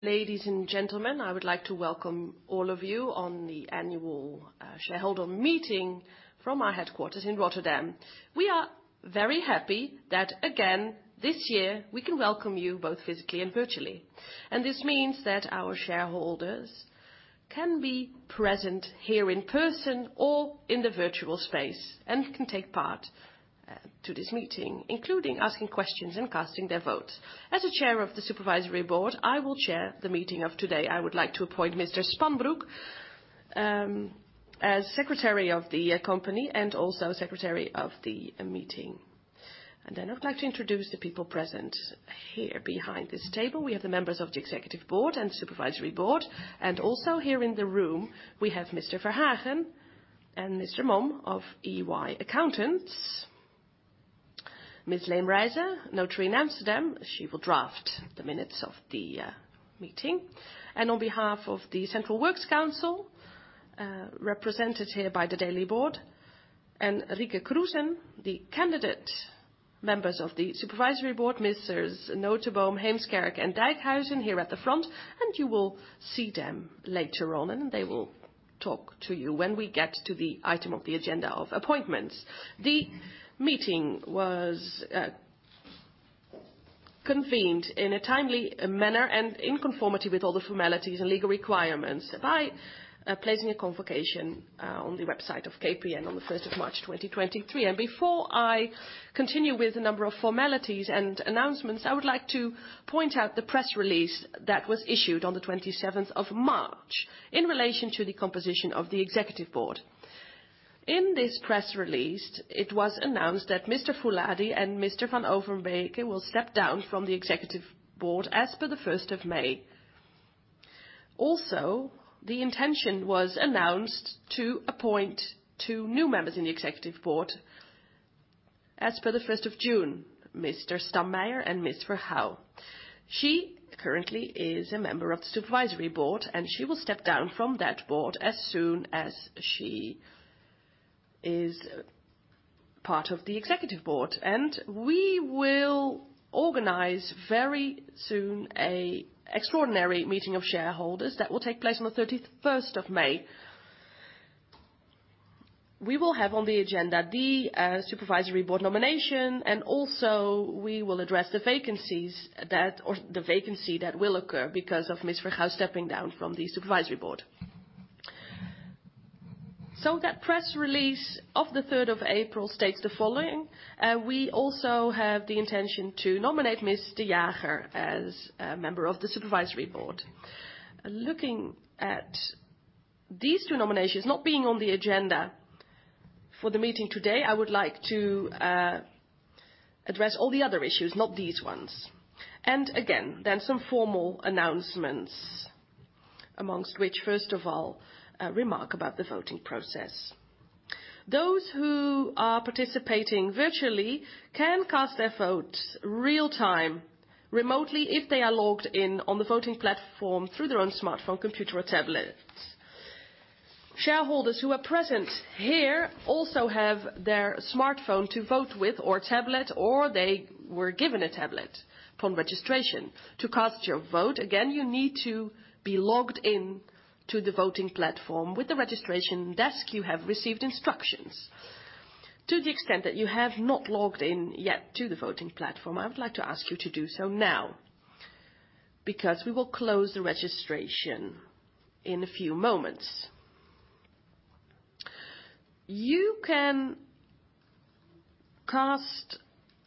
Ladies and gentlemen, I would like to welcome all of you on the annual shareholder meeting from our headquarters in Rotterdam. We are very happy that, again, this year we can welcome you both physically and virtually. This means thet our shareholders can be present here in person or in the virtual space, and can take part to this meeting, including asking questions and casting their votes. As the Chair of the Supervisory Board, I will chair the meeting of today. I would like to appoint Mr. Spanbroek as secretary of the company and also secretary of the meeting. I'd like to introduce the people present here behind this table. We have the members of the Executive Board and Supervisory Board, and also here in the room we have Mr. Verhagen and Mr. Momb of EY Accountants. Ms. Leemrijse, notary in Amsterdam. She will draft the minutes of the meeting. On behalf of the Central Works Council, represented here by the daily board, and Rike Kroesen, the candidate members of the Supervisory Board, Messrs. Nooteboom, Heemskerk, and Dijkhuis, here at the front, and you will see them later on, and they will talk to you when we get to the item of the agenda of appointments. The meeting was convened in a timely manner and in conformity with all the formalities and legal requirements by placing a convocation on the website of KPN on the 1st of March, 2023. Before I continue with a number of formalities and announcements, I would like to point out the press release that was issued on the 27th of March in relation to the composition of the Executive Board. In this press release, it was announced that Mr. Fouladi and Mr. van Overbeke will step down from the Executive Board as per the 1st of May. The intention was announced to appoint two new members in the Executive Board as per the 1st of June, Mr. Stammeijer and Ms. Vergouw. She currently is a member of the Supervisory Board, and she will step down from that board as soon as she is part of the Executive Board. We will organize very soon a extraordinary meeting of shareholders that will take place on the 31st of May. We will have on the agenda the Supervisory Board nomination, and also we will address the vacancy that will occur because of Ms. Vergouw stepping down from the Supervisory Board. That press release of the 3rd of April states the following, we also have the intention to nominate. Ms.De Jager as a member of the Supervisory Board. Looking at these two nominations not being on the agenda for the meeting today, I would like to address all the other issues, not these ones. Again, some formal announcements, amongst which, first of all, a remark about the voting process. Those who are participating virtually can cast their votes real-time, remotely, if they are logged in on the voting platform through their own smartphone, computer or tablet. Shareholders who are present here also have their smartphone to vote with, or tablet, or they were given a tablet upon registration. To cast your vote, again, you need to be logged in to the voting platform. With the registration desk, you have received instructions. To the extent that you have not logged in yet to the voting platform, I would like to ask you to do so now, because we will close the registration in a few moments. You can cast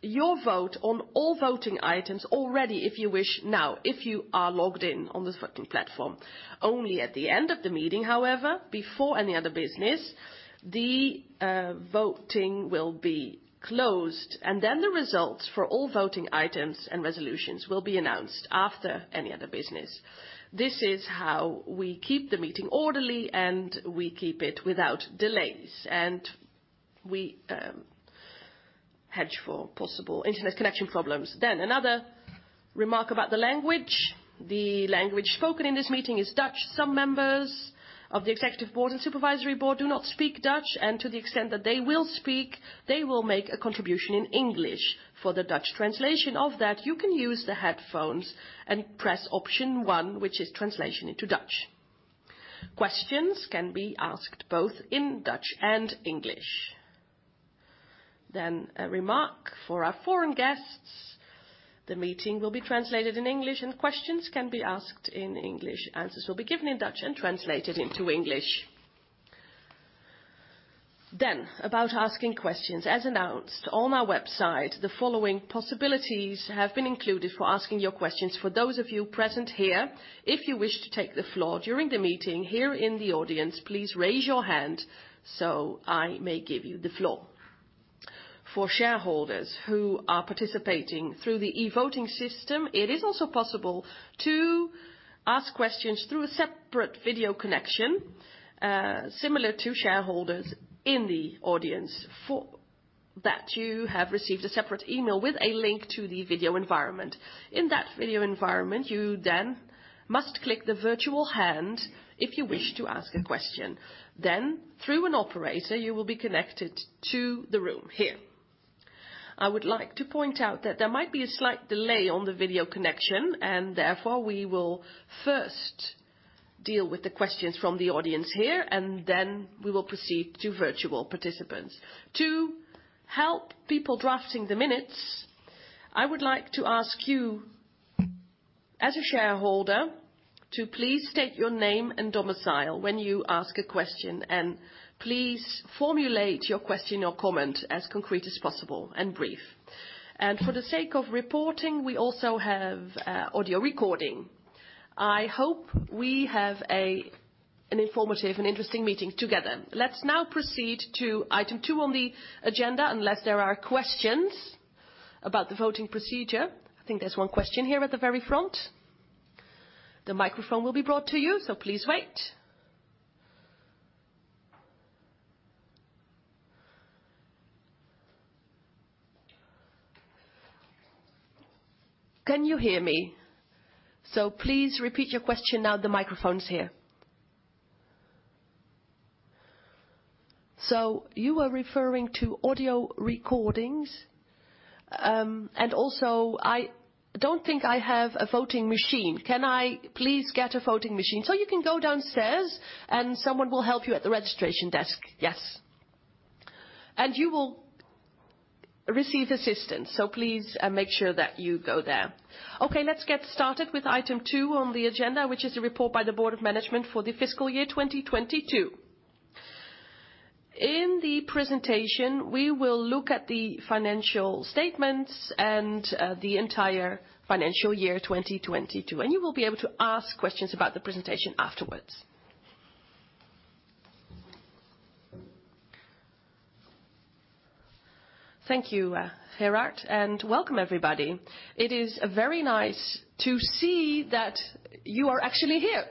your vote on all voting items already, if you wish, now, if you are logged in on this voting platform. Only at the end of the meeting, however, before any other business, the voting will be closed, and then the results for all voting items and resolutions will be announced after any other business. This is how we keep the meeting orderly, and we keep it without delays, and we hedge for possible internet connection problems. Another remark about the language. The language spoken in this meeting is Dutch. Some members of the executive board and supervisory board do not speak Dutch, and to the extent that they will speak, they will make a contribution in English. For the Dutch translation of that, you can use the headphones and press option one, which is translation into Dutch. Questions can be asked both in Dutch and English. A remark for our foreign guests. The meeting will be translated in English and questions can be asked in English. Answers will be given in Dutch and translated into English. About asking questions. As announced on our website, the following possibilities have been included for asking your questions. For those of you present here, if you wish to take the floor during the meeting here in the audience, please raise your hand so I may give you the floor. For shareholders who are participating through the e-voting system, it is also possible to ask questions through a separate video connection, similar to shareholders in the audience. For that, you have received a separate email with a link to the video environment. In that video environment, you then must click the virtual hand if you wish to ask a question. Then, through an operator, you will be connected to the room here. I would like to point out that there might be a slight delay on the video connection, and therefore, we will first deal with the questions from the audience here, and then we will proceed to virtual participants. To help people drafting the minutes, I would like to ask you as a shareholder to please state your name and domicile when you ask a question. Please formulate your question or comment as concrete as possible and brief. For the sake of reporting, we also have audio recording. I hope we have an informative and interesting meeting together. Let's now proceed to item two on the agenda, unless there are questions about the voting procedure. I think there's one question here at the very front. The microphone will be brought to you, so please wait. Can you hear me? Please repeat your question. Now the microphone's here. You were referring to audio recordings, and also I don't think I have a voting machine. Can I please get a voting machine? You can go downstairs, and someone will help you at the registration desk. Yes. You will receive assistance, so please make sure that you go there. Okay, let's get started with item two on the agenda, which is a report by the Board of Management for the fiscal year 2022. In the presentation, we will look at the financial statements, the entire financial year 2022. You will be able to ask questions about the presentation afterwards. Thank you, Gerard. Welcome, everybody. It is very nice to see that you are actually here.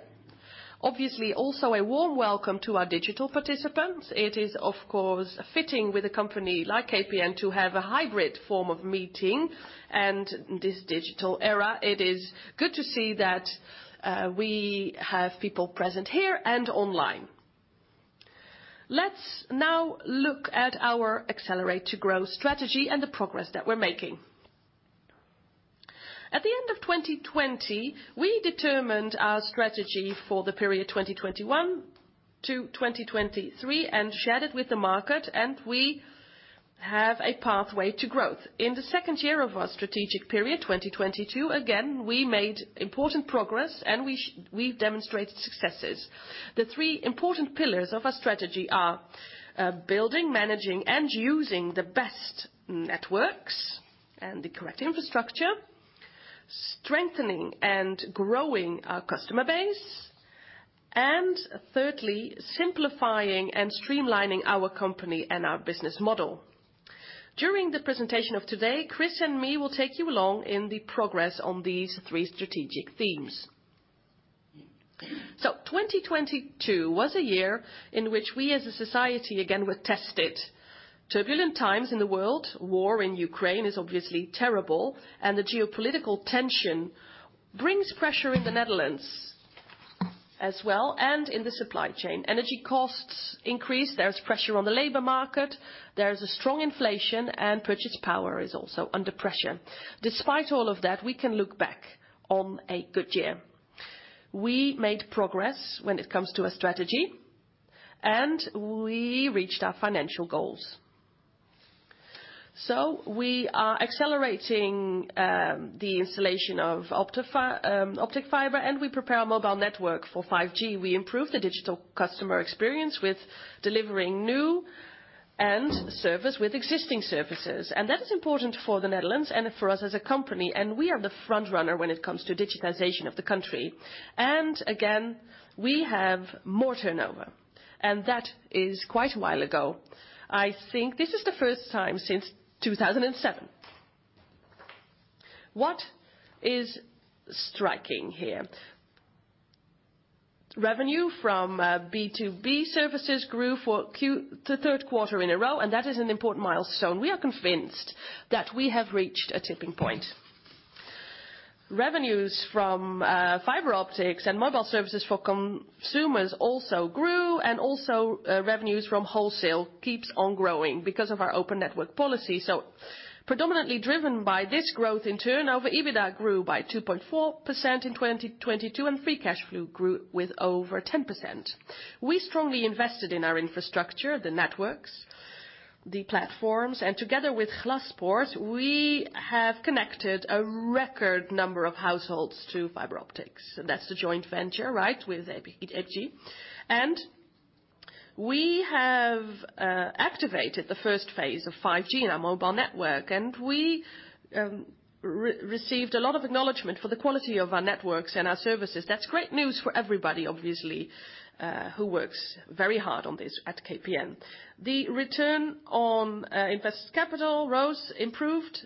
Obviously, also a warm welcome to our digital participants. It is, of course, fitting with a company like KPN to have a hybrid form of meeting and this digital era. It is good to see that we have people present here and online. Let's now look at our Accelerate to Grow Strategy and the progress that we're making. At the end of 2020, we determined our strategy for the period 2021 to 2023 and shared it with the market, we have a pathway to growth. In the second year of our strategic period, 2022, again, we made important progress, we demonstrated successes. The three important pillars of our strategy are building, managing, and using the best networks and the correct infrastructure, strengthening and growing our customer base, and thirdly, simplifying and streamlining our company and our business model. During the presentation of today, Chris and me will take you along in the progress on these three strategic themes. 2022 was a year in which we as a society again were tested. Turbulent times in the world, war in Ukraine is obviously terrible, the geopolitical tension brings pressure in the Netherlands as well and in the supply chain. Energy costs increase. There's pressure on the labor market. There's a strong inflation, and purchase power is also under pressure. Despite all of that, we can look back on a good year. We made progress when it comes to our strategy, and we reached our financial goals. We are accelerating the installation of optic fiber, and we prepare our mobile network for 5G. We improve the digital customer experience with delivering new and service with existing services. That is important for the Netherlands and for us as a company, and we are the front runner when it comes to digitization of the country. Again, we have more turnover, and that is quite a while ago. I think this is the first time since 2007. What is striking here? Revenue from B2B services grew for the third quarter in a row, that is an important milestone. We are convinced that we have reached a tipping point. Revenues from fiber optics and mobile services for consumers also grew, revenues from wholesale keeps on growing because of our open network policy. Predominantly driven by this growth in turnover, EBITDA grew by 2.4% in 2022, free cash flow grew with over 10%. We strongly invested in our infrastructure, the networks, the platforms, together with Glaspoort, we have connected a record number of households to fiber optics. That's the joint venture, right, with APG. We have activated the first phase of 5G in our mobile network, we received a lot of acknowledgment for the quality of our networks and our services. That's great news for everybody, obviously, who works very hard on this at KPN. The return on invested capital rose, improved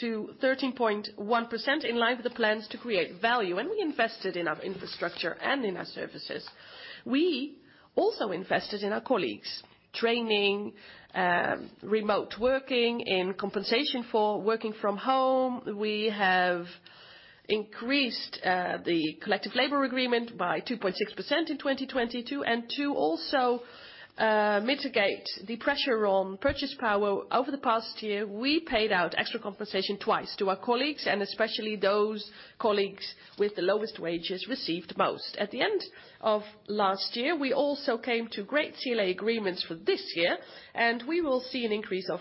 to 13.1% in line with the plans to create value. We invested in our infrastructure and in our services. We also invested in our colleagues, training, remote working, in compensation for working from home. We have increased the collective labor agreement by 2.6% in 2022. To also mitigate the pressure on purchase power over the past year, we paid out extra compensation twice to our colleagues, and especially those colleagues with the lowest wages received most. At the end of last year, we also came to great CLA agreements for this year, we will see an increase of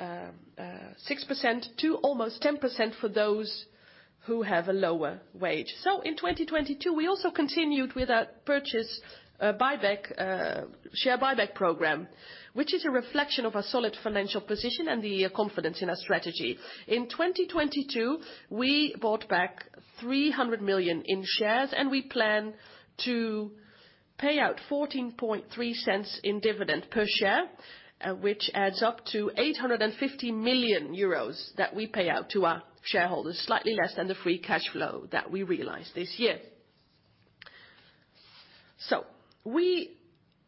6% to almost 10% for those who have a lower wage. In 2022, we also continued with our purchase buyback share buyback program, which is a reflection of our solid financial position and the confidence in our strategy. In 2022, we bought back 300 million in shares, we plan to pay out 0.143 in dividend per share, which adds up to 850 million euros that we pay out to our shareholders, slightly less than the free cash flow that we realized this year. We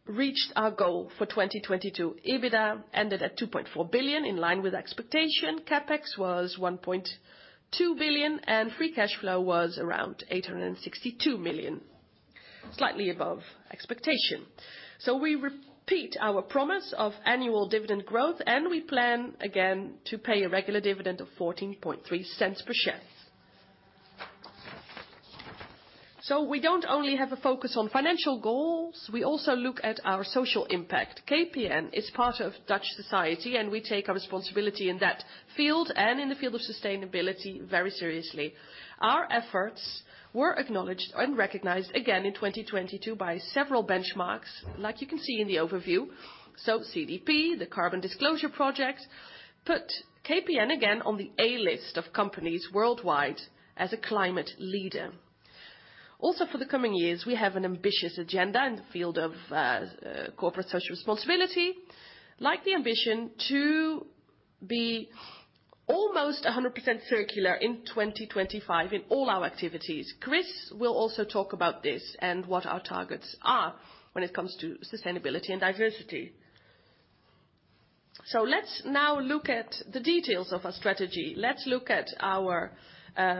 reached our goal for 2022. EBITDA ended at 2.4 billion, in line with expectation. CapEx was 1.2 billion, and free cash flow was around 862 million, slightly above expectation. We repeat our promise of annual dividend growth, and we plan again to pay a regular dividend of 0.143 per share. We don't only have a focus on financial goals, we also look at our social impact. KPN is part of Dutch society, and we take our responsibility in that field and in the field of sustainability very seriously. Our efforts were acknowledged and recognized again in 2022 by several benchmarks, like you can see in the overview. CDP, the Carbon Disclosure Project, put KPN again on the A list of companies worldwide as a climate leader. For the coming years, we have an ambitious agenda in the field of corporate social responsibility, like the ambition to be almost 100% circular in 2025 in all our activities. Chris will also talk about this and what our targets are when it comes to sustainability and diversity. Let's now look at the details of our strategy. Let's look at our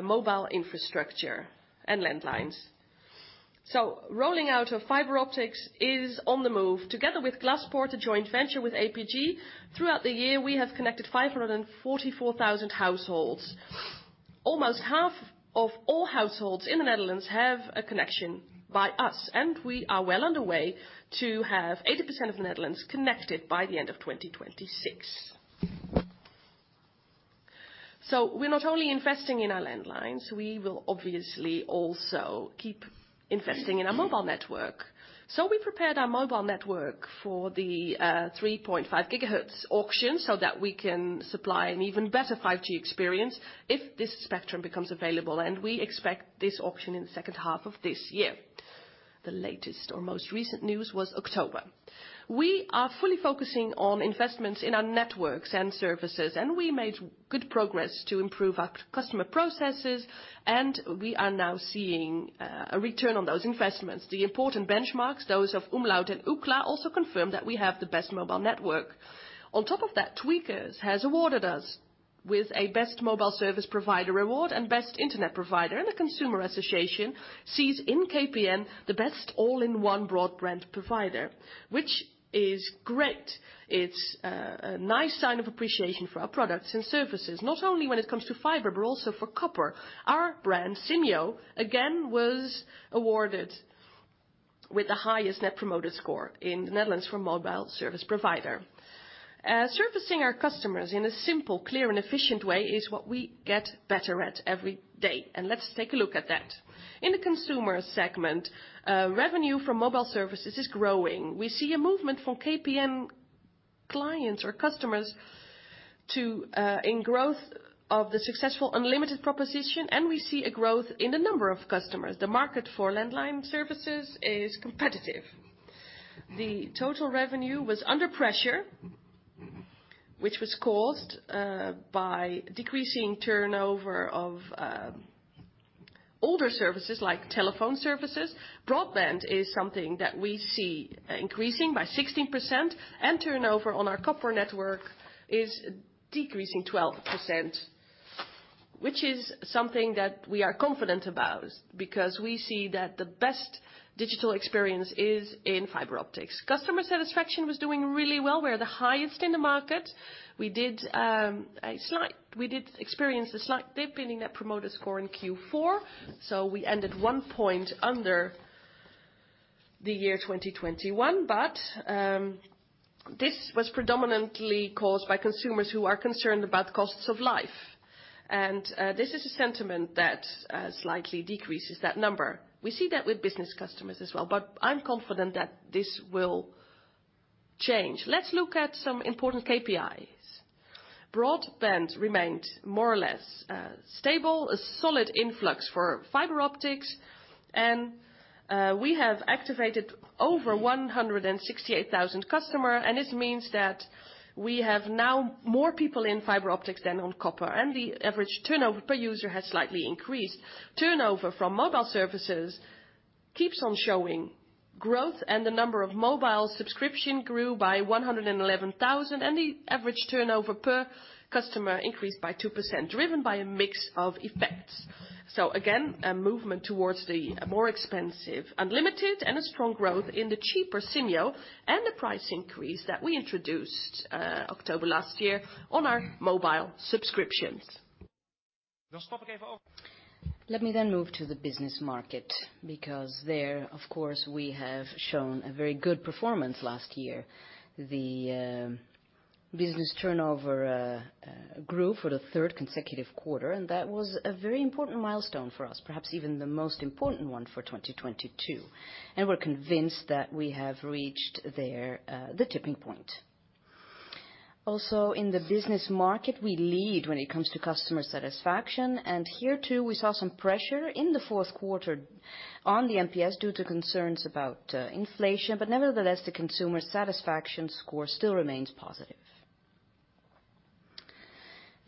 mobile infrastructure and landlines. Rolling out of fiber optics is on the move. Together with Glaspoort, a joint venture with APG, throughout the year, we have connected 544,000 households. Almost half of all households in the Netherlands have a connection by us, and we are well underway to have 80% of the Netherlands connected by the end of 2026. We're not only investing in our landlines, we will obviously also keep investing in our mobile network. We prepared our mobile network for the 3.5 GHz auction, so that we can supply an even better 5G experience if this spectrum becomes available. We expect this auction in the second half of this year. The latest or most recent news was October. We are fully focusing on investments in our networks and services, and we made good progress to improve our customer processes, and we are now seeing a return on those investments. The important benchmarks, those of umlaut and Ookla, also confirm that we have the best mobile network. On top of that, Tweakers has awarded us with a best mobile service provider award and best internet provider. The Consumer Association sees in KPN the best all-in-one broad brand provider, which is great. It's a nice sign of appreciation for our products and services, not only when it comes to fiber, but also for copper. Our brand, Simyo, again, was awarded with the highest Net Promoter Score in the Netherlands for mobile service provider. Servicing our customers in a simple, clear, and efficient way is what we get better at every day. Let's take a look at that. In the consumer segment, revenue from mobile services is growing. We see a movement from KPN clients or customers to in growth of the successful Unlimited proposition. We see a growth in the number of customers. The market for landline services is competitive. The total revenue was under pressure, which was caused by decreasing turnover of older services like telephone services. Broadband is something that we see increasing by 16%, turnover on our copper network is decreasing 12%, which is something that we are confident about because we see that the best digital experience is in fiber optics. Customer satisfaction was doing really well. We're the highest in the market. We did experience a slight dip in Net Promoter Score in Q4, so we ended one point under the year 2021. This was predominantly caused by consumers who are concerned about the costs of life. This is a sentiment that slightly decreases that number. We see that with business customers as well, but I'm confident that this will change. Let's look at some important KPIs. Broadband remained more or less stable. A solid influx for fiber optics. We have activated over 168,000 customer. This means that we have now more people in fiber optics than on copper. The average turnover per user has slightly increased. Turnover from mobile services keeps on showing growth. The number of mobile subscription grew by 111,000. The average turnover per customer increased by 2%, driven by a mix of effects. Again, a movement towards the more expensive Unlimited and a strong growth in the cheaper Simyo, and the price increase that we introduced October last year on our mobile subscriptions. Let me move to the business market, because there, of course, we have shown a very good performance last year. The business turnover grew for the third consecutive quarter, and that was a very important milestone for us, perhaps even the most important one for 2022. We're convinced that we have reached there the tipping point. Also in the business market, we lead when it comes to customer satisfaction, and here too, we saw some pressure in the fourth quarter on the NPS due to concerns about inflation. Nevertheless, the consumer satisfaction score still remains positive.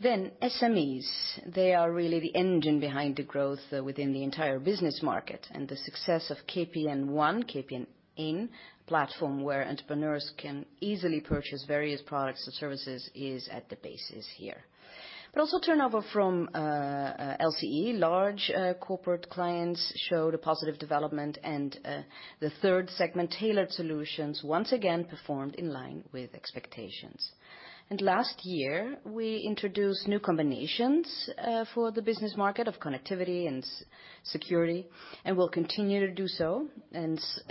SMEs. They are really the engine behind the growth within the entire business market. The success of KPN One, KPN Eén platform where entrepreneurs can easily purchase various products and services is at the basis here. Also turnover from LCE, large corporate clients, showed a positive development. The third segment, Tailored Solutions, once again performed in line with expectations. Last year, we introduced new combinations for the business market of connectivity and security, and we'll continue to do so.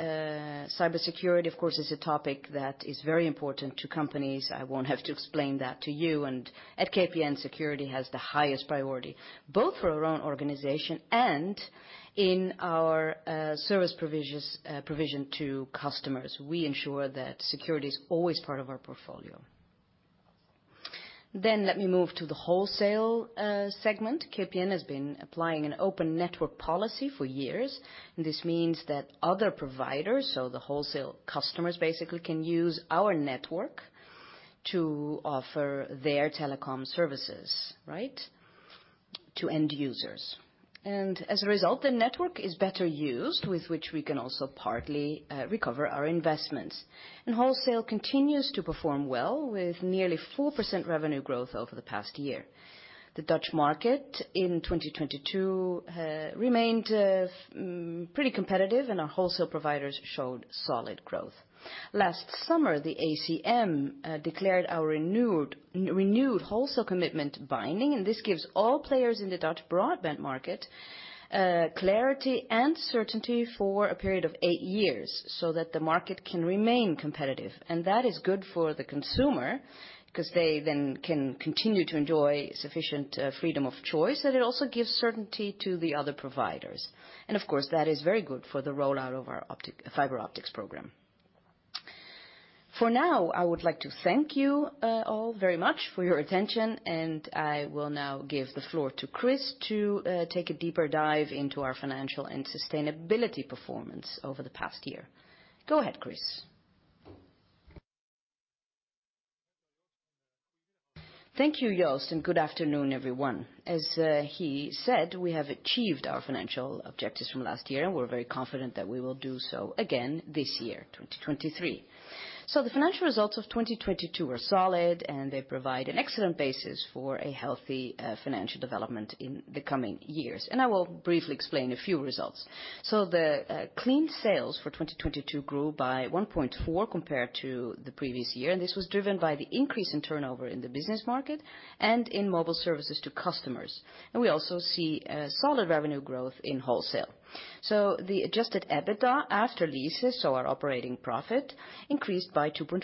Cybersecurity, of course, is a topic that is very important to companies. I won't have to explain that to you. At KPN, security has the highest priority, both for our own organization and in our service provision to customers. We ensure that security is always part of our portfolio. Let me move to the wholesale segment. KPN has been applying an open network policy for years. This means that other providers, so the wholesale customers basically, can use our network to offer their telecom services, right, to end users. As a result, the network is better used, with which we can also partly recover our investments. Wholesale continues to perform well with nearly 4% revenue growth over the past year. The Dutch market in 2022 remained pretty competitive and our wholesale providers showed solid growth. Last summer, the ACM declared our renewed wholesale commitment binding, and this gives all players in the Dutch broadband market clarity and certainty for a period of eight years so that the market can remain competitive. That is good for the consumer 'cause they then can continue to enjoy sufficient freedom of choice, and it also gives certainty to the other providers. Of course, that is very good for the rollout of our fiber optics program. For now, I would like to thank you all very much for your attention. I will now give the floor to Chris to take a deeper dive into our financial and sustainability performance over the past year. Go ahead, Chris. Thank you, Joost, and good afternoon, everyone. As he said, we have achieved our financial objectives from last year. We're very confident that we will do so again this year, 2023. The financial results of 2022 were solid. They provide an excellent basis for a healthy financial development in the coming years. I will briefly explain a few results. The clean sales for 2022 grew by 1.4% compared to the previous year. This was driven by the increase in turnover in the business market and in mobile services to customers. We also see a solid revenue growth in wholesale. The adjusted EBITDA after leases, our operating profit, increased by 2.4%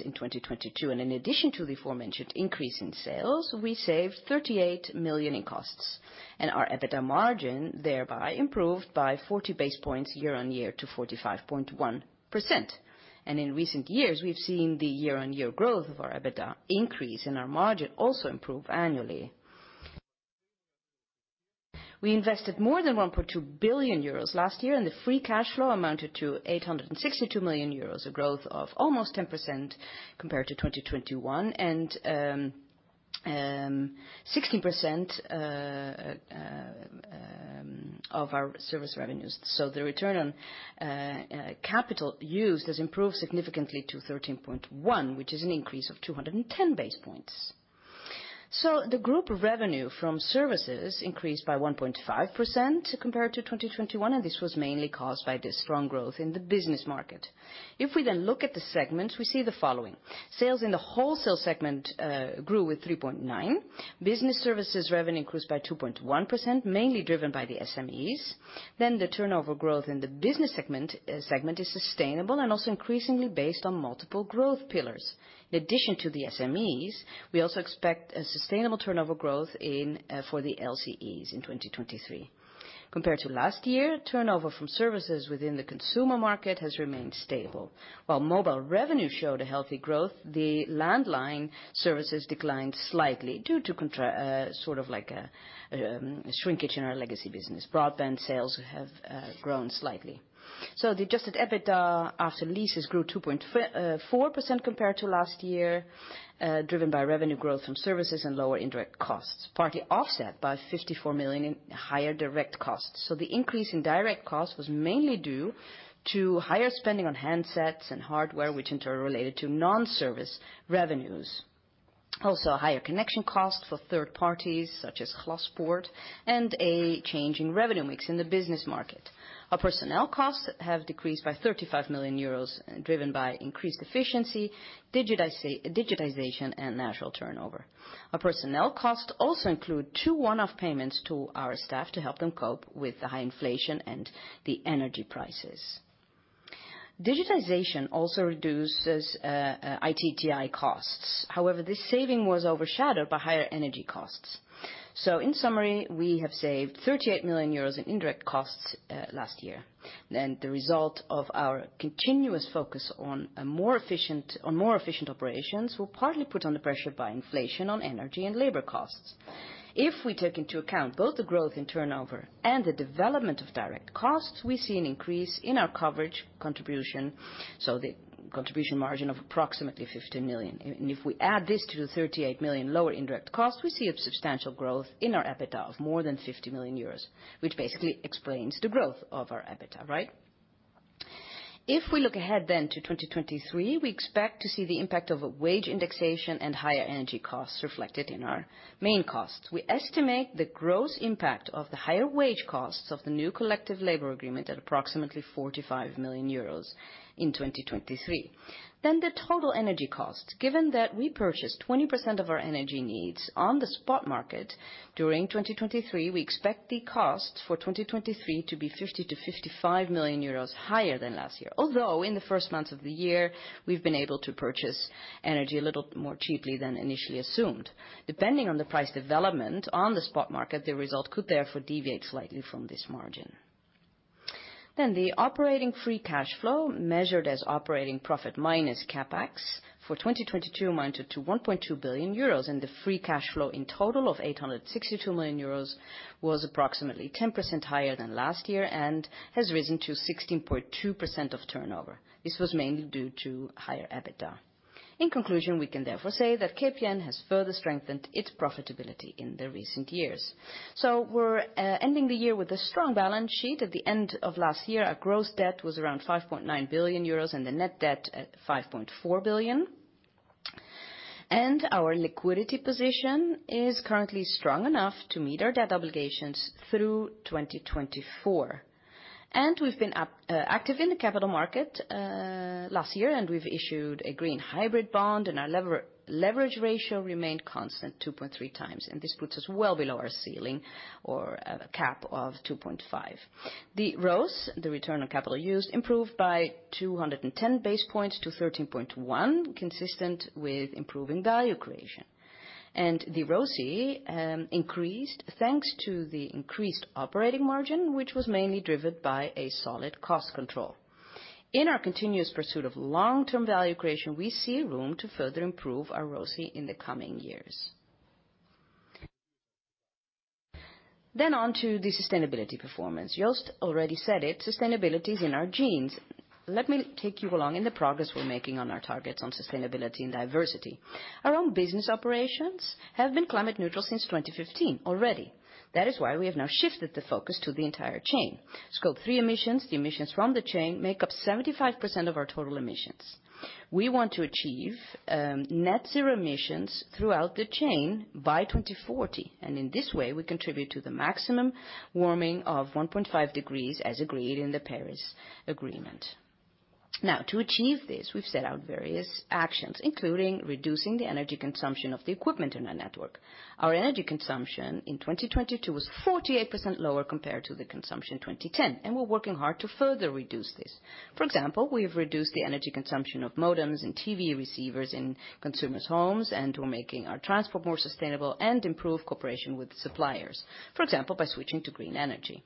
in 2022. In addition to the aforementioned increase in sales, we saved 38 million in costs, and our EBITDA margin thereby improved by 40 basis points year-over-year to 45.1%. In recent years, we've seen the year-over-year growth of our EBITDA increase and our margin also improve annually. We invested more than 1.2 billion euros last year, and the free cash flow amounted to 862 million euros, a growth of almost 10% compared to 2021. 16% of our service revenues. The return on capital used has improved significantly to 13.1%, which is an increase of 210 basis points. The group revenue from services increased by 1.5% compared to 2021, and this was mainly caused by the strong growth in the business market. If we then look at the segments, we see the following. Sales in the wholesale segment grew with 3.9%. Business services revenue increased by 2.1%, mainly driven by the SMEs. The turnover growth in the business segment is sustainable and also increasingly based on multiple growth pillars. In addition to the SMEs, we also expect a sustainable turnover growth for the LCEs in 2023. Compared to last year, turnover from services within the consumer market has remained stable. While mobile revenue showed a healthy growth, the landline services declined slightly due to sort of like a shrinkage in our legacy business. Broadband sales have grown slightly. The adjusted EBITDA after leases grew 2.4% compared to last year, driven by revenue growth from services and lower indirect costs, partly offset by 54 million in higher direct costs. The increase in direct costs was mainly due to higher spending on handsets and hardware, which in turn are related to non-service revenues. A higher connection cost for third parties such as Glaspoort and a change in revenue mix in the business market. Our personnel costs have decreased by 35 million euros, driven by increased efficiency, digitization, and natural turnover. Our personnel costs also include two one-off payments to our staff to help them cope with the high inflation and the energy prices. Digitization also reduces IT costs. However, this saving was overshadowed by higher energy costs. In summary, we have saved 38 million euros in indirect costs last year. The result of our continuous focus on more efficient operations were partly put under pressure by inflation on energy and labor costs. If we take into account both the growth in turnover and the development of direct costs, we see an increase in our coverage contribution, so the contribution margin of approximately 15 million. And if we add this to the 38 million lower indirect costs, we see a substantial growth in our EBITDA of more than 50 million euros, which basically explains the growth of our EBITDA, right? We look ahead to 2023, we expect to see the impact of a wage indexation and higher energy costs reflected in our main costs. We estimate the gross impact of the higher wage costs of the new collective labor agreement at approximately 45 million euros in 2023. The total energy cost. Given that we purchase 20% of our energy needs on the spot market during 2023, we expect the cost for 2023 to be 50 million-55 million euros higher than last year. In the first months of the year, we've been able to purchase energy a little more cheaply than initially assumed. Depending on the price development on the spot market, the result could therefore deviate slightly from this margin. The operating free cash flow, measured as operating profit minus CapEx for 2022 amounted to 1.2 billion euros, and the free cash flow in total of 862 million euros was approximately 10% higher than last year and has risen to 16.2% of turnover. This was mainly due to higher EBITDA. In conclusion, we can therefore say that KPN has further strengthened its profitability in the recent years. We're ending the year with a strong balance sheet. At the end of last year, our gross debt was around 5.9 billion euros and the net debt at 5.4 billion. Our liquidity position is currently strong enough to meet our debt obligations through 2024. We've been active in the capital market last year, we've issued a green hybrid bond, our leverage ratio remained constant 2.3x, and this puts us well below our ceiling or a cap of 2.5. The ROCE, the return on capital used, improved by 210 basis points to 13.1, consistent with improving value creation. The ROCE increased thanks to the increased operating margin, which was mainly driven by a solid cost control. In our continuous pursuit of long-term value creation, we see room to further improve our ROCE in the coming years. On to the sustainability performance. Joost already said it, sustainability is in our genes. Let me take you along in the progress we're making on our targets on sustainability and diversity. Our own business operations have been climate neutral since 2015 already. That is why we have now shifted the focus to the entire chain. Scope 3 emissions, the emissions from the chain, make up 75% of our total emissions. We want to achieve net zero emissions throughout the chain by 2040, and in this way, we contribute to the maximum warming of 1.5 degrees, as agreed in the Paris Agreement. Now, to achieve this, we've set out various actions, including reducing the energy consumption of the equipment in our network. Our energy consumption in 2022 was 48% lower compared to the consumption in 2010, and we're working hard to further reduce this. For example, we've reduced the energy consumption of modems and TV receivers in consumers' homes, and we're making our transport more sustainable and improve cooperation with suppliers, for example, by switching to green energy.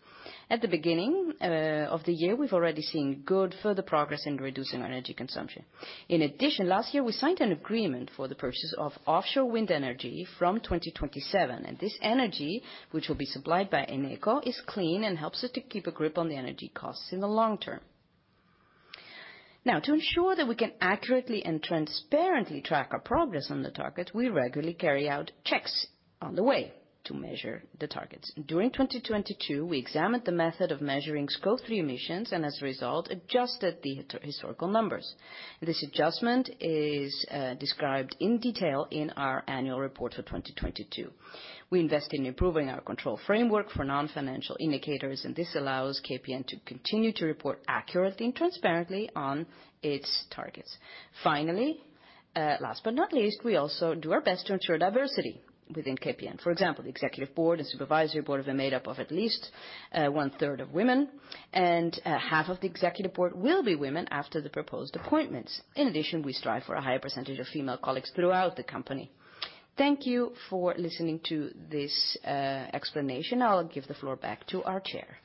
At the beginning of the year, we've already seen good further progress in reducing our energy consumption. In addition, last year, we signed an agreement for the purchase of offshore wind energy from 2027, and this energy, which will be supplied by Eneco, is clean and helps us to keep a grip on the energy costs in the long term. Now, to ensure that we can accurately and transparently track our progress on the targets, we regularly carry out checks on the way to measure the targets. During 2022, we examined the method of measuring Scope 3 emissions and as a result, adjusted the historical numbers. This adjustment is described in detail in our annual report for 2022. We invest in improving our control framework for non-financial indicators, and this allows KPN to continue to report accurately and transparently on its targets. Finally, last but not least, we also do our best to ensure diversity within KPN. For example, the executive board and supervisory board have been made up of at least 1/3 of women, and half of the executive board will be women after the proposed appointments. In addition, we strive for a higher percentage of female colleagues throughout the company. Thank you for listening to this explanation. I'll give the floor back to our chair.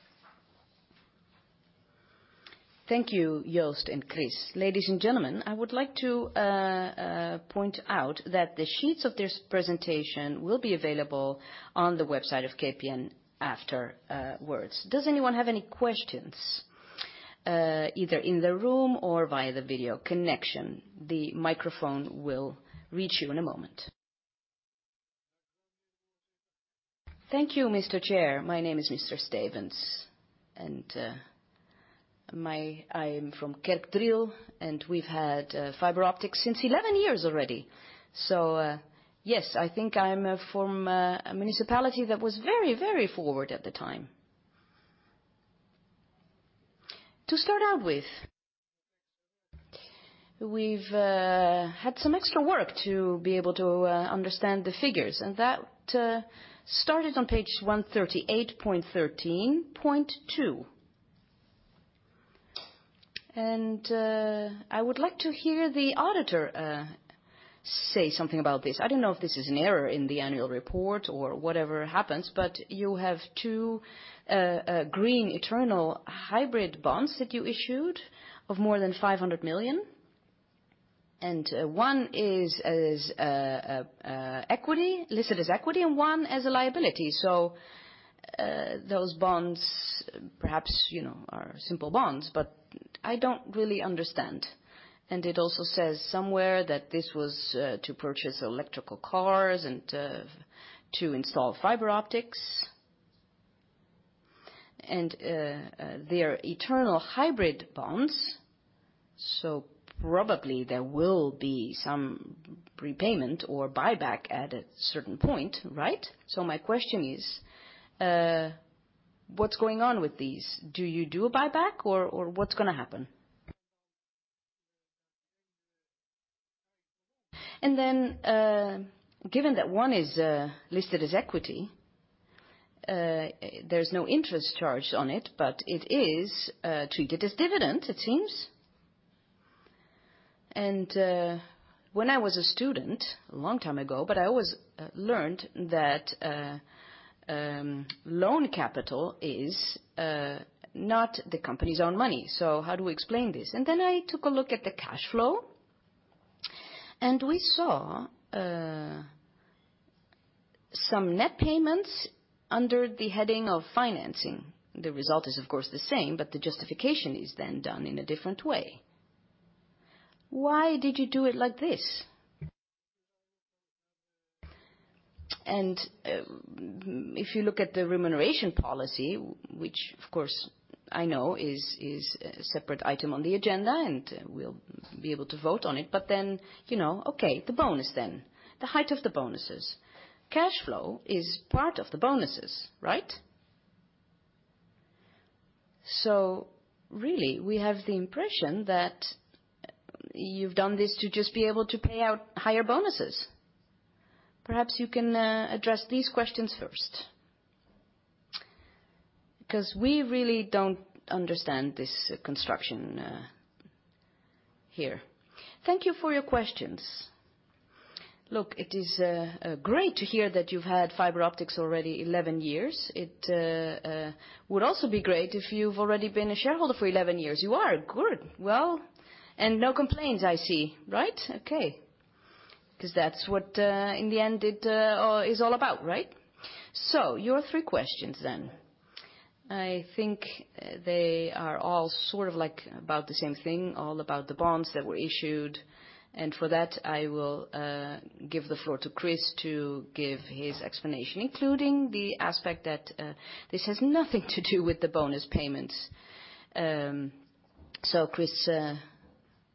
Thank you, Joost and Chris. Ladies and gentlemen, I would like to point out that the sheets of this presentation will be available on the website of KPN afterwards. Does anyone have any questions? Either in the room or via the video connection. The microphone will reach you in a moment. Thank you, Mr. Chair. My name is Mr. Stevens. I'm from Kerkdriel, and we've had fiber optics since 11 years already. Yes, I think I'm from a municipality that was very, very forward at the time. To start out with, we've had some extra work to be able to understand the figures, that started on page 138.13.2. I would like to hear the auditor say something about this. I don't know if this is an error in the annual report or whatever happens, but you have two green, eternal hybrid bonds that you issued of more than 500 million. One is equity, listed as equity, and one as a liability. Those bonds perhaps, you know, are simple bonds, but I don't really understand. It also says somewhere that this was to purchase electrical cars and to install fiber optics. They are eternal hybrid bonds, probably there will be some prepayment or buyback at a certain point, right? My question is, what's going on with these? Do you do a buyback or what's gonna happen? Given that one is listed as equity, there's no interest charged on it, but it is treated as dividend, it seems. When I was a student, a long time ago, but I always learned that loan capital is not the company's own money. How do we explain this? I took a look at the cash flow, and we saw some net payments under the heading of financing. The result is of course the same, but the justification is then done in a different way. Why did you do it like this? If you look at the remuneration policy, which of course I know is a separate item on the agenda, and we'll be able to vote on it. You know, the bonus then. The height of the bonuses. Cash flow is part of the bonuses, right? We have the impression that you've done this to just be able to pay out higher bonuses. Perhaps you can address these questions first. Because we really don't understand this construction here. Thank you for your questions. Look, it is great to hear that you've had fiber optics already 11 years. It would also be great if you've already been a shareholder for 11 years. You are? Good. No complaints, I see, right? Okay. 'Cause that's what in the end it is all about, right? Your three questions. I think they are all sort of like about the same thing, all about the bonds that were issued. For that, I will give the floor to Chris to give his explanation, including the aspect that this has nothing to do with the bonus payments. Chris,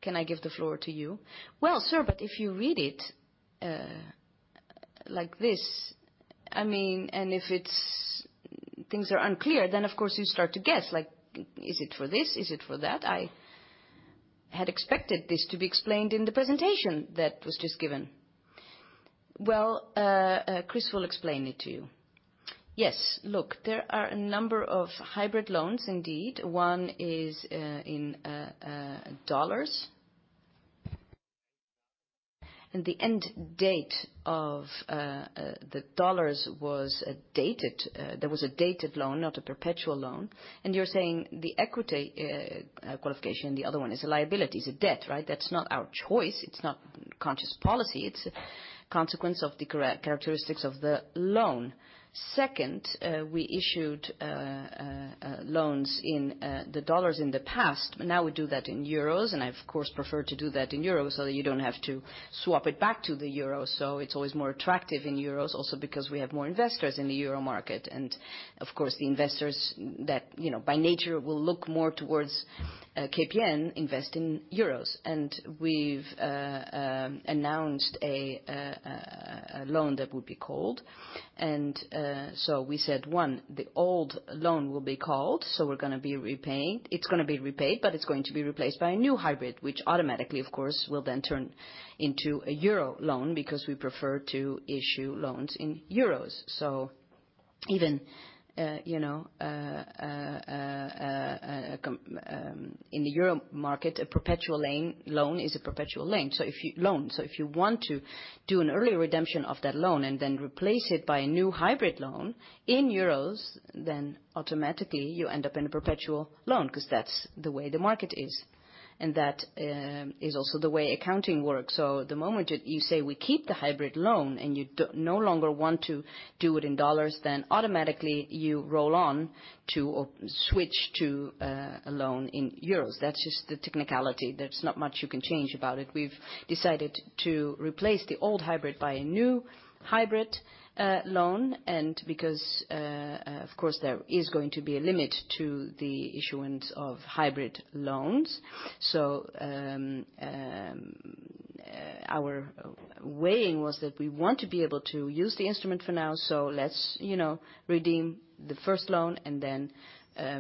can I give the floor to you? Sir, if you read it like this, I mean...If things are unclear, then of course you start to guess, like, is it for this? Is it for that? I had expected this to be explained in the presentation that was just given. Well, Chris will explain it to you. Yes. Look, there are a number of hybrid loans indeed. One is in dollars. The end date of the dollars was dated. There was a dated loan, not a perpetual loan. You're saying the equity qualification, the other one is a liability, is a debt, right? That's not our choice. It's not conscious policy. It's a consequence of the characteristics of the loan. Second, we issued loans in the U.S. dollar in the past. Now we do that in euro. I of course prefer to do that in Euro so that you don't have to swap it back to the Euro. It's always more attractive in euro also because we have more investors in the euro market. Of course, the investors that, you know, by nature will look more towards KPN invest in euro. We've announced a loan that will be called. We said, one, the old loan will be called, so we're gonna be repaid. It's gonna be repaid. It's going to be replaced by a new hybrid, which automatically, of course, will then turn into a euro loan because we prefer to issue loans in euro. even, you know. In the euro market, a perpetual loan is a perpetual loan. If you want to do an early redemption of that loan and then replace it by a new hybrid loan in euros, automatically you end up in a perpetual loan, 'cause that's the way the market is. That is also the way accounting works. The moment that you say, "We keep the hybrid loan," and you no longer want to do it in dollars, automatically you roll on to or switch to a loan in euros. That's just the technicality. There's not much you can change about it. We've decided to replace the old hybrid by a new hybrid loan and because of course there is going to be a limit to the issuance of hybrid loans. Our weighing was that we want to be able to use the instrument for now, so let's, you know, redeem the first loan and then,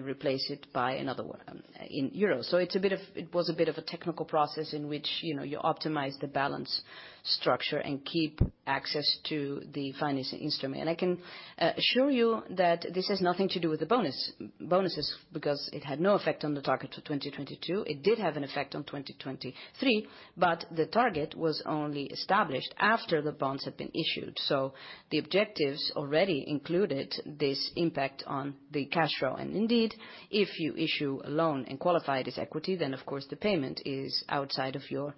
replace it by another one, in euro. It was a bit of a technical process in which, you know, you optimize the balance structure and keep access to the financing instrument. I can assure you that this has nothing to do with the bonus, bonuses, because it had no effect on the target to 2022. It did have an effect on 2023, but the target was only established after the bonds had been issued. The objectives already included this impact on the cash flow. Indeed, if you issue a loan and qualify it as equity, then of course the payment is outside of your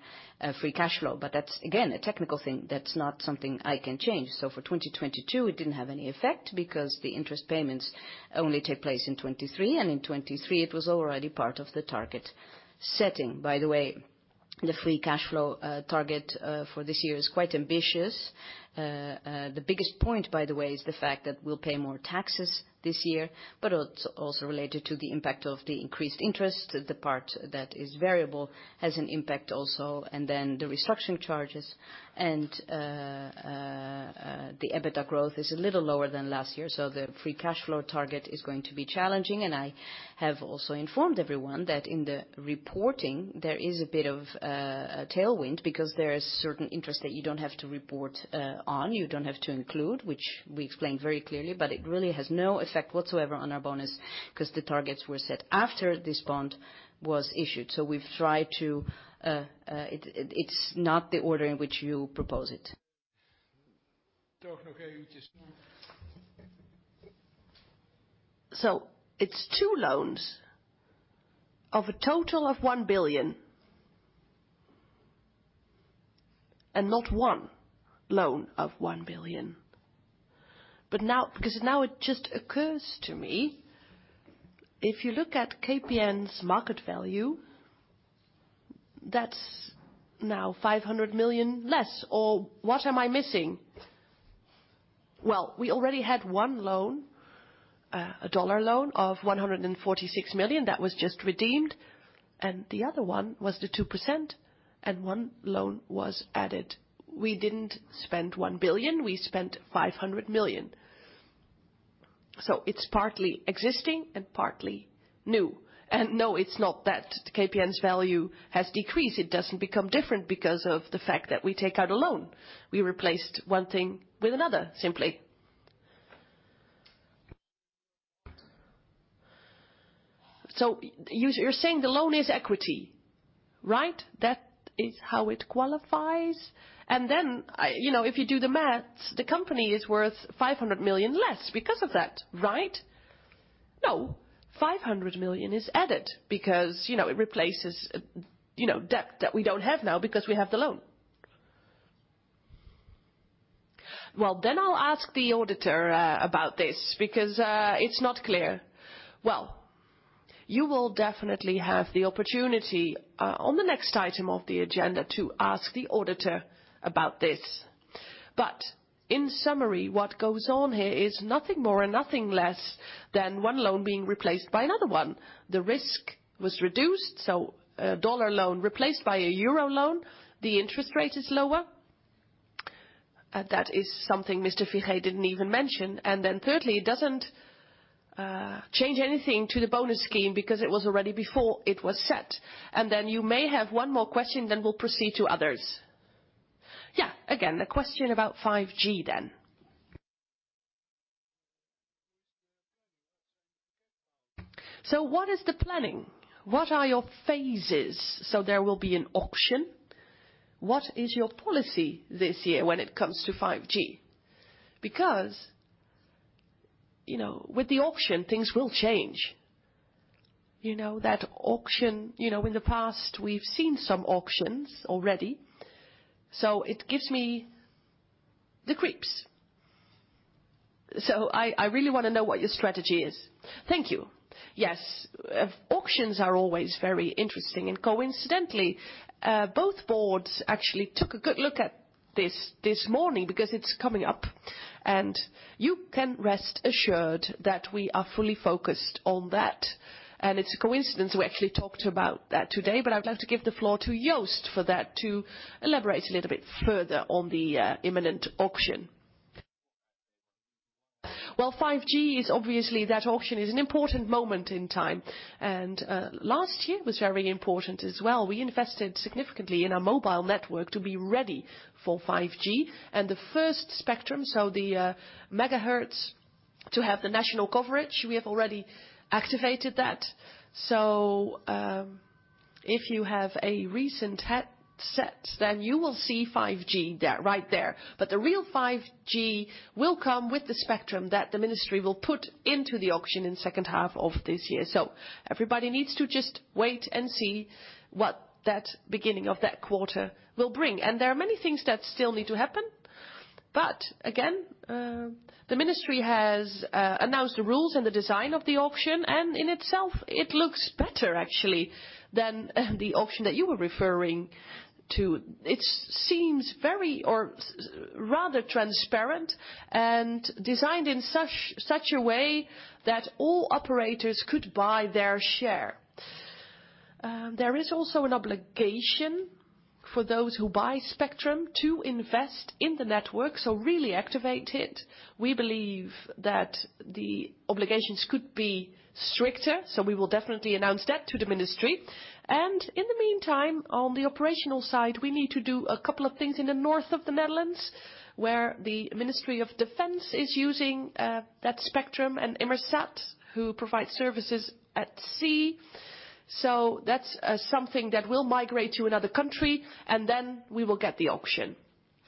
free cash flow. That's again, a technical thing. That's not something I can change. For 2022, it didn't have any effect because the interest payments only took place in 2023, and in 2023 it was already part of the target setting. The free cash flow target for this year is quite ambitious. The biggest point, by the way, is the fact that we'll pay more taxes this year, but it's also related to the impact of the increased interest. The part that is variable has an impact also, the restructuring charges and the EBITDA growth is a little lower than last year. The free cash flow target is going to be challenging. I have also informed everyone that in the reporting there is a bit of a tailwind because there is certain interest that you don't have to report on, you don't have to include, which we explained very clearly, but it really has no effect whatsoever on our bonus 'cause the targets were set after this bond was issued. It's not the order in which you propose it. It's two loans of a total of 1 billion and not one loan of 1 billion. Now it just occurs to me, if you look at KPN's market value, that's now 500 million less, or what am I missing? Well, we already had one loan, a dollar loan of $146 million that was just redeemed, and the other one was the 2% and one loan was added. We didn't spend 1 billion, we spent 500 million. It's partly existing and partly new. No, it's not that KPN's value has decreased. It doesn't become different because of the fact that we take out a loan. We replaced one thing with another, simply. You're saying the loan is equity, right? That is how it qualifies? You know, if you do the math, the company is worth 500 million less because of that, right? No, 500 million is added because, you know, it replaces, you know, debt that we don't have now because we have the loan. Then I'll ask the auditor about this because it's not clear. You will definitely have the opportunity on the next item of the agenda to ask the auditor about this. In summary, what goes on here is nothing more and nothing less than one loan being replaced by another one. The risk was reduced, so a dollar loan replaced by a euro loan. The interest rate is lower. That is something Mr. Figee didn't even mention. Thirdly, it doesn't change anything to the bonus scheme because it was already before it was set. Then you may have one more question, then we'll proceed to others. Again, the question about 5G then. What is the planning? What are your phases? There will be an auction. What is your policy this year when it comes to 5G? Because, you know, with the auction things will change. You know, in the past we've seen some auctions already. It gives me the creeps. I really wanna know what your strategy is. Thank you. Yes. Auctions are always very interesting. Coincidentally, both boards actually took a good look at this this morning because it's coming up, and you can rest assured that we are fully focused on that. It's a coincidence we actually talked about that today. I'd like to give the floor to Joost for that, to elaborate a little bit further on the imminent auction. Well, 5G is obviously, that auction is an important moment in time. Last year was very important as well. We invested significantly in our mobile network to be ready for 5G and the first spectrum. the megahertz To have the national coverage, we have already activated that. If you have a recent head set, then you will see 5G there, right there. But the real 5G will come with the spectrum that the Ministry will put into the auction in second half of this year. Everybody needs to just wait and see what that beginning of that quarter will bring. There are many things that still need to happen. Again, the Ministry has announced the rules and the design of the auction, and in itself, it looks better actually than the auction that you were referring to. It seems very rather transparent and designed in such a way that all operators could buy their share. There is also an obligation for those who buy spectrum to invest in the network, so really activate it. We believe that the obligations could be stricter, so we will definitely announce that to the Ministry. In the meantime, on the operational side, we need to do a couple of things in the north of the Netherlands, where the Ministry of Defence is using that spectrum and Inmarsat, who provide services at sea. That's something that will migrate to another country, and then we will get the auction.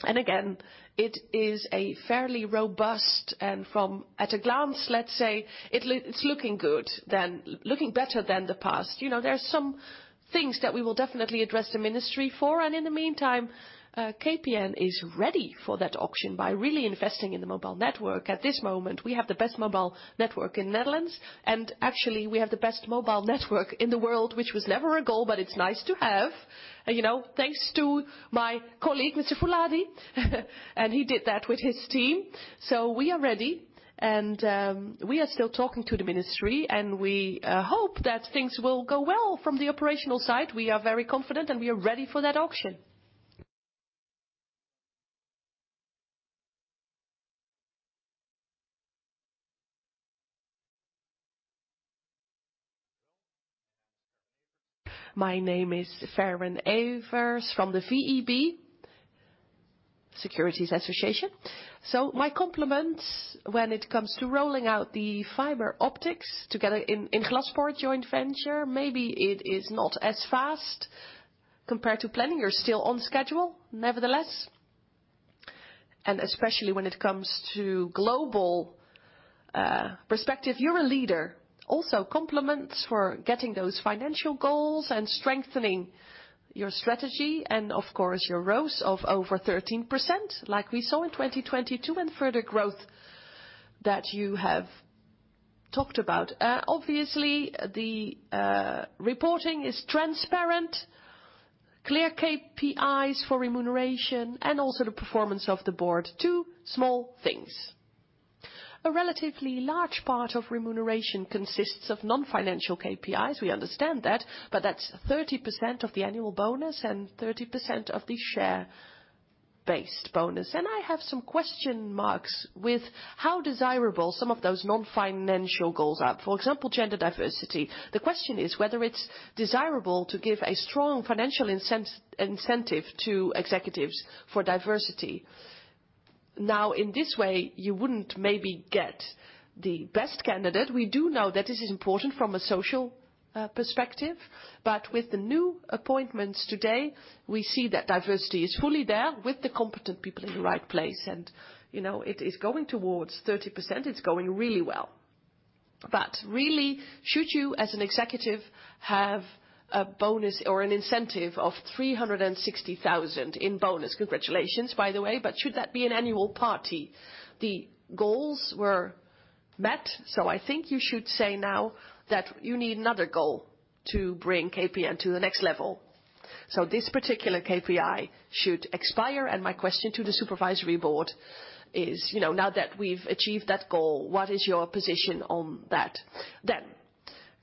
Again, it is a fairly robust and from at a glance, let's say it's looking good than, looking better than the past. You know, there are some things that we will definitely address the Ministry for, in the meantime, KPN is ready for that auction by really investing in the mobile network. At this moment, we have the best mobile network in Netherlands, actually we have the best mobile network in the world, which was never a goal, but it's nice to have. You know, thanks to my colleague, Mr. Fouladi, and he did that with his team. We are ready and we are still talking to the ministry, and we hope that things will go well from the operational side. We are very confident, and we are ready for that auction. My name is Gerben Everts from the VEB Securities Association. My compliments when it comes to rolling out the fiber optics together in Glaspoort joint venture. Maybe it is not as fast compared to planning. You're still on schedule, nevertheless. Especially when it comes to global perspective, you're a leader. Also compliments for getting those financial goals and strengthening your strategy and of course, your growth of over 13% like we saw in 2022 and further growth that you have talked about. Obviously the reporting is transparent, clear KPIs for remuneration and also the performance of the board. Two small things. A relatively large part of remuneration consists of non-financial KPIs. We understand that, but that's 30% of the annual bonus and 30% of the share-based bonus. I have some question marks with how desirable some of those non-financial goals are. For example, gender diversity. The question is whether it's desirable to give a strong financial incentive to executives for diversity. In this way, you wouldn't maybe get the best candidate. We do know that this is important from a social perspective. With the new appointments today, we see that diversity is fully there with the competent people in the right place. You know, it is going towards 30%. It's going really well. Really, should you as an executive, have a bonus or an incentive of 360,000 in bonus? Congratulations, by the way. Should that be an annual party? The goals were met, I think you should say now that you need another goal to bring KPN to the next level. This particular KPI should expire. My question to the Supervisory Board is, you know, now that we've achieved that goal, what is your position on that?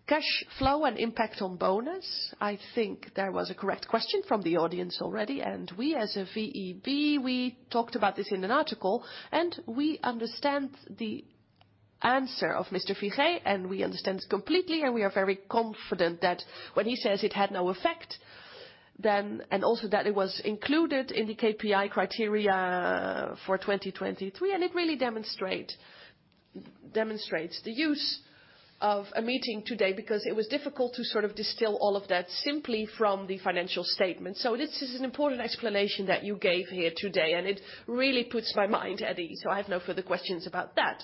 Cash flow and impact on bonus. I think there was a correct question from the audience already. We as a VEB, we talked about this in an article, and we understand the answer of Mr. Figee, and we understand completely, and we are very confident that when he says it had no effect, then, and also that it was included in the KPI criteria for 2023. It really demonstrates the use of a meeting today because it was difficult to sort of distill all of that simply from the financial statement. This is an important explanation that you gave here today, and it really puts my mind at ease. I have no further questions about that.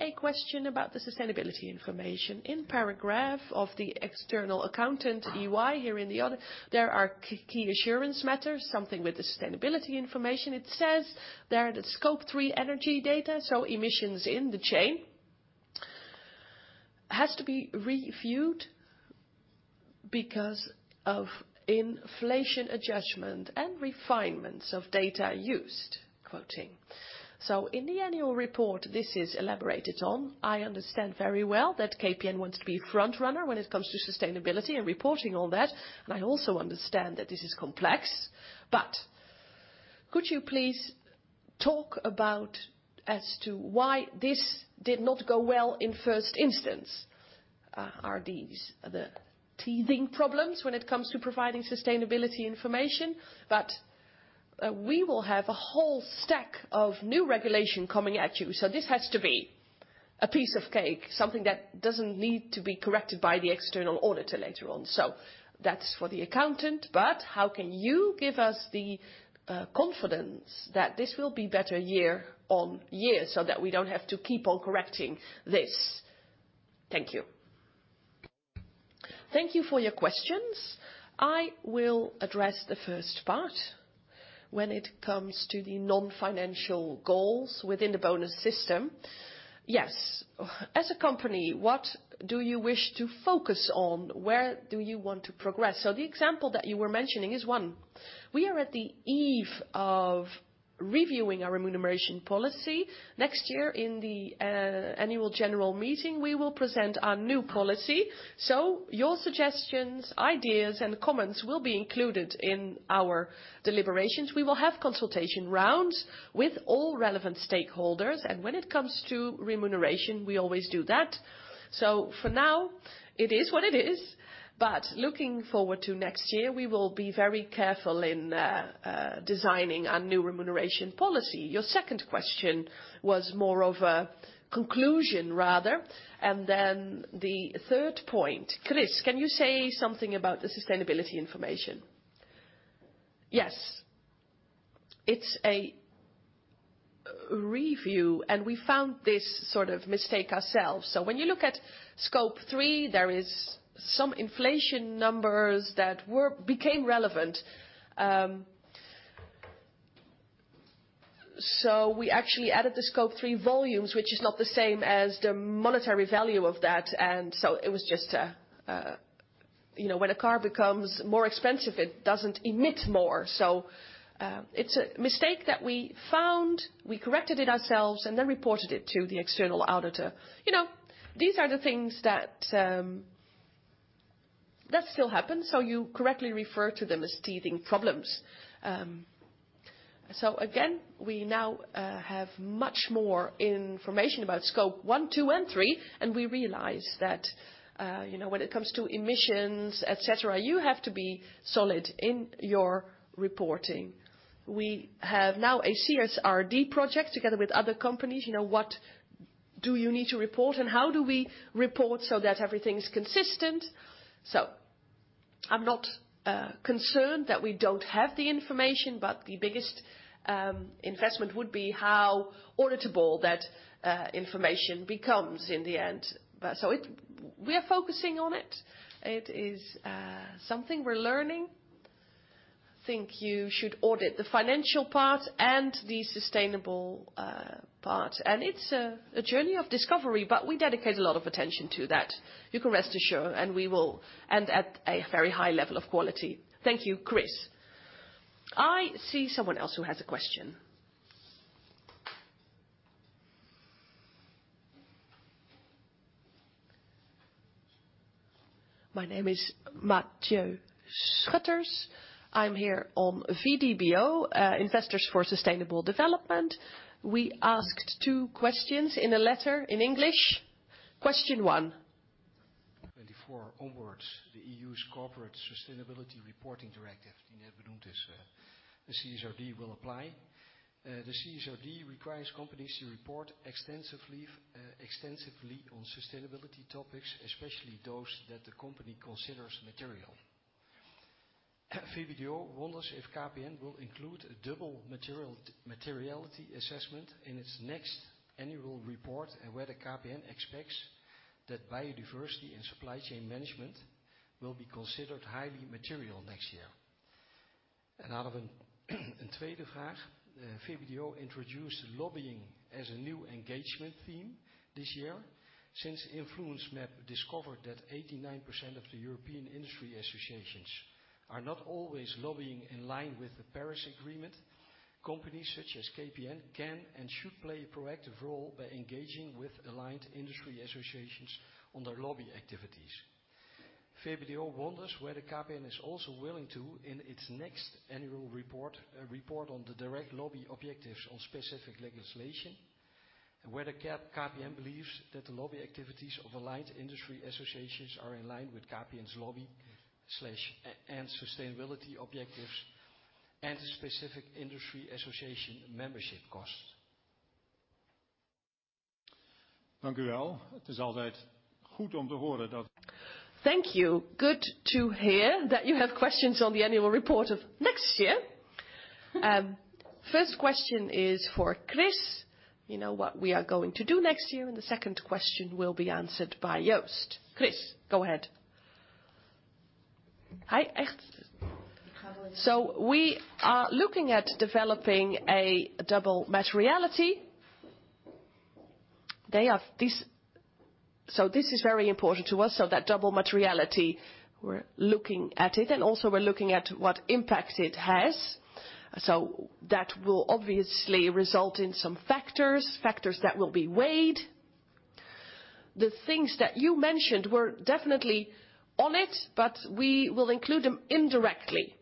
A question about the sustainability information. In paragraph of the external accountant EY here in the audit, there are key assurance matters, something with the sustainability information. It says there the Scope 3 energy data, so emissions in the chain, has to be reviewed because of inflation adjustment and refinements of data used, quoting. In the annual report, this is elaborated on. I understand very well that KPN wants to be a front runner when it comes to sustainability and reporting on that. I also understand that this is complex. Could you please talk about as to why this did not go well in first instance? Are these the teething problems when it comes to providing sustainability information? We will have a whole stack of new regulation coming at you, so this has to be a piece of cake, something that doesn't need to be corrected by the external auditor later on. That's for the accountant. How can you give us the confidence that this will be better year-over-year so that we don't have to keep on correcting this? Thank you. Thank you for your questions. I will address the first part. When it comes to the non-financial goals within the bonus system. Yes. As a company, what do you wish to focus on? Where do you want to progress? The example that you were mentioning is one. We are at the eve of reviewing our remuneration policy. Next year in the Annual General Meeting, we will present our new policy, your suggestions, ideas, and comments will be included in our deliberations. We will have consultation rounds with all relevant stakeholders, when it comes to remuneration, we always do that. For now, it is what it is. Looking forward to next year, we will be very careful in designing a new remuneration policy. Your second question was more of a conclusion, rather. Then the third point, Chris, can you say something about the sustainability information? Yes. It's a review, and we found this sort of mistake ourselves. When you look at Scope 3, there is some inflation numbers that became relevant, so we actually added the Scope 3 volumes, which is not the same as the monetary value of that. It was just, you know, when a car becomes more expensive, it doesn't emit more. It's a mistake that we found. We corrected it ourselves and then reported it to the external auditor. You know, these are the things that still happen, so you correctly refer to them as teething problems. Again, we now have much more information about Scope 1,, and 3, and we realize that, you know, when it comes to emissions, et cetera, you have to be solid in your reporting. We have now a CSRD project together with other companies. You know, what do you need to report, and how do we report so that everything is consistent? I'm not concerned that we don't have the information, but the biggest investment would be how auditable that information becomes in the end. We're focusing on it. It is something we're learning. I think you should audit the financial part and the sustainable part, and it's a journey of discovery, but we dedicate a lot of attention to that, you can rest assured, and we will end at a very high level of quality. Thank you, Chris. I see someone else who has a question. My name is Matthew Schutters. I'm here on VBDO, Investors for Sustainable Development. We asked two questions in a letter in English. Question one. 2024 onwards, the EU's Corporate Sustainability Reporting Directive, die net benoemd is, the CSRD will apply. The CSRD requires companies to report extensively on sustainability topics, especially those that the company considers material. VBDO wonders if KPN will include a double material-materiality assessment in its next annual report, and whether KPN expects that biodiversity and supply chain management will be considered highly material next year. Een tweede vraag. VBDO introduced lobbying as a new engagement theme this year. Since InfluenceMap discovered that 89% of the European industry associations are not always lobbying in line with the Paris Agreement, companies such as KPN can and should play a proactive role by engaging with aligned industry associations on their lobby activities. VBDO wonders whether KPN is also willing to, in its next annual report on the direct lobby objectives on specific legislation, and whether KPN believes that the lobby activities of aligned industry associations are in line with KPN's lobby and sustainability objectives and the specific industry association membership costs. Thank you. Good to hear that you have questions on the annual report of next year. First question is for Chris. You know what we are going to do next year, and the second question will be answered by Joost. Chris, go ahead. We are looking at developing a double materiality. This is very important to us, that double materiality, we're looking at it and also we're looking at what impact it has. That will obviously result in some factors that will be weighed. The things that you mentioned were definitely on it, but we will include them indirectly.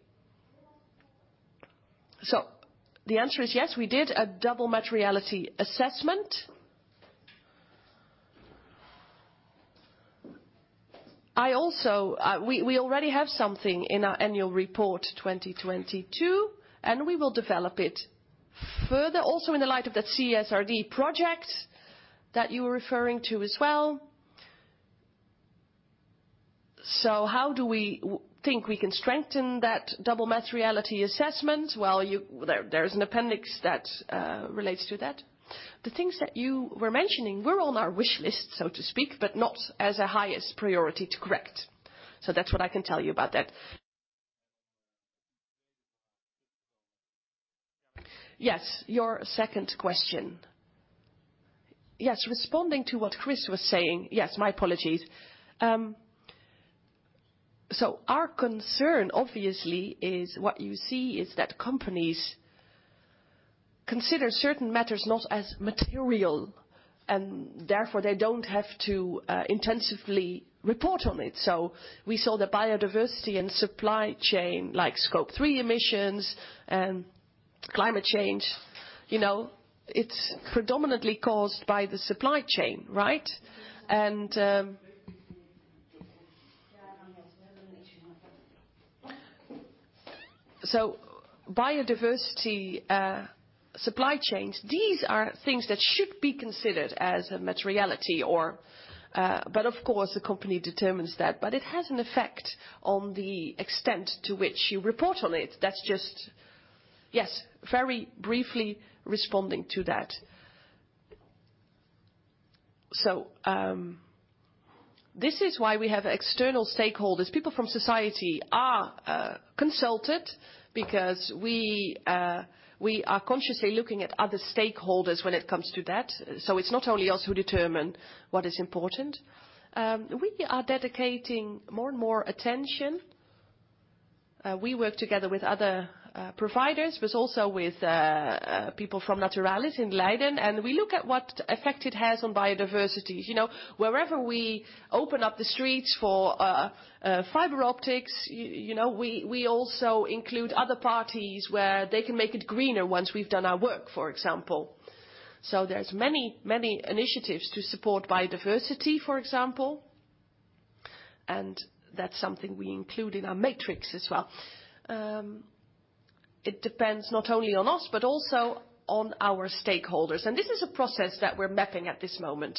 The answer is yes, we did a double materiality assessment. I also already have something in our annual report 2022. We will develop it further, also in the light of that CSRD project that you were referring to as well. How do we think we can strengthen that double materiality assessment? Well, there is an appendix that relates to that. The things that you were mentioning were on our wish list, so to speak, not as a highest priority to correct. That's what I can tell you about that. Yes, your second question. Yes, responding to what Chris was saying. Yes, my apologies. Our concern obviously is what you see is that companies consider certain matters not as material. Therefore they don't have to intensively report on it. We saw the biodiversity and supply chain, like Scope 3 emissions and climate change. You know, it's predominantly caused by the supply chain, right? Biodiversity, supply chains, these are things that should be considered as a materiality or, but of course, the company determines that. It has an effect on the extent to which you report on it. That's just, yes, very briefly responding to that. This is why we have external stakeholders. People from society are consulted because we are consciously looking at other stakeholders when it comes to that. It's not only us who determine what is important. We are dedicating more and more attention. We work together with other providers, but also with people from Naturalis in Leiden. We look at what effect it has on biodiversity. You know, wherever we open up the streets for fiber optics, you know, we also include other parties where they can make it greener once we've done our work, for example. There's many, many initiatives to support biodiversity, for example, and that's something we include in our matrix as well. It depends not only on us, but also on our stakeholders. This is a process that we're mapping at this moment.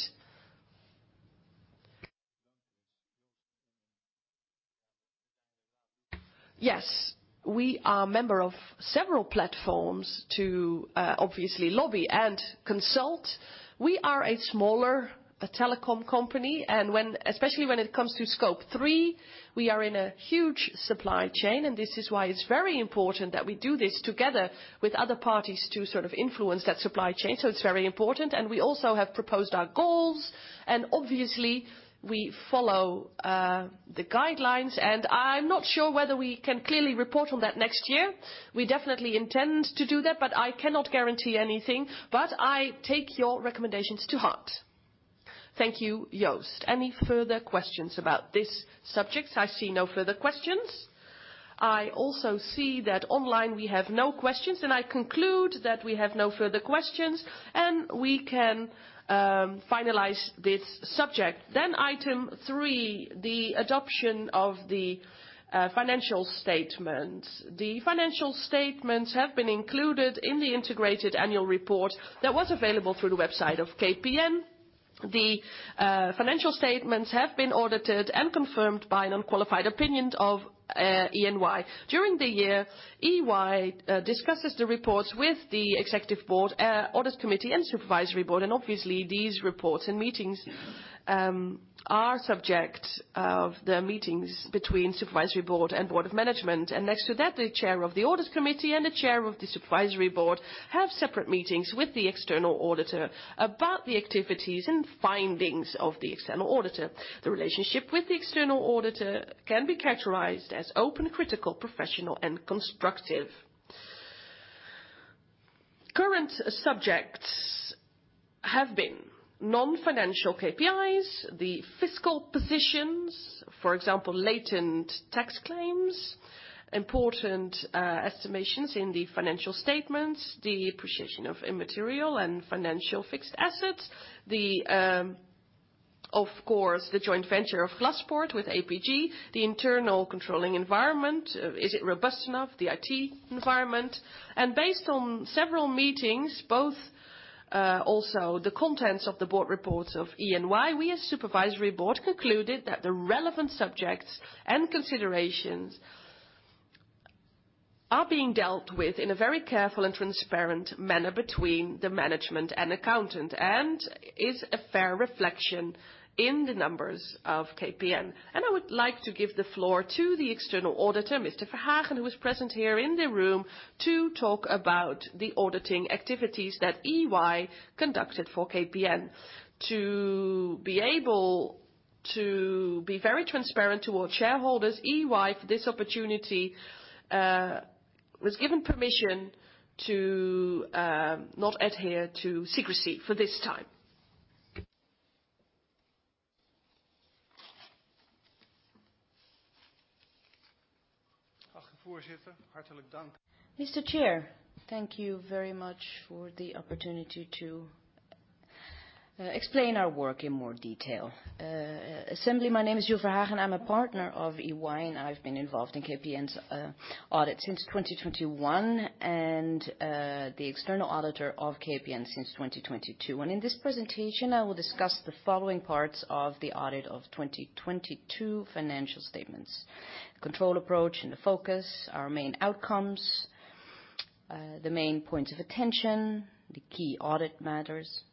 Yes. We are a member of several platforms to obviously lobby and consult. We are a smaller telecom company, and when, especially when it comes to Scope 3, we are in a huge supply chain. This is why it's very important that we do this together with other parties to sort of influence that supply chain. It's very important. We also have proposed our goals, and obviously we follow the guidelines. I'm not sure whether we can clearly report on that next year. We definitely intend to do that, but I cannot guarantee anything. I take your recommendations to heart. Thank you, Joost. Any further questions about this subject? I see no further questions. I also see that online we have no questions, and I conclude that we have no further questions, and we can finalize this subject. Item three, the adoption of the financial statement. The financial statements have been included in the integrated annual report that was available through the website of KPN. The financial statements have been audited and confirmed by an unqualified opinion of EY. During the year, EY discusses the reports with the executive board, Audit Committee and Supervisory Board. Obviously these reports and meetings are subject of the meetings between Supervisory Board and Board of Management. Next to that, the chair of the Audit Committee and the chair of the Supervisory Board have separate meetings with the external auditor about the activities and findings of the external auditor. The relationship with the external auditor can be characterized as open, critical, professional and constructive. Current subjects have been non-financial KPIs, the fiscal positions, for example, latent tax claims, important estimations in the financial statements, the appreciation of immaterial and financial fixed assets. Of course, the joint venture of Glaspoort with APG, the internal controlling environment. Is it robust enough? The IT environment. Based on several meetings both, also the contents of the board reports of EY, we as Supervisory Board concluded that the relevant subjects and considerations are being dealt with in a very careful and transparent manner between the management and accountant, and is a fair reflection in the numbers of KPN. I would like to give the floor to the external auditor, Mr. Verhagen, who is present here in the room to talk about the auditing activities that EY conducted for KPN. To be able to be very transparent toward shareholders, EY, for this opportunity, was given permission to not adhere to secrecy for this time. Mr. Chair, thank you very much for the opportunity to explain our work in more detail. assembly, my name is Juul Verhagen, I'm a partner of EY, and I've been involved in KPN's audit since 2021, and the external auditor of KPN since 2022. In this presentation, I will discuss the following parts of the audit of 2022 financial statements. Control approach and the focus, our main outcomes, the main points of attention, the key audit matters,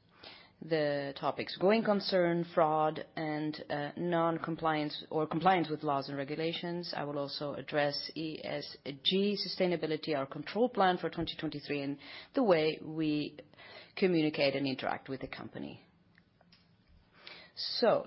the topics going concern, fraud, and non-compliance or compliance with laws and regulations. I will also address ESG sustainability, our control plan for 2023, and the way we communicate and interact with the company.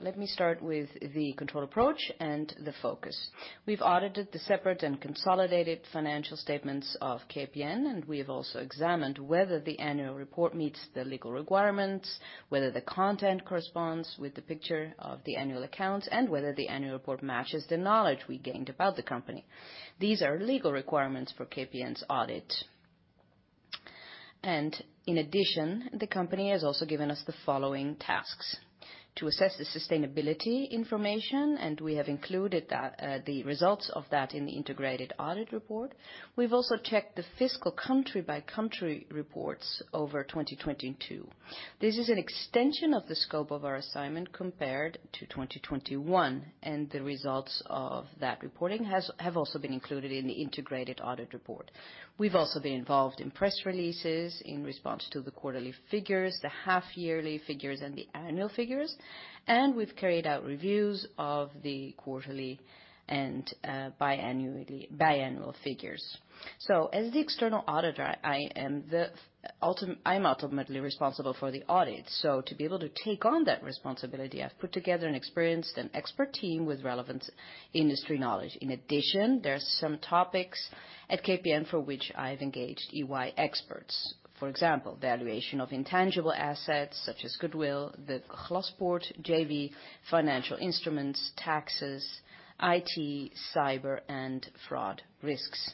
Let me start with the control approach and the focus. We've audited the separate and consolidated financial statements of KPN. We have also examined whether the annual report meets the legal requirements, whether the content corresponds with the picture of the annual accounts, and whether the annual report matches the knowledge we gained about the company. These are legal requirements for KPN's audit. In addition, the company has also given us the following tasks: to assess the sustainability information, and we have included that, the results of that in the integrated audit report. We've also checked the fiscal country-by-country reports over 2022. This is an extension of the scope of our assignment compared to 2021, and the results of that reporting have also been included in the integrated audit report. We've also been involved in press releases in response to the quarterly figures, the half-yearly figures, and the annual figures. We've carried out reviews of the quarterly and biannual figures. As the external auditor, I am ultimately responsible for the audit. To be able to take on that responsibility, I've put together an experienced and expert team with relevant industry knowledge. In addition, there are some topics at KPN for which I've engaged EY experts. For example, valuation of intangible assets such as goodwill, the Glaspoort JV, financial instruments, taxes, IT, cyber and fraud risks.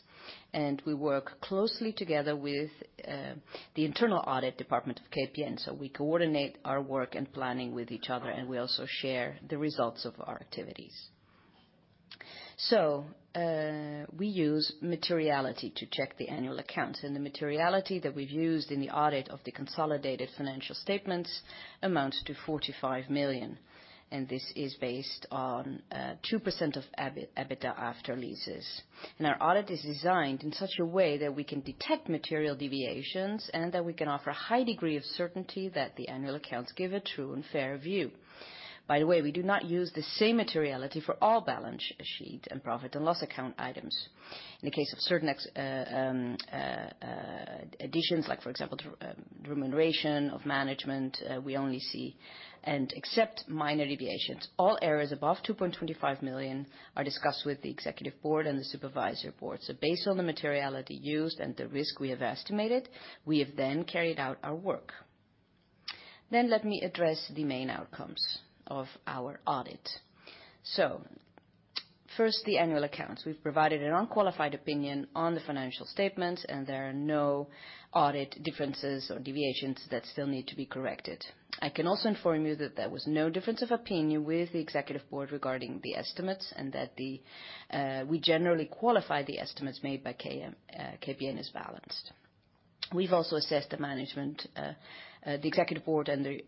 We work closely together with the internal audit department of KPN. We coordinate our work and planning with each other. We also share the results of our activities. We use materiality to check the annual accounts, the materiality that we've used in the audit of the consolidated financial statements amounts to 45 million, and this is based on 2% of EBITDA after leases. Our audit is designed in such a way that we can detect material deviations, and that we can offer a high degree of certainty that the annual accounts give a true and fair view. By the way, we do not use the same materiality for all balance sheet and profit and loss account items. In the case of certain additions, like for example, remuneration of management, we only see and accept minor deviations. All errors above 2.25 million are discussed with the executive board and the supervisory board. Based on the materiality used and the risk we have estimated, we have then carried out our work. Let me address the main outcomes of our audit. First, the annual accounts. We've provided an unqualified opinion on the financial statements, and there are no audit differences or deviations that still need to be corrected. I can also inform you that there was no difference of opinion with the Executive Board regarding the estimates, and that the we generally qualify the estimates made by KPN as balanced. We've also assessed the management, the Executive Board and the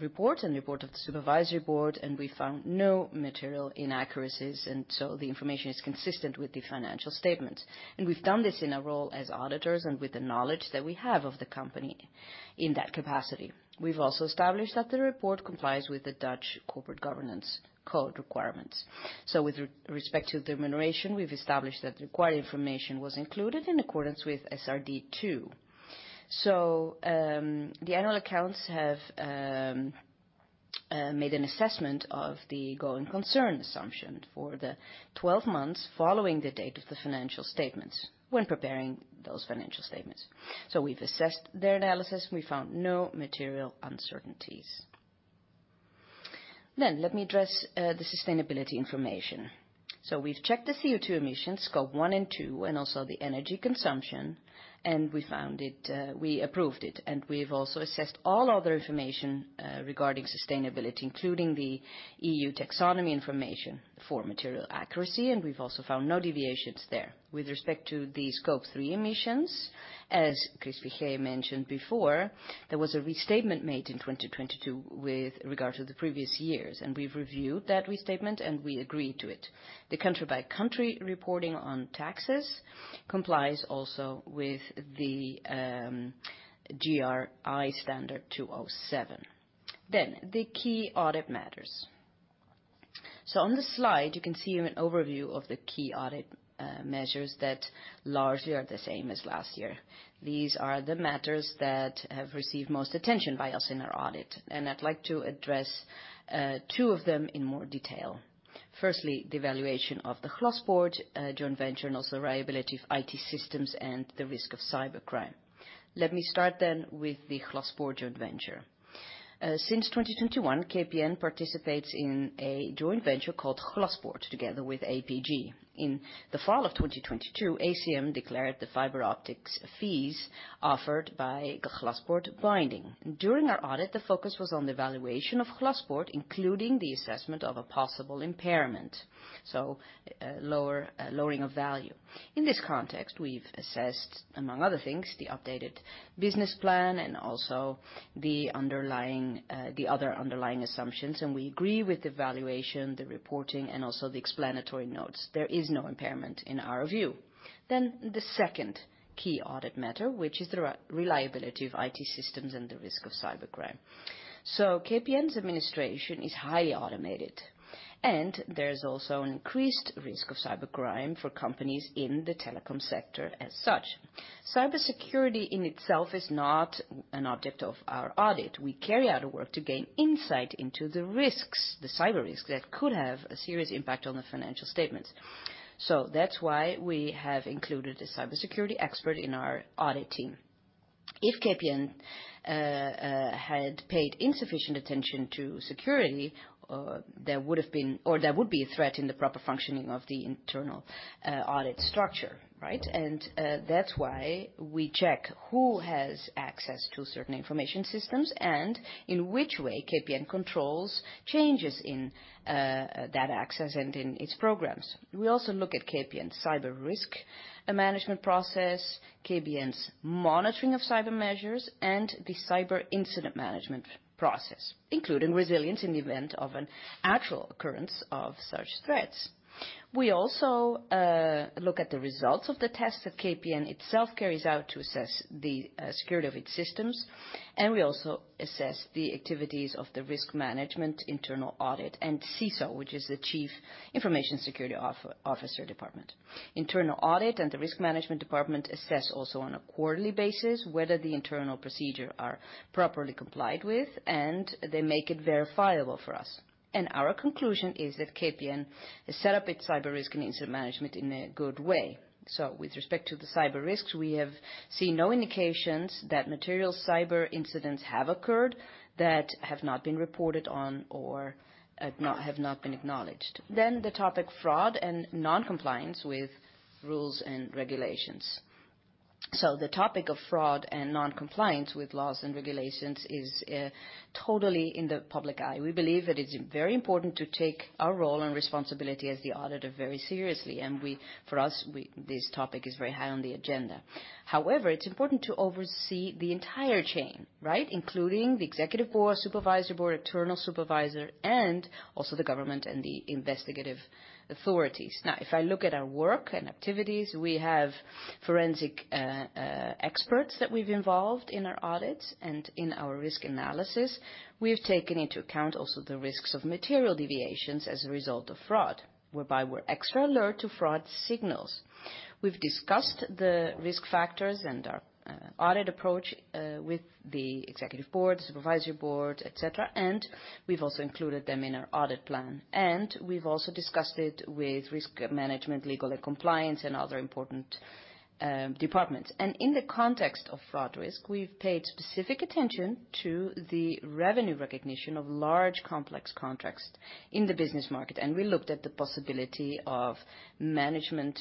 report and the Board of the Supervisory Board, and we found no material inaccuracies, and so the information is consistent with the financial statements. We've done this in our role as auditors and with the knowledge that we have of the company in that capacity. We've also established that the report complies with the Dutch Corporate Governance Code requirements. With respect to the remuneration, we've established that the required information was included in accordance with SRD II. The annual accounts have made an assessment of the going concern assumption for the 12 months following the date of the financial statements when preparing those financial statements. We've assessed their analysis, and we found no material uncertainties. Let me address the sustainability information. We've checked the CO2 emissions, Scope 1 and 2, and also the energy consumption, and we found it, we approved it. We've also assessed all other information regarding sustainability, including the EU Taxonomy information for material accuracy, and we've also found no deviations there. With respect to the Scope 3 emissions, as Chris Figee mentioned before, there was a restatement made in 2022 with regard to the previous years, and we've reviewed that restatement, and we agreed to it. The country-by-country reporting on taxes complies also with the GRI standard 207. The key audit matters. So on the slide, you can see an overview of the key audit measures that largely are the same as last year. These are the matters that have received most attention by us in our audit, and I'd like to address two of them in more detail. Firstly, the valuation of the Glaspoort joint venture, and also the reliability of IT systems and the risk of cybercrime. Let me start then with the Glaspoort joint venture. Since 2021, KPN participates in a joint venture called Glaspoort together with APG. In the fall of 2022, ACM declared the fiber optics fees offered by Glaspoort binding. During our audit, the focus was on the valuation of Glaspoort, including the assessment of a possible impairment, lowering of value. In this context, we've assessed, among other things, the updated business plan and also the underlying, the other underlying assumptions, and we agree with the valuation, the reporting, and also the explanatory notes. There is no impairment in our view. The second key audit matter, which is the re-reliability of IT systems and the risk of cybercrime. KPN's administration is highly automated, and there is also an increased risk of cybercrime for companies in the telecom sector as such. Cybersecurity in itself is not an object of our audit. We carry out a work to gain insight into the risks, the cyber risks, that could have a serious impact on the financial statements. That's why we have included a cybersecurity expert in our audit team. If KPN had paid insufficient attention to security, there would have been, or there would be a threat in the proper functioning of the internal audit structure, right? That's why we check who has access to certain information systems and in which way KPN controls changes in data access and in its programs. We also look at KPN's cyber risk management process, KPN's monitoring of cyber measures, and the cyber incident management process, including resilience in the event of an actual occurrence of such threats. We also look at the results of the tests that KPN itself carries out to assess the security of its systems, and we also assess the activities of the risk management internal audit and CISO, which is the chief information security officer department. Internal audit and the risk management department assess also on a quarterly basis whether the internal procedure are properly complied with, and they make it verifiable for us. Our conclusion is that KPN has set up its cyber risk and incident management in a good way. With respect to the cyber risks, we have seen no indications that material cyber incidents have occurred that have not been reported on or, not, have not been acknowledged. The topic fraud and non-compliance with rules and regulations. The topic of fraud and non-compliance with laws and regulations is totally in the public eye. We believe that it's very important to take our role and responsibility as the auditor very seriously, and for us, we, this topic is very high on the agenda. It's important to oversee the entire chain, right, including the executive board, Supervisory Board, eternal supervisor, and also the government and the investigative authorities. If I look at our work and activities, we have forensic experts that we've involved in our audits and in our risk analysis. We have taken into account also the risks of material deviations as a result of fraud, whereby we're extra alert to fraud signals. We've discussed the risk factors and our audit approach with the executive board, Supervisory Board, et cetera, and we've also included them in our audit plan. We've also discussed it with risk management, legal and compliance, and other important departments. In the context of fraud risk, we've paid specific attention to the revenue recognition of large complex contracts in the business market, and we looked at the possibility of management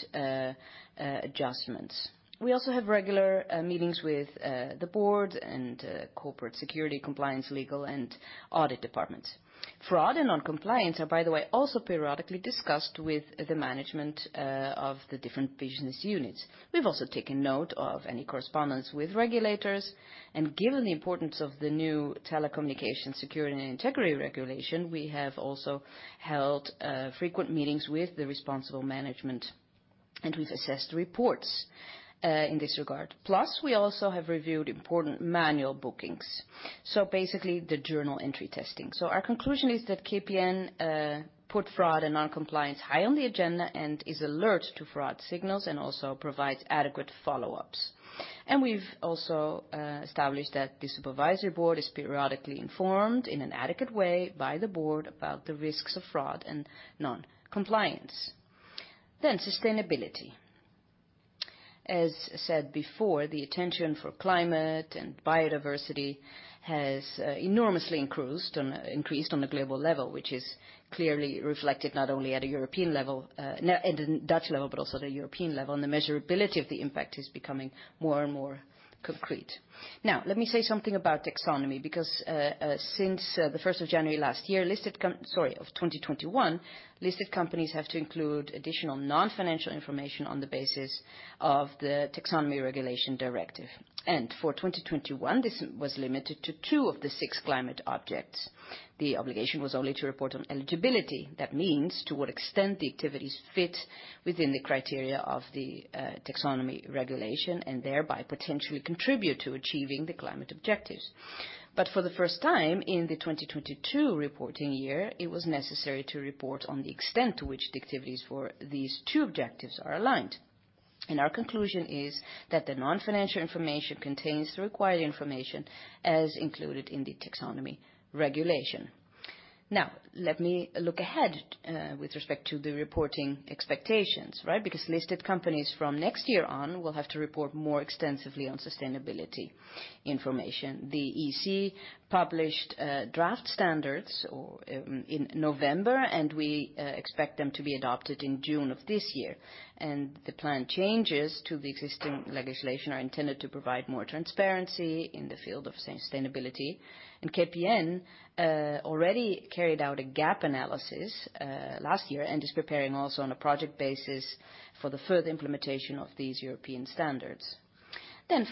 adjustments. We also have regular meetings with the board and corporate security, compliance, legal, and audit departments. Fraud and non-compliance are, by the way, also periodically discussed with the management of the different business units. We've also taken note of any correspondence with regulators, and given the importance of the new Telecommunications security and integrity regulation, we have also held frequent meetings with the responsible management, and we've assessed reports in this regard. We also have reviewed important manual bookings, so basically the journal entry testing. Our conclusion is that KPN put fraud and non-compliance high on the agenda and is alert to fraud signals and also provides adequate follow-ups. We've also established that the Supervisory Board is periodically informed in an adequate way by the board about the risks of fraud and non-compliance. Sustainability. As said before, the attention for climate and biodiversity has enormously increased on a global level, which is clearly reflected not only at a European level, at a Dutch level, but also the European level, and the measurability of the impact is becoming more and more concrete. Let me say something about Taxonomy, because since the 1st of January last year, of 2021, listed companies have to include additional non-financial information on the basis of the Taxonomy Regulation Directive. For 2021, this was limited to two of the six climate objects. The obligation was only to report on eligibility. That means to what extent the activities fit within the criteria of the Taxonomy Regulation and thereby potentially contribute to achieving the climate objectives. For the first time in the 2022 reporting year, it was necessary to report on the extent to which the activities for these two objectives are aligned. Our conclusion is that the non-financial information contains the required information as included in the Taxonomy Regulation. Now, let me look ahead with respect to the reporting expectations, right? Because listed companies from next year on will have to report more extensively on sustainability information. The EC published draft standards in November, and we expect them to be adopted in June of this year. The planned changes to the existing legislation are intended to provide more transparency in the field of sustainability. KPN already carried out a gap analysis last year and is preparing also on a project basis for the further implementation of these European standards.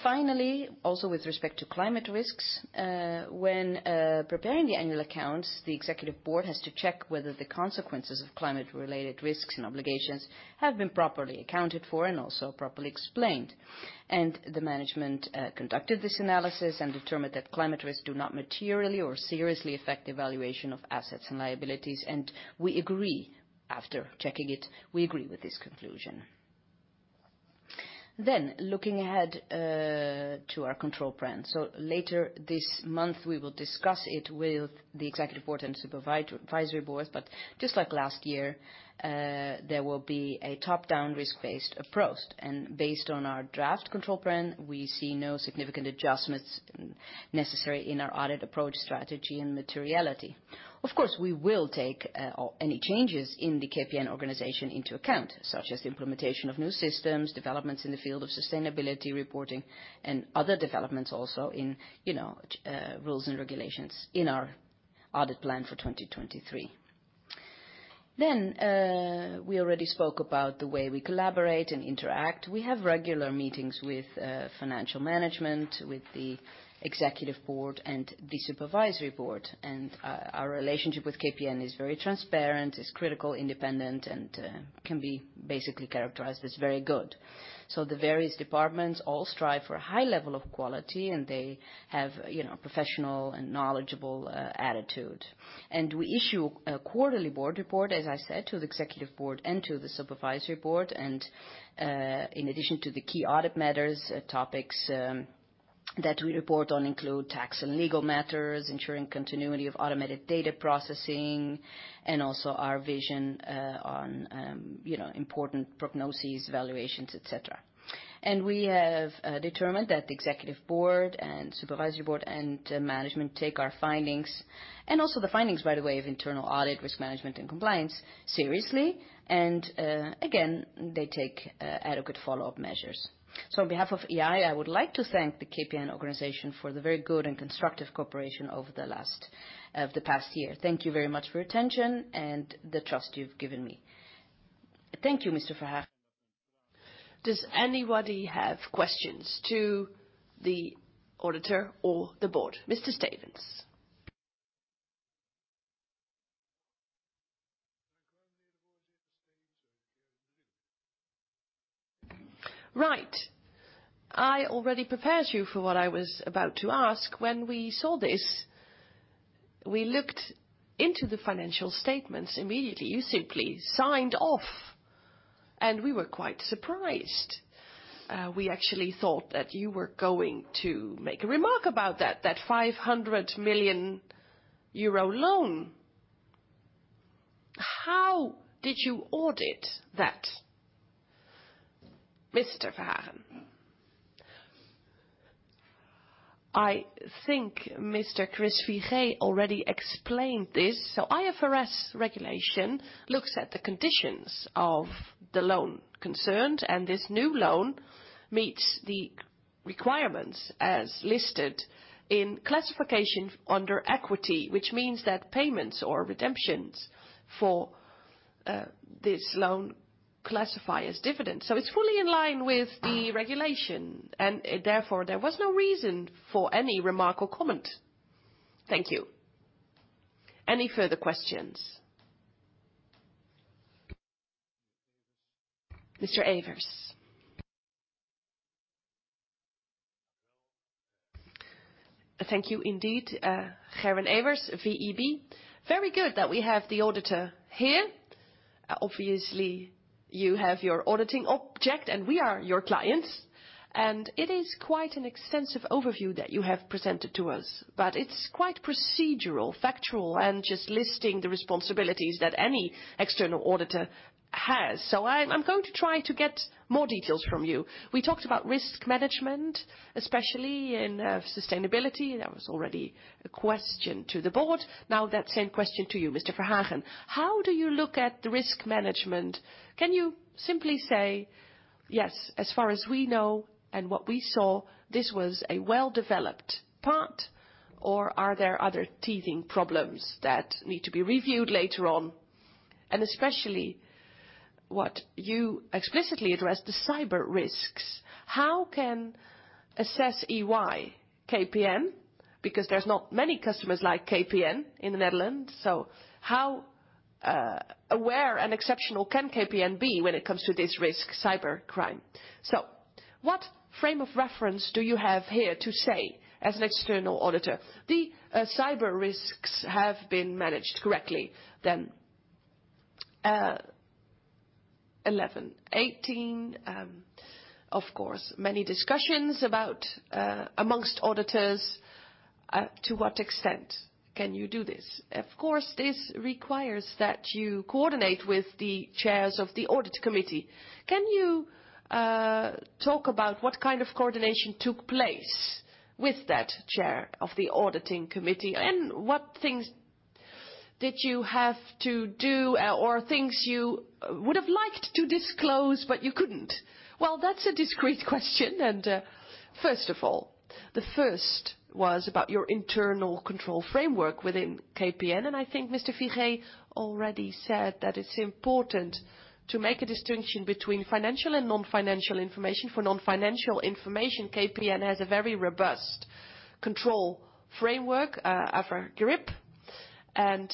Finally, also with respect to climate risks, when preparing the annual accounts, the executive board has to check whether the consequences of climate-related risks and obligations have been properly accounted for and also properly explained. The management conducted this analysis and determined that climate risks do not materially or seriously affect the valuation of assets and liabilities. We agree. After checking it, we agree with this conclusion. Looking ahead to our control plan. Later this month, we will discuss it with the executive board and supervisory board. Just like last year, there will be a top-down risk-based approach. Based on our draft control plan, we see no significant adjustments necessary in our audit approach, strategy and materiality. Of course, we will take any changes in the KPN organization into account, such as the implementation of new systems, developments in the field of sustainability reporting and other developments also in, you know, rules and regulations in our audit plan for 2023. We already spoke about the way we collaborate and interact. We have regular meetings with financial management, with the Executive Board and the Supervisory Board. Our relationship with KPN is very transparent, is critical, independent and can be basically characterized as very good. The various departments all strive for a high level of quality, and they have, you know, professional and knowledgeable attitude. We issue a quarterly board report, as I said, to the Executive Board and to the Supervisory Board. In addition to the key audit matters, topics that we report on include tax and legal matters, ensuring continuity of automated data processing, and also our vision on, you know, important prognosis, valuations, et cetera. We have determined that the Executive Board and Supervisory Board and management take our findings and also the findings, by the way, of internal audit, risk management and compliance seriously. Again, they take adequate follow-up measures. On behalf of EY, I would like to thank the KPN organization for the very good and constructive cooperation over the past year. Thank you very much for your attention and the trust you've given me. Thank you, Mr. Verhagen. Does anybody have questions to the auditor or the board? Mr. Stevens. Right. I already prepared you for what I was about to ask. When we saw this, we looked into the financial statements immediately. You simply signed off, and we were quite surprised. We actually thought that you were going to make a remark about that 500 million euro loan. How did you audit that, Mr. Verhagen? I think Mr. Chris Figee already explained this. IFRS regulation looks at the conditions of the loan concerned, and this new loan meets the requirements as listed in classification under equity, which means that payments or redemptions for this loan classify as dividends. It's fully in line with the regulation and therefore there was no reason for any remark or comment. Thank you. Thank Any further questions? Mr. Evers. Thank you indeed. Gerben Everts, VEB. Very good that we have the auditor here. Obviously, you have your auditing object and we are your clients. It is quite an extensive overview that you have presented to us, but it's quite procedural, factual, and just listing the responsibilities that any external auditor has. I'm going to try to get more details from you. We talked about risk management, especially in sustainability. That was already a question to the board. That same question to you, Mr. Verhagen. How do you look at the risk management? Can you simply say, "Yes, as far as we know and what we saw, this was a well-developed part"? Or are there other teething problems that need to be reviewed later on? Especially what you explicitly addressed, the cyber risks. How can assess EY KPN because there's not many customers like KPN in the Netherlands. How aware and exceptional can KPN be when it comes to this risk, cybercrime? What frame of reference do you have here to say as an external auditor the cyber risks have been managed correctly then? 1,118, of course, many discussions about amongst auditors to what extent can you do this? Of course, this requires that you coordinate with the chairs of the Audit Committee. Can you talk about what kind of coordination took place with that chair of the Audit Committee? What things did you have to do or things you would have liked to disclose, but you couldn't? Well, that's a discrete question. First of all, the first was about your internal control framework within KPN, and I think Mr. Figee already said that it's important to make a distinction between financial and non-financial information. For non-financial information, KPN has a very robust control framework, Aver Grip, and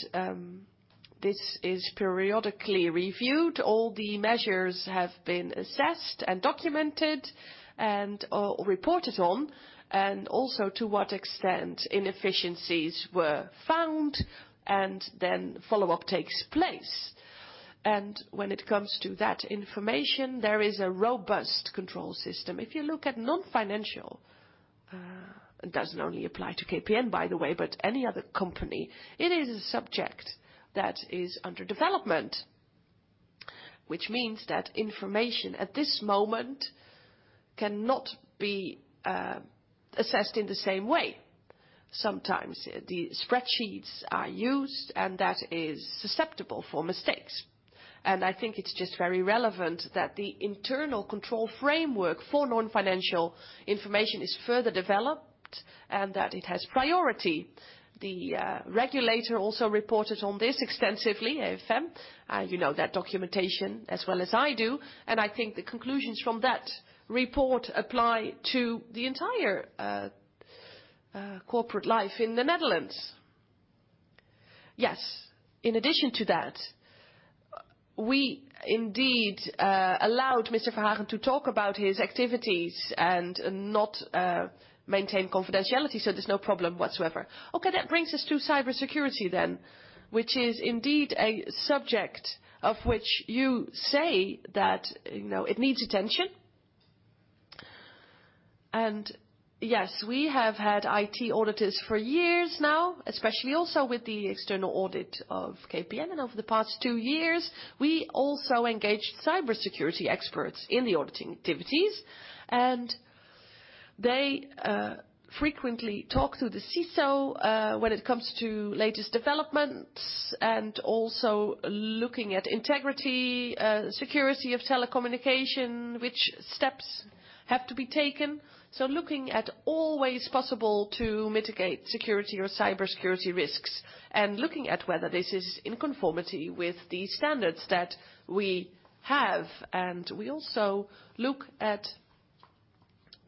this is periodically reviewed. All the measures have been assessed and documented and reported on, and also to what extent inefficiencies were found, and then follow-up takes place. When it comes to that information, there is a robust control system. If you look at non-financial, it doesn't only apply to KPN, by the way, but any other company, it is a subject that is under development, which means that information at this moment cannot be assessed in the same way. Sometimes the spreadsheets are used, and that is susceptible for mistakes. I think it's just very relevant that the internal control framework for non-financial information is further developed and that it has priority. The regulator also reported on this extensively, AFM. You know that documentation as well as I do, and I think the conclusions from that report apply to the entire corporate life in the Netherlands. Yes. In addition to that, we indeed allowed Mr. Verhaag to talk about his activities and not maintain confidentiality, so there's no problem whatsoever. Okay, that brings us to cybersecurity then, which is indeed a subject of which you say that, you know, it needs attention. Yes, we have had IT auditors for years now, especially also with the external audit of KPN. Over the past two years, we also engaged cybersecurity experts in the auditing activities. They frequently talk to the CISO when it comes to latest developments and also looking at integrity, security of telecommunication, which steps have to be taken. Looking at all ways possible to mitigate security or cybersecurity risks and looking at whether this is in conformity with the standards that we have. We also look at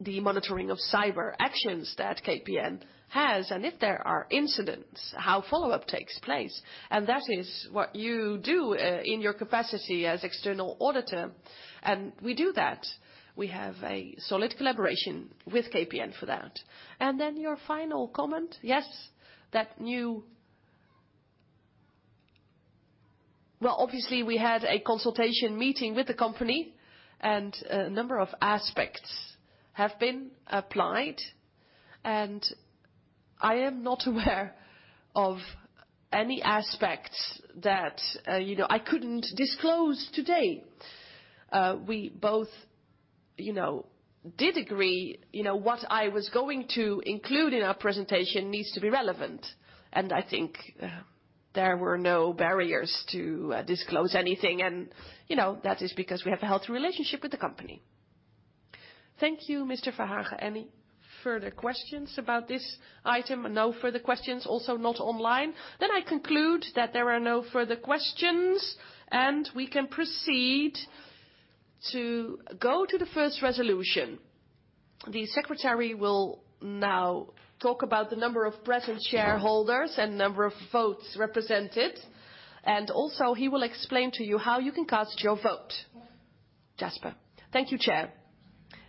the monitoring of cyber actions that KPN has, and if there are incidents, how follow-up takes place. That is what you do in your capacity as external auditor, and we do that. We have a solid collaboration with KPN for that. Your final comment. Yes. Well, obviously, we had a consultation meeting with the company and a number of aspects have been applied, and I am not aware of any aspects that, you know, I couldn't disclose today. We both, you know, did agree, you know, what I was going to include in our presentation needs to be relevant, and I think, there were no barriers to disclose anything and, you know, that is because we have a healthy relationship with the company. Thank you, Mr. Verhaag. Any further questions about this item? No further questions, also not online. I conclude that there are no further questions, and we can proceed to go to the first resolution. The secretary will now talk about the number of present shareholders and number of votes represented, and also he will explain to you how you can cast your vote. Jasper. Thank you, Chair.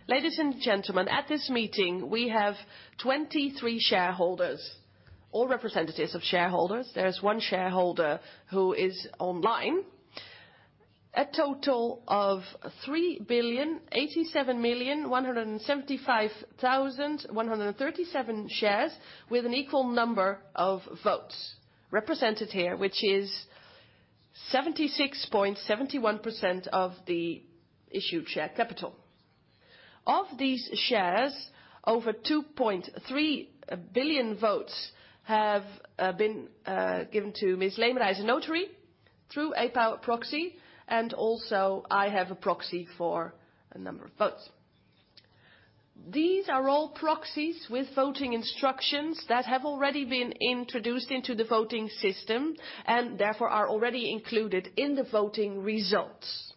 Ladies and gentlemen, at this meeting, we have 23 shareholders, all representatives of shareholders. There's one shareholder who is online. A total of 3,087,175,137 shares with an equal number of votes represented here, which is 76.71% of the issued share capital. Of these shares, over 2.3 billion votes have been given to Ms. Leemreize, a notary, through a power proxy, and also I have a proxy for a number of votes. These are all proxies with voting instructions that have already been introduced into the voting system and therefore are already included in the voting results.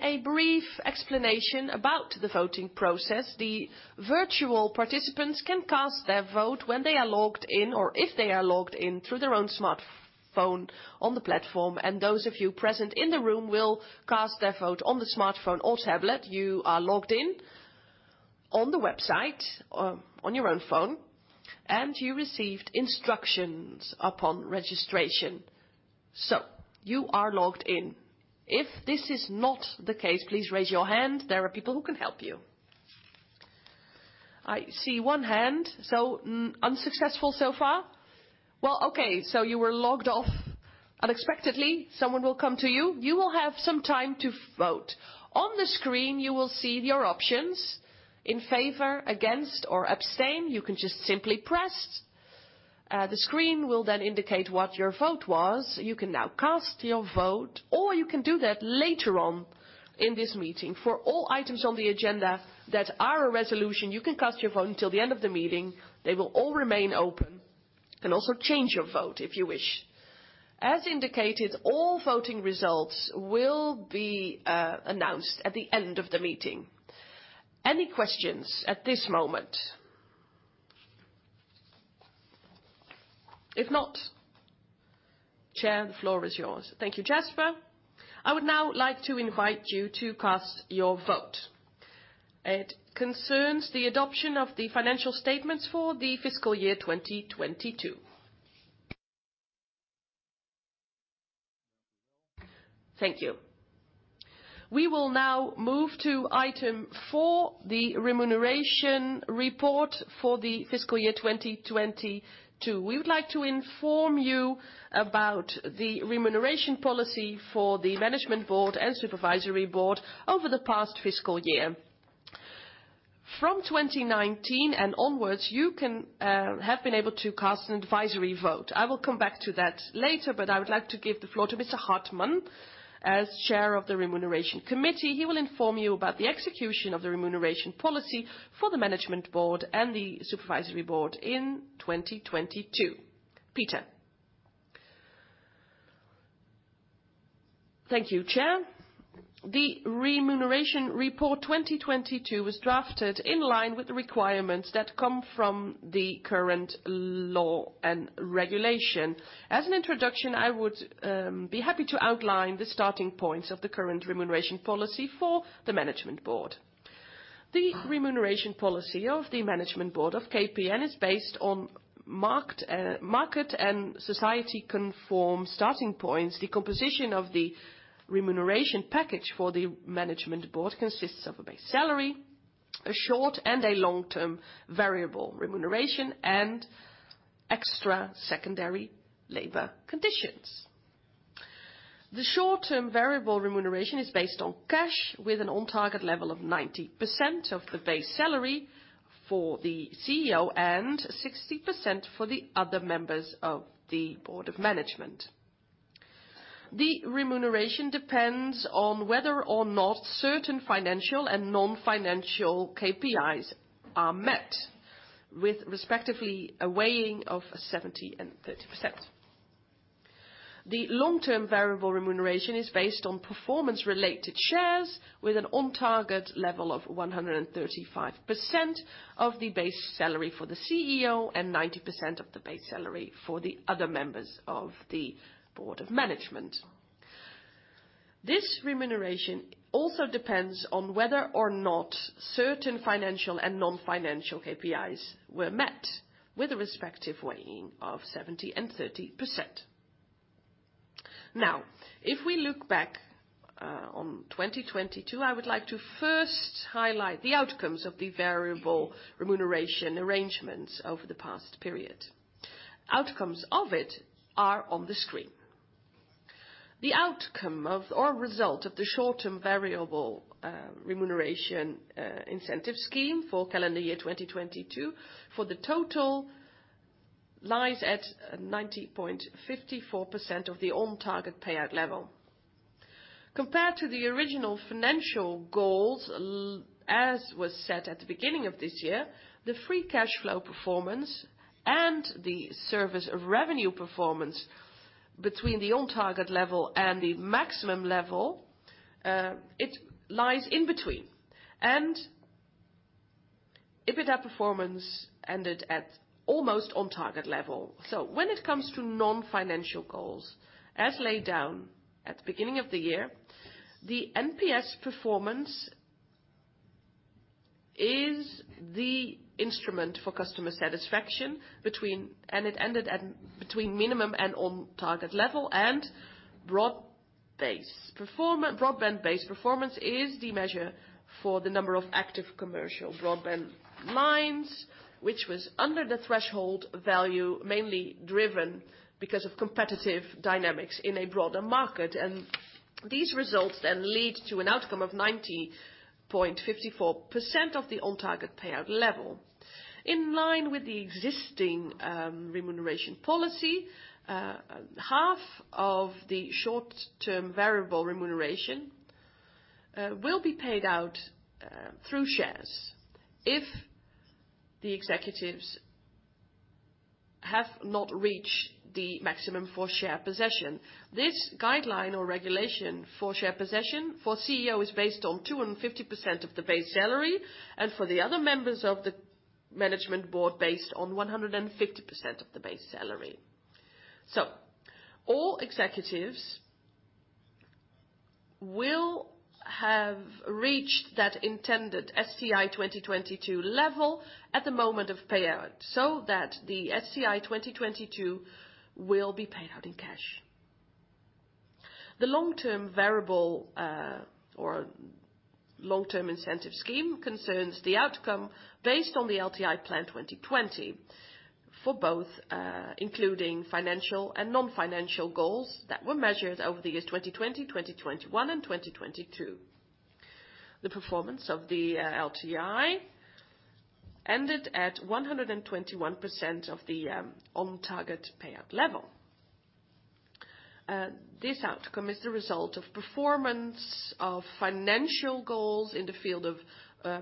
A brief explanation about the voting process. The virtual participants can cast their vote when they are logged in or if they are logged in through their own smartphone on the platform. Those of you present in the room will cast their vote on the smartphone or tablet. You are logged in. On the website or on your own phone, you received instructions upon registration. You are logged in. If this is not the case, please raise your hand. There are people who can help you. I see one hand. Unsuccessful so far. Well, okay. You were logged off unexpectedly. Someone will come to you. You will have some time to vote. On the screen, you will see your options in favor, against, or abstain. You can just simply press. The screen will indicate what your vote was. You can now cast your vote, or you can do that later on in this meeting. For all items on the agenda that are a resolution, you can cast your vote until the end of the meeting. They will all remain open. You can also change your vote if you wish. As indicated, all voting results will be announced at the end of the meeting. Any questions at this moment? If not, Chair, the floor is yours. Thank you, Jasper. I would now like to invite you to cast your vote. It concerns the adoption of the financial statements for the fiscal year 2022. Thank you. We will now move to item four, the remuneration report for the fiscal year 2022. We would like to inform you about the remuneration policy for the management board and Supervisory Board over the past fiscal year. From 2019 and onwards, you have been able to cast an advisory vote. I will come back to that later. I would like to give the floor to Mr. Hartman as chair of the Remuneration Committee. He will inform you about the execution of the remuneration policy for the management board and the supervisory board in 2022. Peter. Thank you, Chair. The Remuneration Report 2022 was drafted in line with the requirements that come from the current law and regulation. As an introduction, I would be happy to outline the starting points of the current remuneration policy for the management board. The remuneration policy of the management board of KPN is based on market and society-conformed starting points. The composition of the remuneration package for the management board consists of a base salary, a short and a long-term variable remuneration, and extra secondary labor conditions. The short-term variable remuneration is based on cash with an on-target level of 90% of the base salary for the CEO and 60% for the other members of the management board. The remuneration depends on whether or not certain financial and non-financial KPIs are met with respectively a weighing of 70% and 30%. The long-term variable remuneration is based on performance-related shares with an on-target level of 135% of the base salary for the CEO and 90% of the base salary for the other members of the management board. This remuneration also depends on whether or not certain financial and non-financial KPIs were met with a respective weighing of 70% and 30%. If we look back on 2022, I would like to first highlight the outcomes of the variable remuneration arrangements over the past period. Outcomes of it are on the screen. The outcome of or result of the short-term variable remuneration incentive scheme for calendar year 2022 for the total lies at 90.54% of the on-target payout level. Compared to the original financial goals as was set at the beginning of this year, the free cash flow performance and the service of revenue performance between the on-target level and the maximum level, it lies in between. EBITDA performance ended at almost on-target level. When it comes to non-financial goals as laid down at the beginning of the year, the NPS performance is the instrument for customer satisfaction and it ended at between minimum and on-target level. Broadband-based performance is the measure for the number of active commercial broadband lines, which was under the threshold value, mainly driven because of competitive dynamics in a broader market. These results then lead to an outcome of 90.54% of the on-target payout level. In line with the existing remuneration policy, half of the short-term variable remuneration will be paid out through shares if the executives have not reached the maximum for share possession. This guideline or regulation for share possession for CEO is based on 250% of the base salary, and for the other members of the management board based on 150% of the base salary. All executives will have reached that intended STI 2022 level at the moment of payout, so that the STI 2022 will be paid out in cash. The long-term variable or long-term incentive scheme concerns the outcome based on the LTI Plan 2020, for both, including financial and non-financial goals that were measured over the years 2020, 2021, and 2022. The performance of the LTI ended at 121% of the on target payout level. This outcome is the result of performance of financial goals in the field of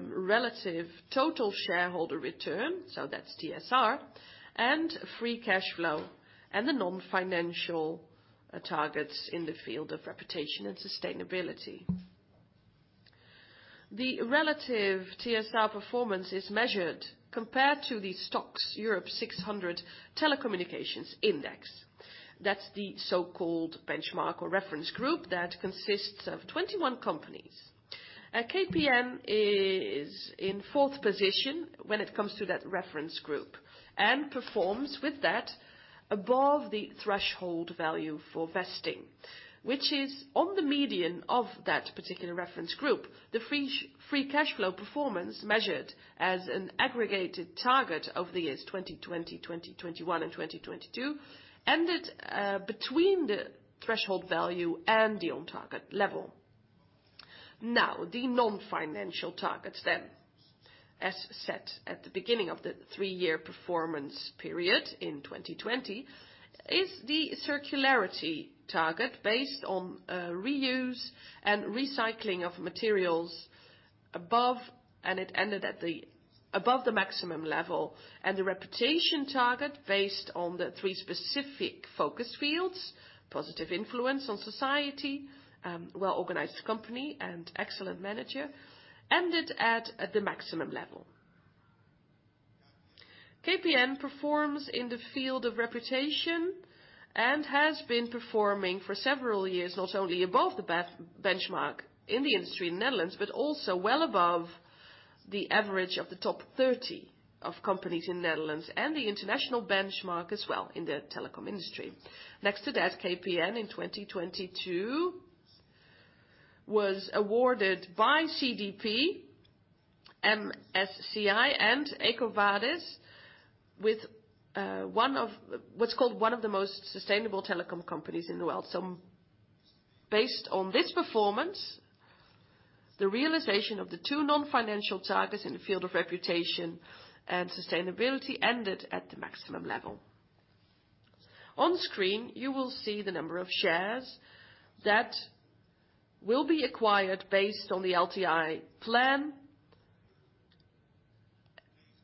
relative total shareholder return, so that's TSR, and free cash flow, and the non-financial targets in the field of reputation and sustainability. The relative TSR performance is measured compared to the STOXX Europe 600 Telecommunications Index. That's the so-called benchmark or reference group that consists of 21 companies. KPN is in fourth position when it comes to that reference group and performs with that above the threshold value for vesting, which is on the median of that particular reference group. The free cash flow performance measured as an aggregated target over the years 2020, 2021, and 2022 ended between the threshold value and the on target level. The non-financial targets then, as set at the beginning of the three-year performance period in 2020, is the circularity target based on reuse and recycling of materials above, and it ended at the above the maximum level. And the reputation target based on the three specific focus fields, positive influence on society, well-organized company, and excellent manager, ended at the maximum level. KPN performs in the field of reputation and has been performing for several years, not only above the benchmark in the industry in the Netherlands, but also well above the average of the top 30 of companies in the Netherlands and the international benchmark as well in the telecom industry. KPN in 2022 was awarded by CDP, MSCI, and EcoVadis with one of the most sustainable telecom companies in the world. Based on this performance, the realization of the two non-financial targets in the field of reputation and sustainability ended at the maximum level. On screen, you will see the number of shares that will be acquired based on the LTI plan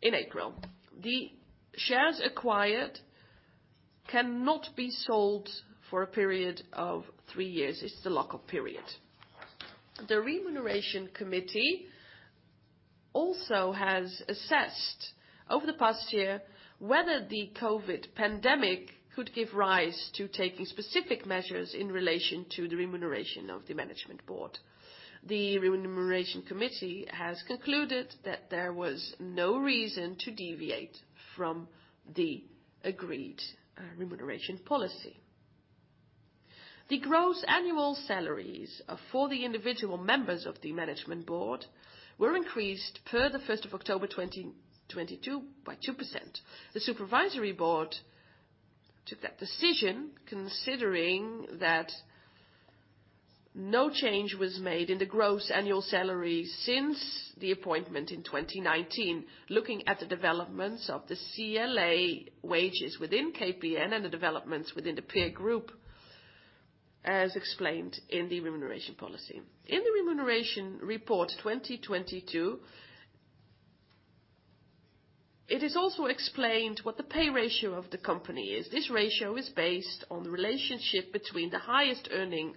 in April. The shares acquired cannot be sold for a period of three years. It's the lock-up period. The Remuneration Committee also has assessed over the past year whether the COVID pandemic could give rise to taking specific measures in relation to the remuneration of the management board. The Remuneration Committee has concluded that there was no reason to deviate from the agreed remuneration policy. The gross annual salaries for the individual members of the management board were increased per the first of October 2022 by 2%. The supervisory board took that decision considering that no change was made in the gross annual salary since the appointment in 2019. Looking at the developments of the CLA wages within KPN and the developments within the peer group, as explained in the remuneration policy. In the Remuneration Report 2022, it is also explained what the pay ratio of the company is. This ratio is based on the relationship between the highest earning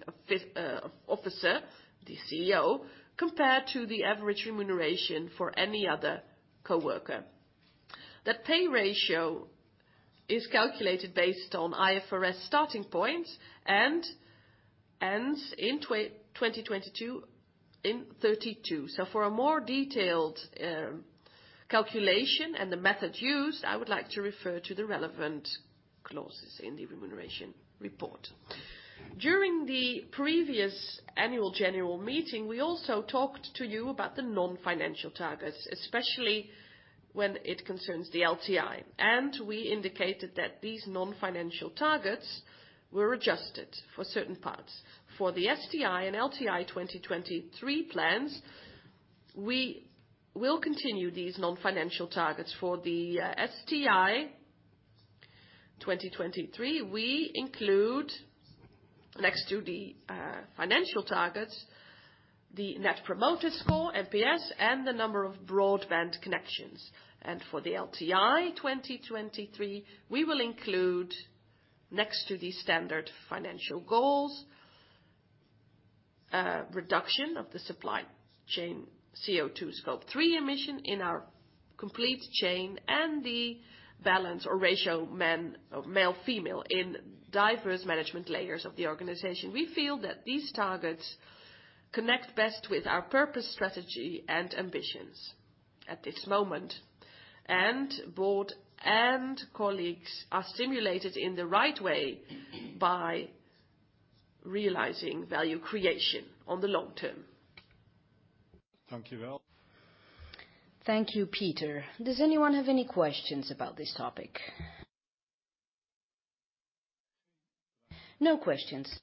officer, the CEO, compared to the average remuneration for any other coworker. The pay ratio is calculated based on IFRS starting points and ends in 2022 in 32. For a more detailed calculation and the method used, I would like to refer to the relevant clauses in the Remuneration Report. During the previous annual general meeting, we also talked to you about the non-financial targets, especially when it concerns the LTI, and we indicated that these non-financial targets were adjusted for certain parts. For the STI and LTI 2023 plans, we will continue these non-financial targets. For the STI 2023, we include, next to the financial targets, the Net Promoter Score, NPS, and the number of broadband connections. For the LTI 2023, we will include, next to the standard financial goals, reduction of the supply chain CO2 Scope 3 emission in our complete chain and the balance or ratio men, male-female in diverse management layers of the organization. We feel that these targets connect best with our purpose, strategy, and ambitions. At this moment, board and colleagues are stimulated in the right way by realizing value creation on the long term. Thank you, Peter. Does anyone have any questions about this topic? No questions.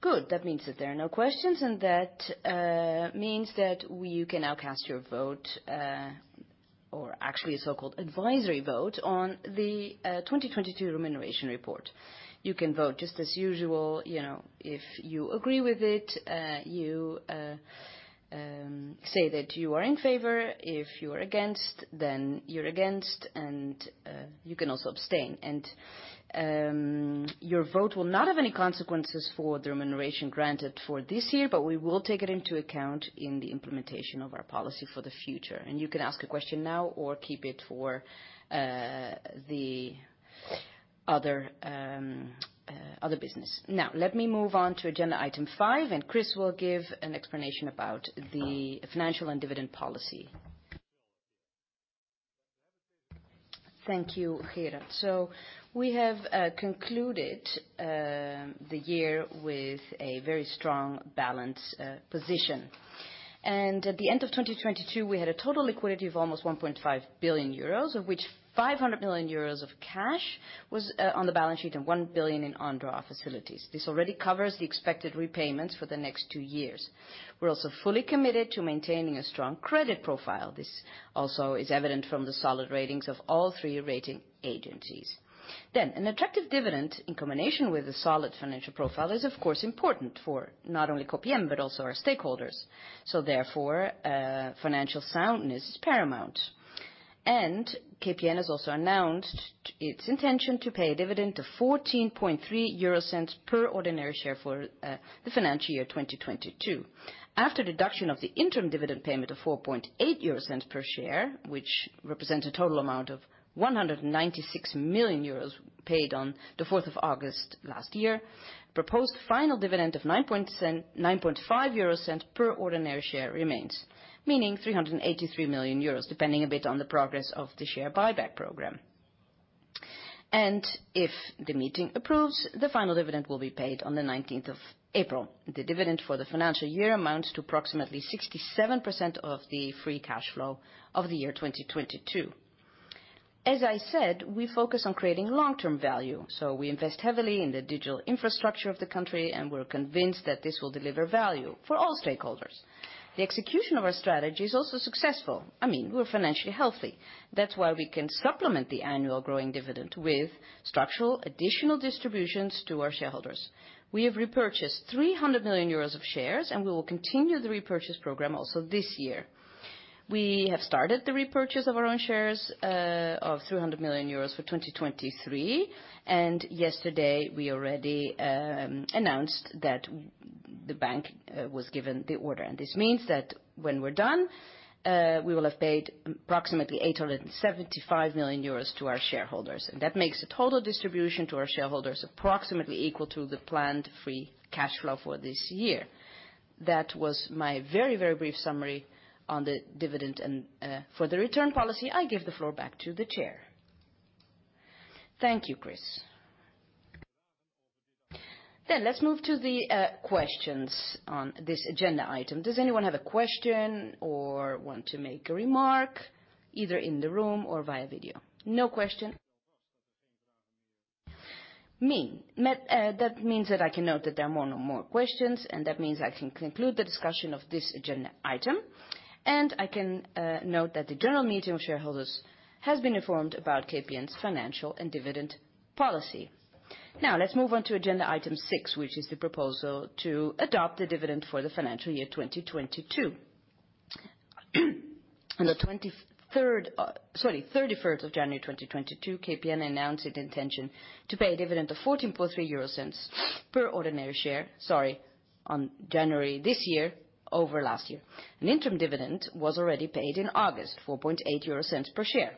Good, that means that there are no questions, and that means that we can now cast your vote or actually a so-called advisory vote on the 2022 remuneration report. You can vote just as usual. You know, if you agree with it, you say that you are in favor. If you are against, then you're against, and you can also abstain. Your vote will not have any consequences for the remuneration granted for this year, but we will take it into account in the implementation of our policy for the future. You can ask a question now or keep it for the other other business. Now let me move on to agenda item 5. Chris will give an explanation about the financial and dividend policy. Thank you, Gera. We have concluded the year with a very strong balance position. At the end of 2022, we had a total liquidity of almost 1.5 billion euros, of which 500 million euros of cash was on the balance sheet and 1 billion in on-draw facilities. This already covers the expected repayments for the next two years. We're also fully committed to maintaining a strong credit profile. This also is evident from the solid ratings of all three rating agencies. An attractive dividend in combination with a solid financial profile is of course important for not only KPN but also our stakeholders. Therefore, financial soundness is paramount. KPN has also announced its intention to pay a dividend of 0.143 per ordinary share for the financial year 2022. After deduction of the interim dividend payment of 0.048 per share, which represent a total amount of 196 million euros paid on the 4th of August last year, proposed final dividend of 0.095 per ordinary share remains, meaning 383 million euros, depending a bit on the progress of the share buyback program. If the meeting approves, the final dividend will be paid on the 19th of April. The dividend for the financial year amounts to approximately 67% of the free cash flow of the year 2022. As I said, we focus on creating long-term value, so we invest heavily in the digital infrastructure of the country, we're convinced that this will deliver value for all stakeholders. The execution of our strategy is also successful. I mean, we're financially healthy. That's why we can supplement the annual growing dividend with structural additional distributions to our shareholders. We have repurchased 300 million euros of shares, and we will continue the repurchase program also this year. We have started the repurchase of our own shares, of 300 million euros for 2023, yesterday we already announced that the bank was given the order. This means that when we're done, we will have paid approximately 875 million euros to our shareholders. That makes the total distribution to our shareholders approximately equal to the planned free cash flow for this year. That was my very, very brief summary on the dividend and for the return policy. I give the floor back to the chair. Thank you, Chris. Let's move to the questions on this agenda item. Does anyone have a question or want to make a remark, either in the room or via video? No question. That means that I can note that there are no more questions, and that means I can conclude the discussion of this agenda item. I can note that the General Meeting of Shareholders has been informed about KPN's financial and dividend policy. Now let's move on to agenda item six, which is the proposal to adopt the dividend for the financial year 2022. On the 23rd, sorry, 31st of January 2022, KPN announced its intention to pay a dividend of 0.143 per ordinary share, sorry, on January this year, over last year. An interim dividend was already paid in August, 0.048 per share.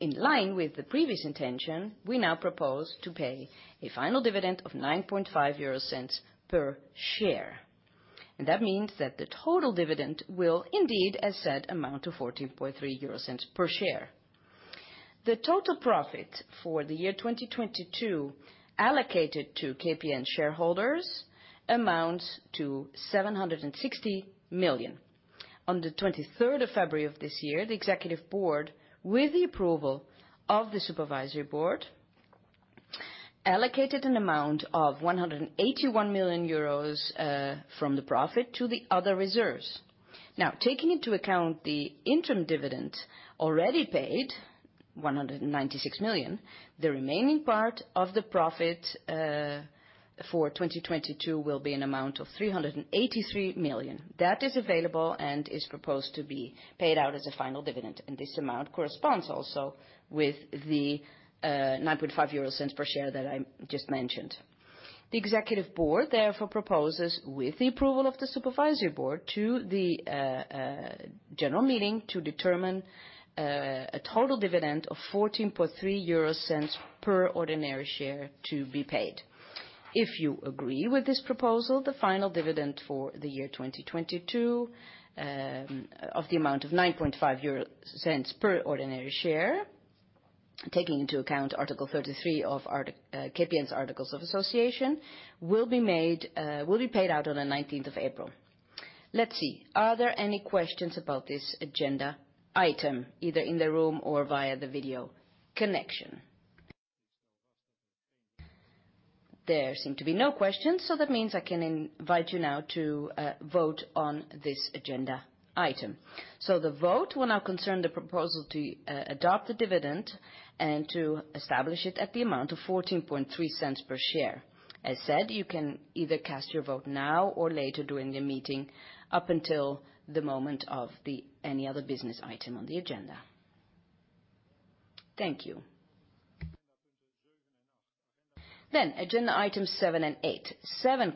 In line with the previous intention, we now propose to pay a final dividend of 0.095 per share. That means that the total dividend will indeed, as said, amount to 0.143 per share. The total profit for the year 2022 allocated to KPN shareholders amounts to 760 million. On the 23rd of February of this year, the executive board, with the approval of the supervisory board, allocated an amount of 181 million euros from the profit to the other reserves. Taking into account the interim dividend already paid, 196 million, the remaining part of the profit for 2022 will be an amount of 383 million. That is available and is proposed to be paid out as a final dividend, this amount corresponds also with the 0.095 per share that I just mentioned. The executive board therefore proposes, with the approval of the Supervisory Board, to the General Meeting to determine a total dividend of 0.143 per ordinary share to be paid. If you agree with this proposal, the final dividend for the year 2022, of the amount of 0.095 per ordinary share, taking into account Article 33 of KPN's Articles of Association will be paid out on the 19th of April. Let's see. Are there any questions about this agenda item, either in the room or via the video connection? There seem to be no questions, that means I can invite you now to vote on this agenda item. The vote will now concern the proposal to adopt the dividend and to establish it at the amount of 0.143 per share. As said, you can either cast your vote now or later during the meeting, up until the moment of the any other business item on the agenda. Thank you. Agenda item seven and eight. Seven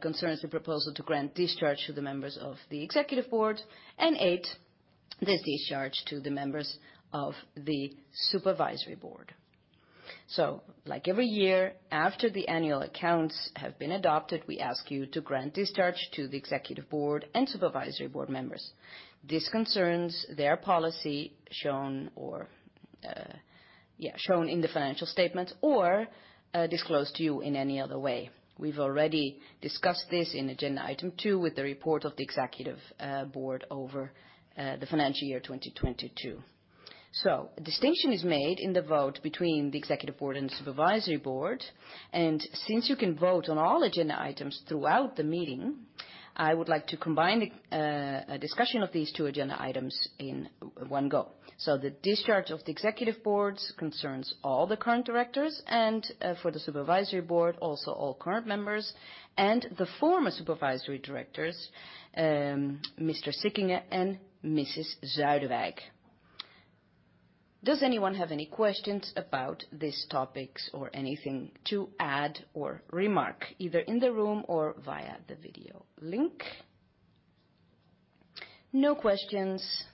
concerns the proposal to grant discharge to the members of the Executive Board, and eight, the discharge to the members of the Supervisory Board. Like every year after the annual accounts have been adopted, we ask you to grant discharge to the Executive Board and Supervisory Board members. This concerns their policy shown or shown in the financial statements or disclosed to you in any other way. We've already discussed this in agenda item two with the report of the executive board over the financial year 2022. A distinction is made in the vote between the executive board and supervisory board. Since you can vote on all agenda items throughout the meeting, I would ike to combine the discussion of these two agenda items in one go. The discharge of the executive boards concerns all the current directors and for the supervisory board, also all current members and the former supervisory directors, Mr. Sickinghe and Mrs. Zuiderwijk. Does anyone have any questions about these topics or anything to add or remark, either in the room or via the video link? No questions.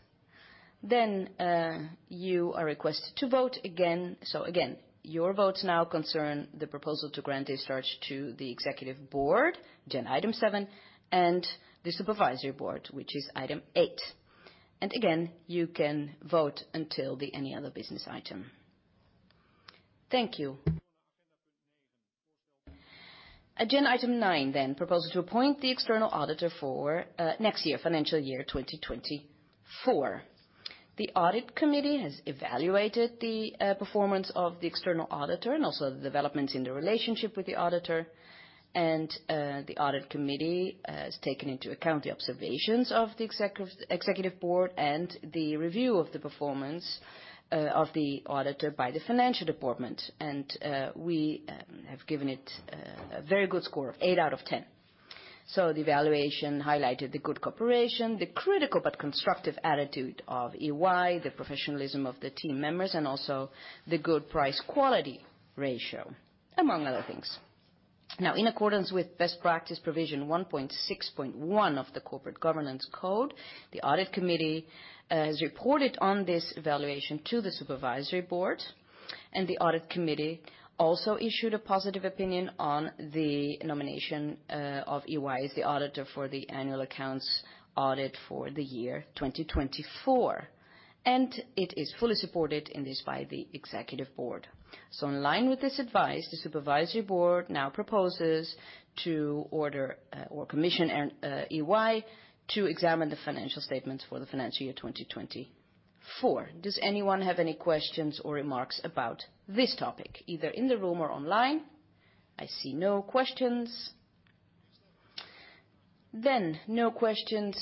You are requested to vote again. Again, your votes now concern the proposal to grant discharge to the Executive Board, agenda item seven, and the Supervisory Board, which is item eight. Again, you can vote until the any other business item. Thank you. Agenda item nine, proposal to appoint the external auditor for next year, financial year 2024. The Audit Committee has evaluated the performance of the external auditor and also the developments in the relationship with the auditor. The Audit Committee has taken into account the observations of the Executive Board and the review of the performance of the auditor by the financial department. We have given it a very good score of eight out of 10. The evaluation highlighted the good cooperation, the critical but constructive attitude of EY, the professionalism of the team members, and also the good price quality ratio, among other things. In accordance with best practice provision 1.6.1 of the Corporate Governance Code, the Audit Committee has reported on this evaluation to the Supervisory Board, and the Audit Committee also issued a positive opinion on the nomination of EY as the auditor for the annual accounts audit for the year 2024, and it is fully supported in this by the Executive Board. In line with this advice, the Supervisory Board now proposes to order or commission EY to examine the financial statements for the financial year 2024. Does anyone have any questions or remarks about this topic, either in the room or online? I see no questions. No questions.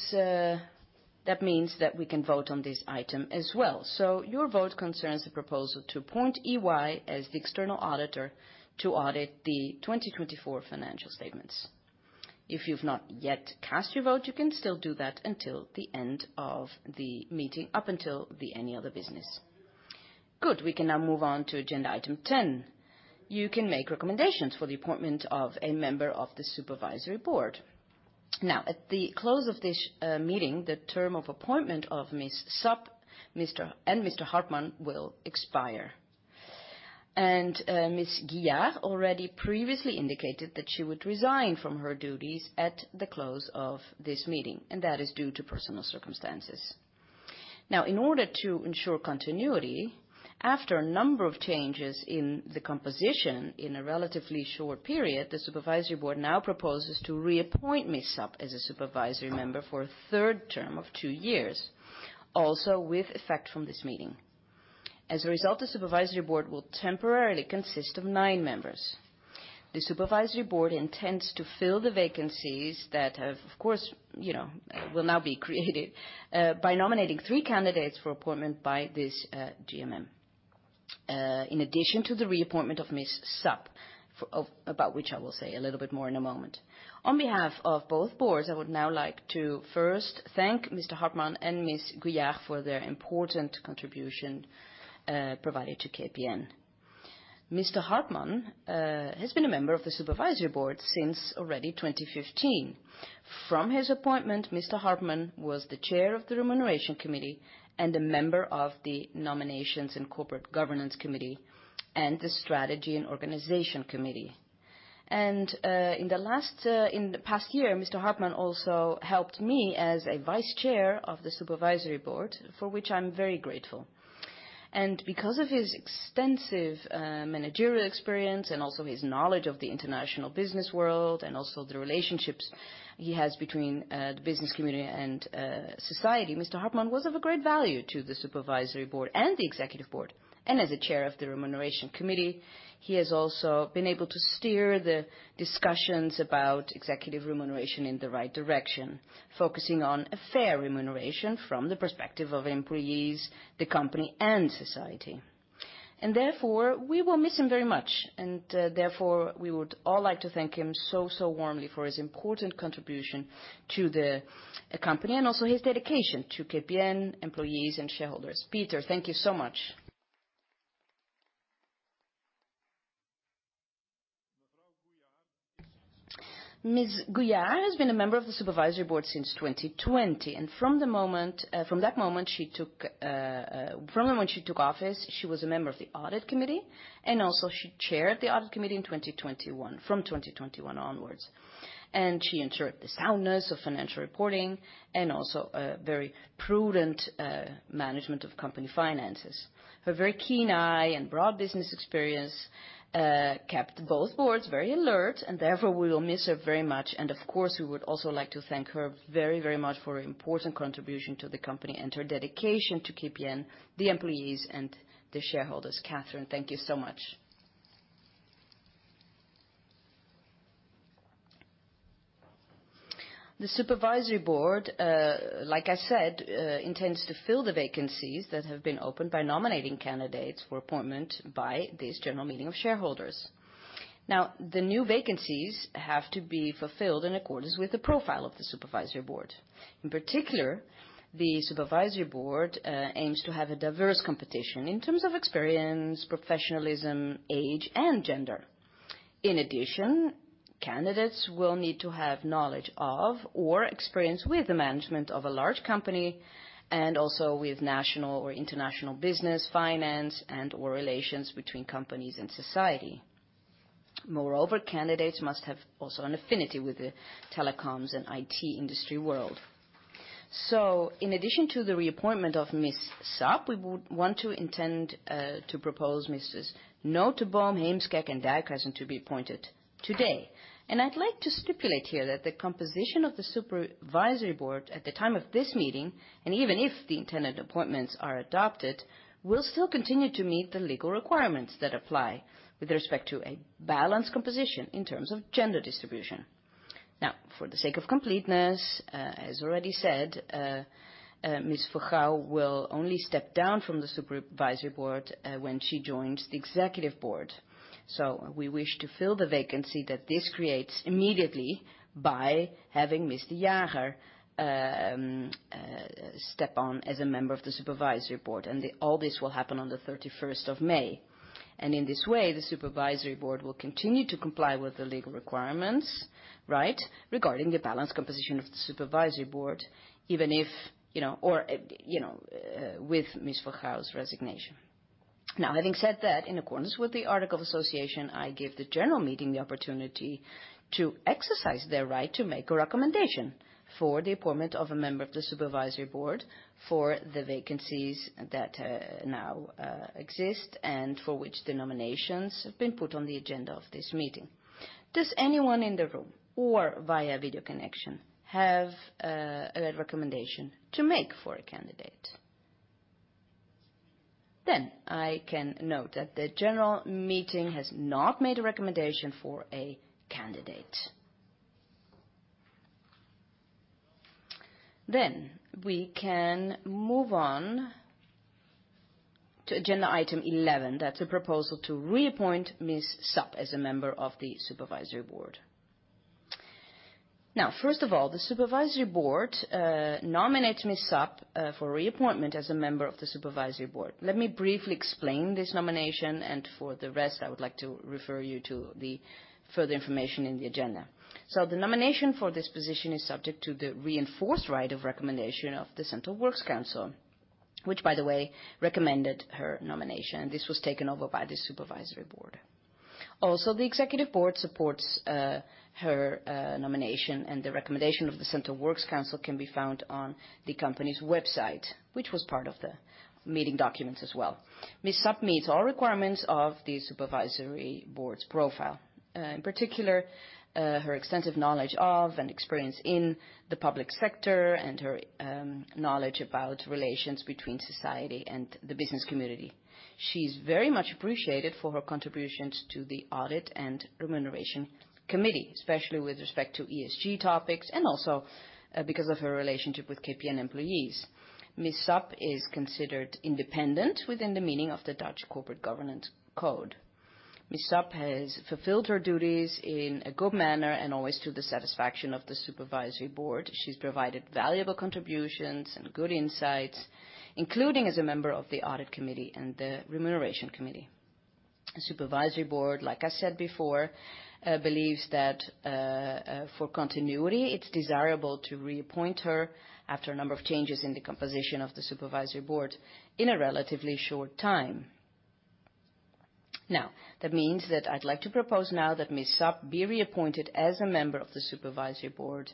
That means that we can vote on this item as well. Your vote concerns the proposal to appoint EY as the external auditor to audit the 2024 financial statements. If you've not yet cast your vote, you can still do that until the end of the meeting, up until the any other business. Good. We can now move on to agenda item 10. You can make recommendations for the appointment of a member of the Supervisory Board. At the close of this meeting, the term of appointment of Ms. Sapp and Mr. Hartman will expire. Ms.aillard already previously indicated that she would resign from her duties at the close of this meeting, and that is due to personal circumstances. Now, in order to ensure continuity after a number of changes in the composition in a relatively short period, the supervisory board now proposes to reappoint Ms. Sapp as a supervisory member for a third term of two years, also with effect from this meeting. As a result, the supervisory board will temporarily consist of nine members. The supervisory board intends to fill the vacancies that have, of course, you know, will now be created by nominating three candidates for appointment by this GMM. In addition to the reappointment of Ms. Sapp, about which I will say a little bit more in a moment. On behalf of both boards, I would now like to first thank Mr. Hartman and Ms. Guyard for their important contribution provided to KPN. Mr. Hartman has been a member of the Supervisory Board since already 2015. From his appointment, Mr. Hartman was the chair of the Remuneration Committee and a member of the Nominating & Corporate Governance Committee and the Strategy and Organization Committee. In the last, in the past year, Mr. Hartman also helped me as a vice-chair of the Supervisory Board, for which I'm very grateful. Because of his extensive managerial experience and also his knowledge of the international business world and also the relationships he has between the business community and society, Mr. Hartman was of a great value to the Supervisory Board and the Executive Board. As a chair of the Remuneration Committee, he has also been able to steer the discussions about executive remuneration in the right direction, focusing on a fair remuneration from the perspective of employees, the company, and society. Therefore, we will miss him very much, and therefore, we would all like to thank him so warmly for his important contribution to the company and also his dedication to KPN employees and shareholders. Peter, thank you so much. Ms. Guyard has been a member of the Supervisory Board since 2020, and from the moment she took office, she was a member of the Audit Committee, and also she chaired the Audit Committee in 2021, from 2021 onwards. She ensured the soundness of financial reporting and also a very prudent management of company finances. Her very keen eye and broad business experience kept both boards very alert, and therefore we will miss her very much. Of course, we would also like to thank her very, very much for her important contribution to the company and her dedication to KPN, the employees, and the shareholders. Catherine, thank you so much. The Supervisory Board, like I said, intends to fill the vacancies that have been opened by nominating candidates for appointment by this General Meeting of Shareholders. The new vacancies have to be fulfilled in accordance with the profile of the Supervisory Board. In particular, the Supervisory Board aims to have a diverse competition in terms of experience, professionalism, age, and gender. In addition, candidates will need to have knowledge of or experience with the management of a large company and also with national or international business, finance, and/or relations between companies and society. Moreover, candidates must have also an affinity with the telecom and IT industry world. In addition to the reappointment of Ms. Sapp, we would want to intend to propose Mrs. Noteboom, Heemskerk, and Dijkhuizen to be appointed today. I'd like to stipulate here that the composition of the Supervisory Board at the time of this meeting, and even if the intended appointments are adopted, will still continue to meet the legal requirements that apply with respect to a balanced composition in terms of gender distribution. For the sake of completeness, as already said, Ms. Vergouw will only step down from the Supervisory Board when she joins the Executive Board. We wish to fill the vacancy that this creates immediately by having Mr. Jager step on as a member of the Supervisory Board, all this will happen on the 31st of May. In this way, the Supervisory Board will continue to comply with the legal requirements, right, regarding the balanced composition of the Supervisory Board, even if, you know, or, you know, with Ms. Vergauwe's resignation. Having said that, in accordance with the Articles of Association, I give the General Meeting the opportunity to exercise their right to make a recommendation for the appointment of a member of the Supervisory Board for the vacancies that now exist and for which the nominations have been put on the agenda of this meeting. Does anyone in the room or via video connection have a recommendation to make for a candidate? I can note that the General Meeting has not made a recommendation for a candidate. We can move on to agenda item 11. That's a proposal to reappoint Ms. Sapp as a member of the Supervisory Board. First of all, the Supervisory Board nominates Ms. Sapp for reappointment as a member of the Supervisory Board. Let me briefly explain this nomination, and for the rest, I would like to refer you to the further information in the agenda. The nomination for this position is subject to the reinforced right of recommendation of the Central Works Council, which, by the way, recommended her nomination. This was taken over by the Supervisory Board. The Executive Board supports her nomination, and the recommendation of the Central Works Council can be found on the company's website, which was part of the meeting documents as well. Ms. Sapp meets all requirements of the Supervisory Board's profile, in particular, her extensive knowledge of and experience in the public sector and her knowledge about relations between society and the business community. She's very much appreciated for her contributions to the Audit and Remuneration Committee, especially with respect to ESG topics and also because of her relationship with KPN employees. Ms. Sapp is considered independent within the meaning of the Dutch Corporate Governance Code. Ms. Sapp has fulfilled her duties in a good manner and always to the satisfaction of the Supervisory Board. She's provided valuable contributions and good insights, including as a member of the Audit Committee and the Remuneration Committee. The supervisory board, like I said before, believes that for continuity, it's desirable to reappoint her after a number of changes in the composition of the supervisory board in a relatively short time. That means that I'd like to propose now that Ms. Sapp be reappointed as a member of the supervisory board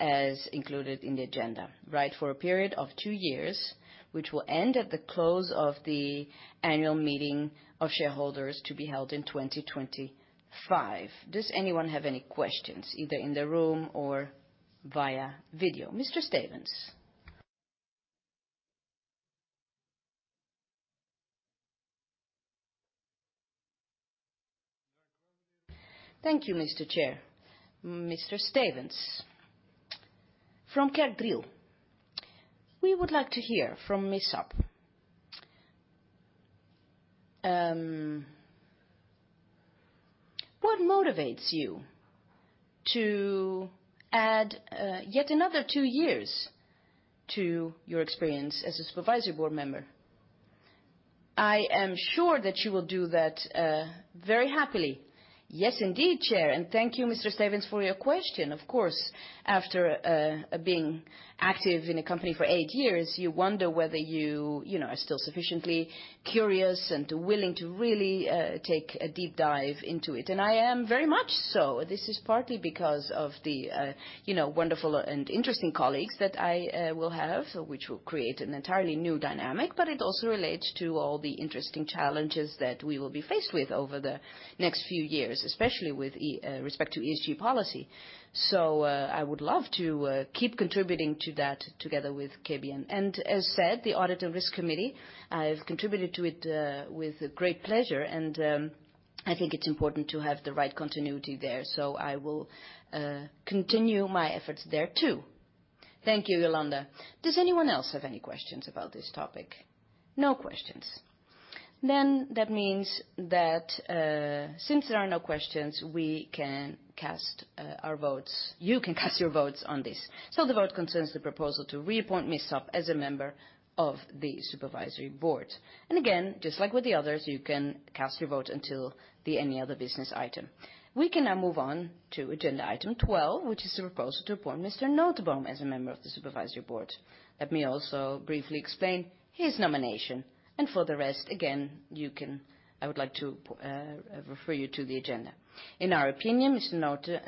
as included in the agenda, right, for a period of two years, which will end at the close of the annual meeting of shareholders to be held in 2025. Does anyone have any questions, either in the room or via video? Mr. Stevens. Thank you, Mr. Chair. Mr. Stevens from Kerkdriel. We would like to hear from Ms. Sapp.What motivates you to add yet another two years to your experience as a supervisory board member? I am sure that you will do that very happily. Indeed, Chair, thank you, Mr. Stevens, for your question. Of course, after being active in a company for eight years, you wonder whether you know, are still sufficiently curious and willing to really take a deep dive into it, I am very much so. This is partly because of the, you know, wonderful and interesting colleagues that I will have, which will create an entirely new dynamic, it also relates to all the interesting challenges that we will be faced with over the next few years, especially with respect to ESG policy. I would love to keep contributing to that together with KPN. As said, the Audit and Risk Committee, I've contributed to it with great pleasure, I think it's important to have the right continuity there. I will continue my efforts there too. Thank you, Gerard van de Aas. Does anyone else have any questions about this topic? No questions. That means that, since there are no questions, we can cast our votes. You can cast your votes on this. The vote concerns the proposal to reappoint Ms. Sapp as a member of the Supervisory Board. Again, just like with the others, you can cast your vote until the any other business item. We can now move on to agenda item 12, which is the proposal to appoint Mr. Noteboom as a member of the Supervisory Board. Let me also briefly explain his nomination. For the rest, again, you can... I would like to refer you to the agenda. In our opinion, Mr.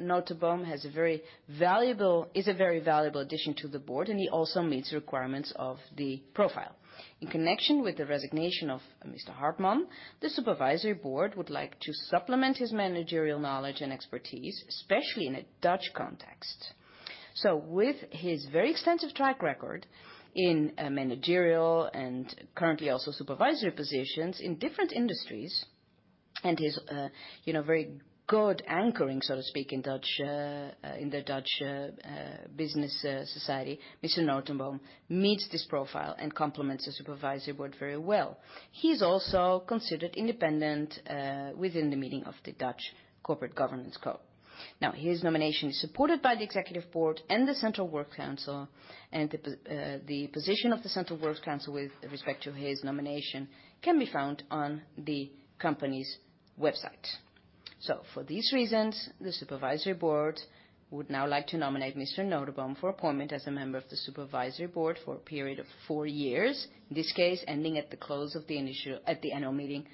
Noteboom is a very valuable addition to the board, and he also meets the requirements of the profile. In connection with the resignation of Mr. Hartman, the Supervisory Board would like to supplement his managerial knowledge and expertise, especially in a Dutch context. With his very extensive track record in managerial and currently also supervisory positions in different industries and his, you know, very good anchoring, so to speak, in Dutch, in the Dutch business society, Mr. Noteboom meets this profile and complements the Supervisory Board very well. He's also considered independent within the meaning of the Dutch Corporate Governance Code. His nomination is supported by the executive board and the Central Works Council, and the position of the Central Works Council with respect to his nomination can be found on the company's website. For these reasons, the Supervisory Board would now like to nominate Mr. Noteboom for appointment as a member of the Supervisory Board for a period of four years, in this case, ending at the close of the annual meeting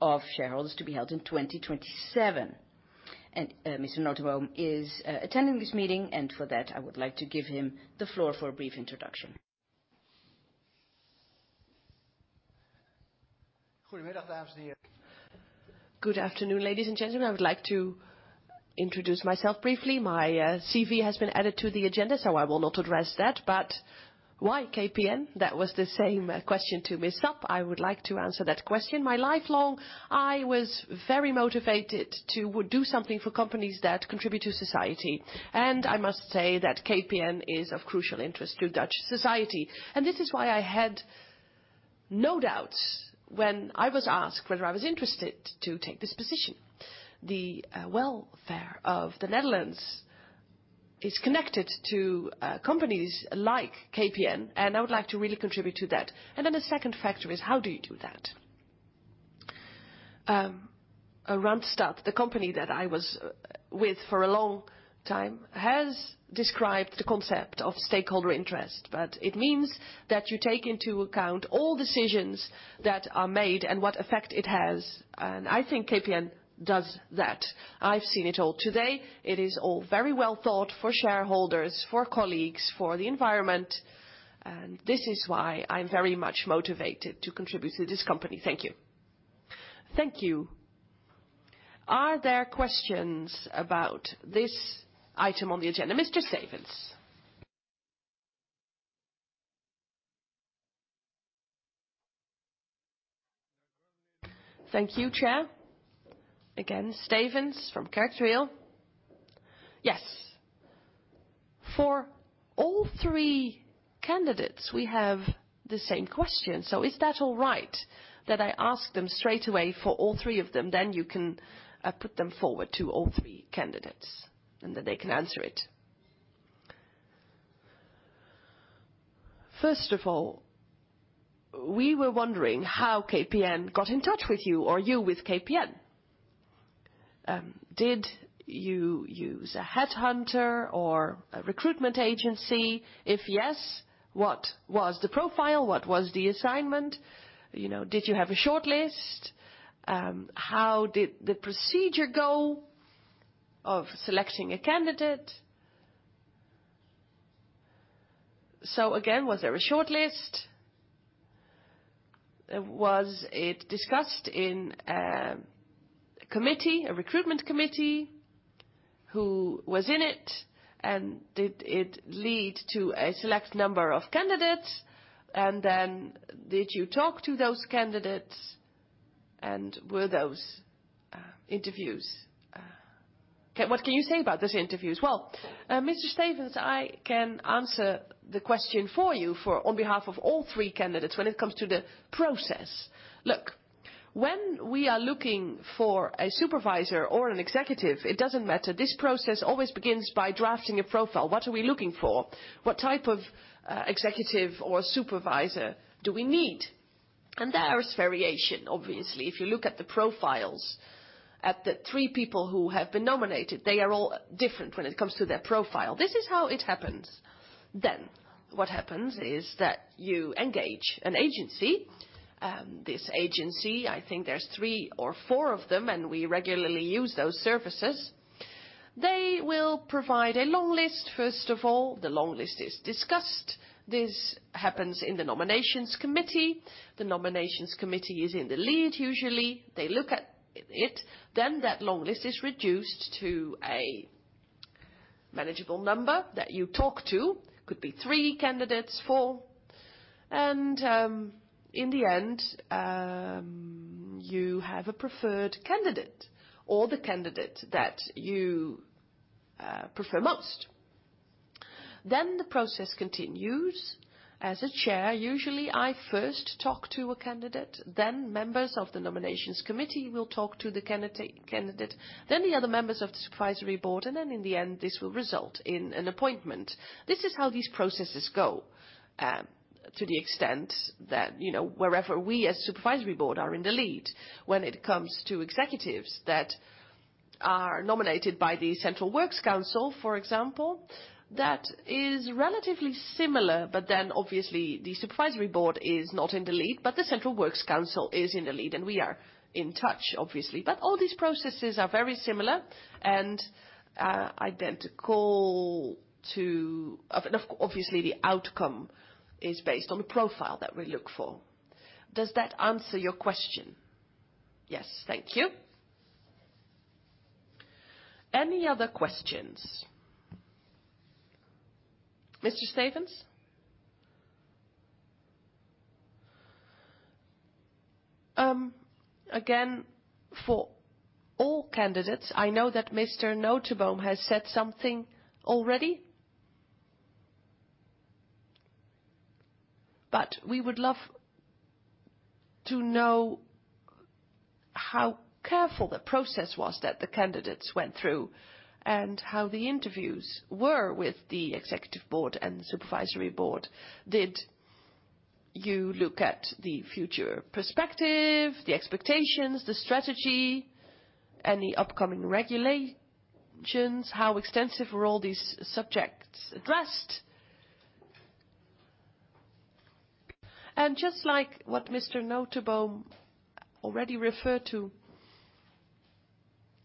of shareholders to be held in 2027. Mr. Noteboom is attending this meeting, and for that, I would like to give him the floor for a brief introduction. Good afternoon, ladies and gentlemen. I would like to introduce myself briefly. My CV has been added to the agenda, so I will not address that. Why KPN? That was the same question to Ms. Sapp. I would like to answer that question. I was very motivated to do something for companies that contribute to society, and I must say that KPN is of crucial interest to Dutch society. This is why I had no doubts when I was asked whether I was interested to take this position. The welfare of the Netherlands is connected to companies like KPN, and I would like to really contribute to that. Then the second factor is how do you do that? Randstad, the company that I was with for a long time, has described the concept of stakeholder interest, but it means that you take into account all decisions that are made and what effect it has, and I think KPN does that. I've seen it all today. It is all very well thought for shareholders, for colleagues, for the environment. This is why I'm very much motivated to contribute to this company. Thank you. Thank you. Are there questions about this item on the agenda? Mr. Stevens. Thank you, Chair. Again, Stevens from Kerkdriel. Yes. For all three candidates, we have the same question. Is that all right that I ask them straight away for all three of them, you can put them forward to all three candidates, and then they can answer it We were wondering how KPN got in touch with you or you with KPN. Did you use a headhunter or a recruitment agency? If yes, what was the profile? What was the assignment? You know, did you have a shortlist? How did the procedure go of selecting a candidate? Again, was there a shortlist? Was it discussed in a committee, a recruitment committee? Who was in it, and did it lead to a select number of candidates? Did you talk to those candidates, and were those interviews? What can you say about those interviews? Mr. Stevens, I can answer the question for you for on behalf of all three candidates when it comes to the process. When we are looking for a supervisor or an executive, it doesn't matter. This process always begins by drafting a profile. What are we looking for? What type of executive or supervisor do we need? There is variation, obviously. If you look at the profiles at the three people who have been nominated, they are all different when it comes to their profile. This is how it happens. What happens is that you engage an agency. This agency, I think there's three or four of them, and we regularly use those services. They will provide a long list first of all. The long list is discussed. This happens in the Nominations Committee. The Nominations Committee is in the lead usually. They look at it. That long list is reduced to a manageable number that you talk to. Could be three candidates, four, and in the end, you have a preferred candidate or the candidate that you prefer most. The process continues. As a chair, usually I first talk to a candidate, then members of the Nominations Committee will talk to the candidate, then the other members of the Supervisory Board, and then in the end, this will result in an appointment. This is how these processes go, to the extent that, you know, wherever we as Supervisory Board are in the lead. When it comes to executives that are nominated by the Central Works Council, for example, that is relatively similar, but then obviously the Supervisory Board is not in the lead, but the Central Works Council is in the lead, and we are in touch, obviously. All these processes are very similar and identical to... obviously, the outcome is based on the profile that we look for. Does that answer your question? Yes. Thank you. Any other questions? Mr. Stevens? Again, for all candidates, I know that Mr. Noteboom has said something already. We would love to know how careful the process was that the candidates went through and how the interviews were with the executive board and the supervisory board. Did you look at the future perspective, the expectations, the strategy, any upcoming regulations? How extensive were all these subjects addressed? Just like what Mr. Noteboom already referred to,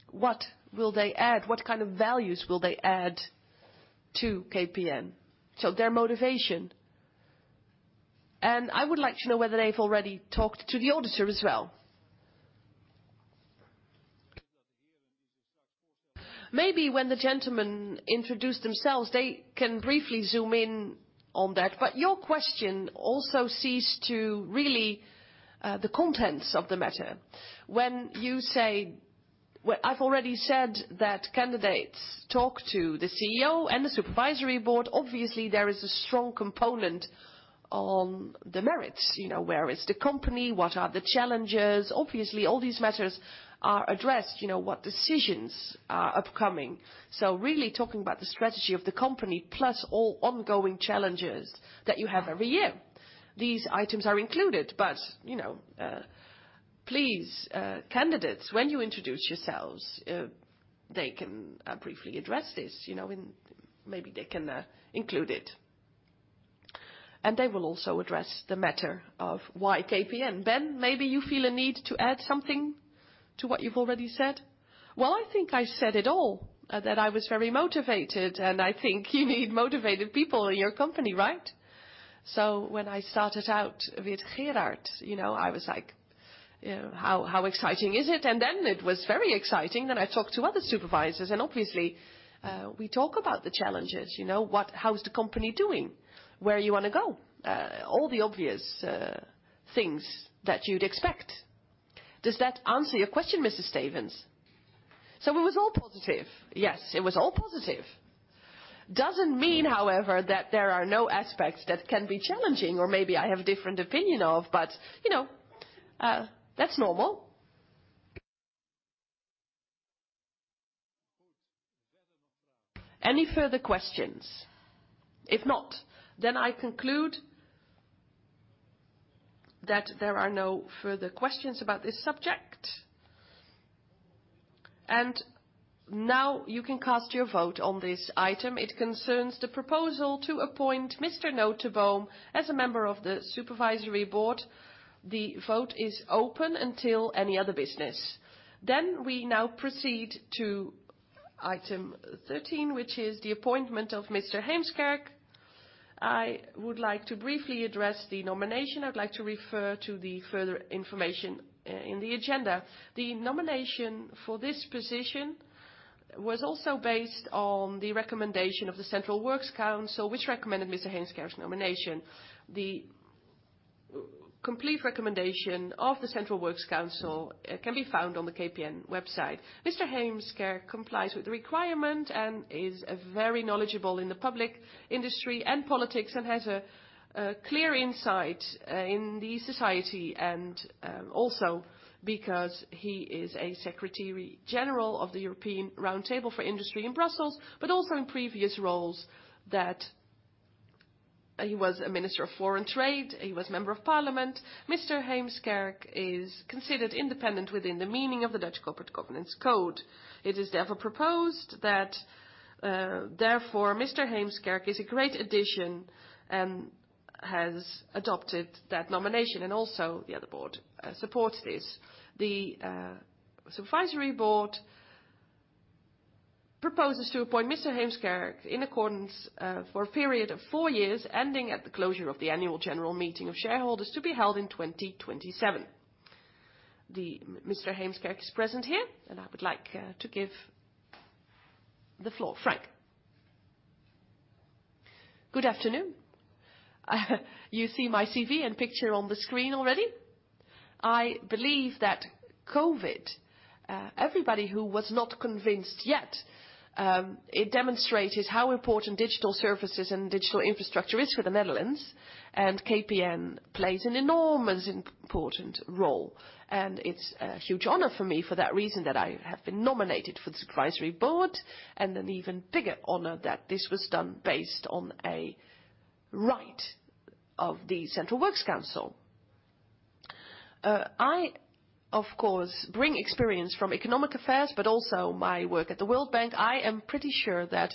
what will they add? What kind of values will they add to KPN? Their motivation. I would like to know whether they've already talked to the auditor as well. Maybe when the gentlemen introduce themselves, they can briefly zoom in on that. Your question also sees to really the contents of the matter. When you say I've already said that candidates talk to the CEO and the supervisory board. Obviously, there is a strong component on the merits. You know, where is the company? What are the challenges? Obviously, all these matters are addressed. You know, what decisions are upcoming. Really talking about the strategy of the company plus all ongoing challenges that you have every year. These items are included. You know, please, candidates, when you introduce yourselves, they can briefly address this. You know, Maybe they can include it. They will also address the matter of why KPN. Ben, maybe you feel a need to add something to what you've already said. Well, I think I said it all, that I was very motivated, and I think you need motivated people in your company, right? When I started out with Gerard, you know, I was like, you know, "How, how exciting is it?" Then it was very exciting. I talked to other supervisors, obviously, we talk about the challenges. You know, how is the company doing? Where you wanna go? All the obvious things that you'd expect. Does that answer your question, Mr. Stevens? It was all positive. Yes, it was all positive. Doesn't mean, however, that there are no aspects that can be challenging or maybe I have a different opinion of, but, you know, that's normal. Any further questions? If not, then I conclude that there are no further questions about this subject. Now you can cast your vote on this item. It concerns the proposal to appoint Mr. Noteboom as a member of the Supervisory Board. The vote is open until any other business. We now proceed to item 13, which is the appointment of Mr. Heemskerk. I would like to briefly address the nomination. I'd like to refer to the further information in the agenda. The nomination for this position was also based on the recommendation of the Central Works Council, which recommended Mr. Heemskerk's nomination. The complete recommendation of the Central Works Council can be found on the KPN website. Mr. Heemskerk complies with the requirement and is very knowledgeable in the public industry and politics, and has a clear insight in the society, and also because he is a Secretary General of the European Round Table for Industry in Brussels, but also in previous roles that he was a Minister of Foreign Trade, he was Member of Parliament. Heemskerk is considered independent within the meaning of the Dutch Corporate Governance Code. It is therefore proposed that, therefore Mr. Heemskerk is a great addition and has adopted that nomination and also the other board supports this. Supervisory Board proposes to appoint Mr. Heemskerk in accordance for a period of four years, ending at the closure of the annual general meeting of shareholders to be held in 2027. Mr. Heemskerk is present here, I would like to give the floor. Frank. Good afternoon. You see my CV and picture on the screen already. I believe that COVID, everybody who was not convinced yet, it demonstrated how important digital services and digital infrastructure is for the Netherlands. KPN plays an enormous important role. It's a huge honor for me for that reason that I have been nominated for the supervisory board, and an even bigger honor that this was done based on a right of the Central Works Council. I, of course, bring experience from economic affairs, but also my work at the World Bank. I am pretty sure that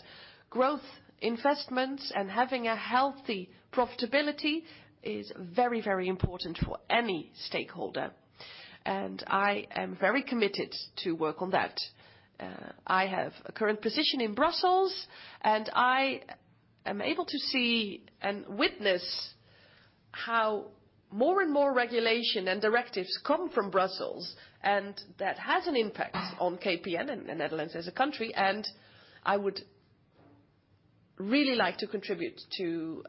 growth investments and having a healthy profitability is very, very important for any stakeholder, and I am very committed to work on that. I have a current position in Brussels, and I am able to see and witness how more and more regulation and directives come from Brussels, and that has an impact on KPN and Netherlands as a country. I would really like to contribute to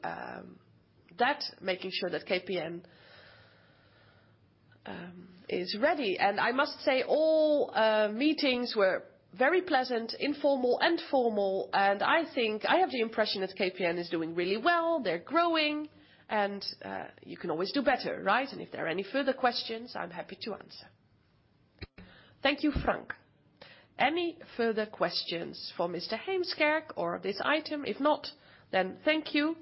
that, making sure that KPN is ready. I must say, all meetings were very pleasant, informal and formal. I have the impression that KPN is doing really well. They're growing, and you can always do better, right? If there are any further questions, I'm happy to answer. Thank you, Frank. Any further questions for Mr. Heemskerk or this item? If not, then thank you.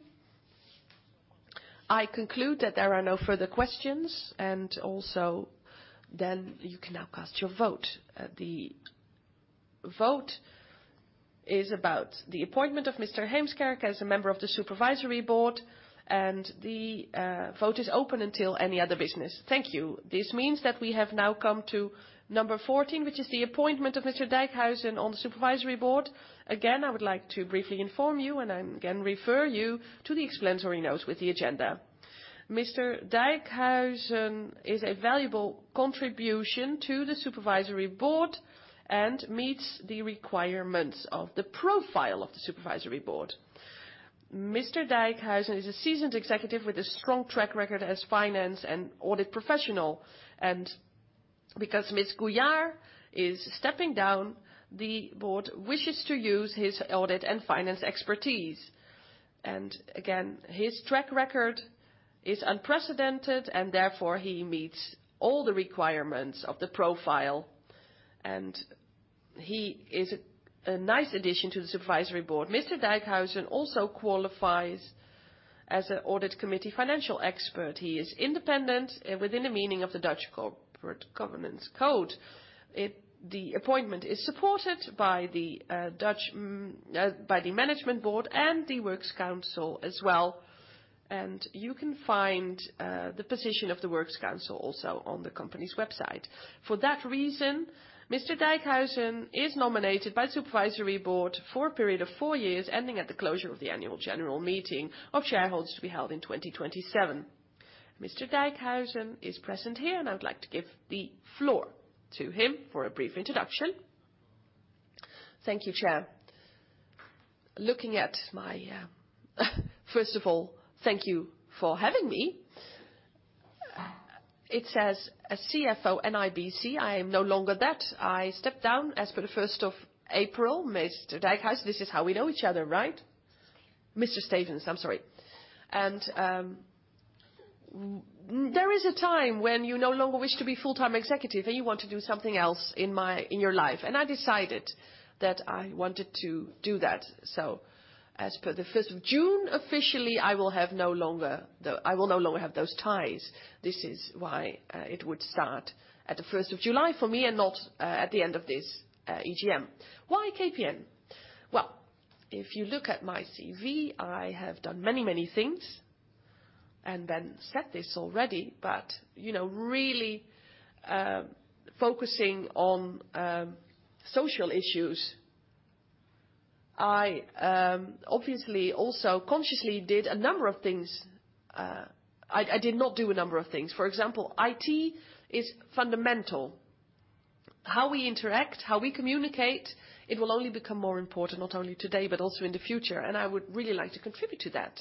I conclude that there are no further questions. Also, then you can now cast your vote. The vote is about the appointment of Mr. Heemskerk as a member of the Supervisory Board, and the vote is open until any other business. Thank you. This means that we have now come to number 14, which is the appointment of Mr. Dijkhuizen on the Supervisory Board. I would like to briefly inform you. I again refer you to the explanatory notes with the agenda. Mr. Dijkhuizen is a valuable contribution to the Supervisory Board and meets the requirements of the profile of the Supervisory Board. Mr. Dijkhuizen is a seasoned executive with a strong track record as finance and audit professional. Because Ms. Guillouard is stepping down, the Board wishes to use his audit and finance expertise. His track record is unprecedented. Therefore he meets all the requirements of the profile. He is a nice addition to the Supervisory Board. Mr. Dijkhuizen also qualifies as an Audit Committee financial expert. He is independent within the meaning of the Dutch Corporate Governance Code. The appointment is supported by the Management Board and the Works Council as well. You can find the position of the Works Council also on the company's website. For that reason, Mr. Dijkhuizen is nominated by Supervisory Board for a period of four years, ending at the closure of the annual general meeting of shareholders to be held in 2027. Mr. Dijkhuizen is present here, and I would like to give the floor to him for a brief introduction. Thank you, Chair. Looking at my, first of all, thank you for having me. It says a CFO NIBC. I am no longer that. I stepped down as per the first of April. Mr. Dijkhuizen, this is how we know each other, right? Mr. Stevens, I'm sorry. There is a time when you no longer wish to be full-time executive, and you want to do something else in your life, and I decided that I wanted to do that. As per the first of June, officially, I will no longer have those ties. This is why it would start at the first of July for me and not at the end of this AGM. Why KPN? If you look at my CV, I have done many, many things and then said this already, but, you know, really, focusing on social issues, I obviously also consciously did a number of things. I did not do a number of things. For example, IT is fundamental. How we interact, how we communicate, it will only become more important not only today but also in the future. I would really like to contribute to that.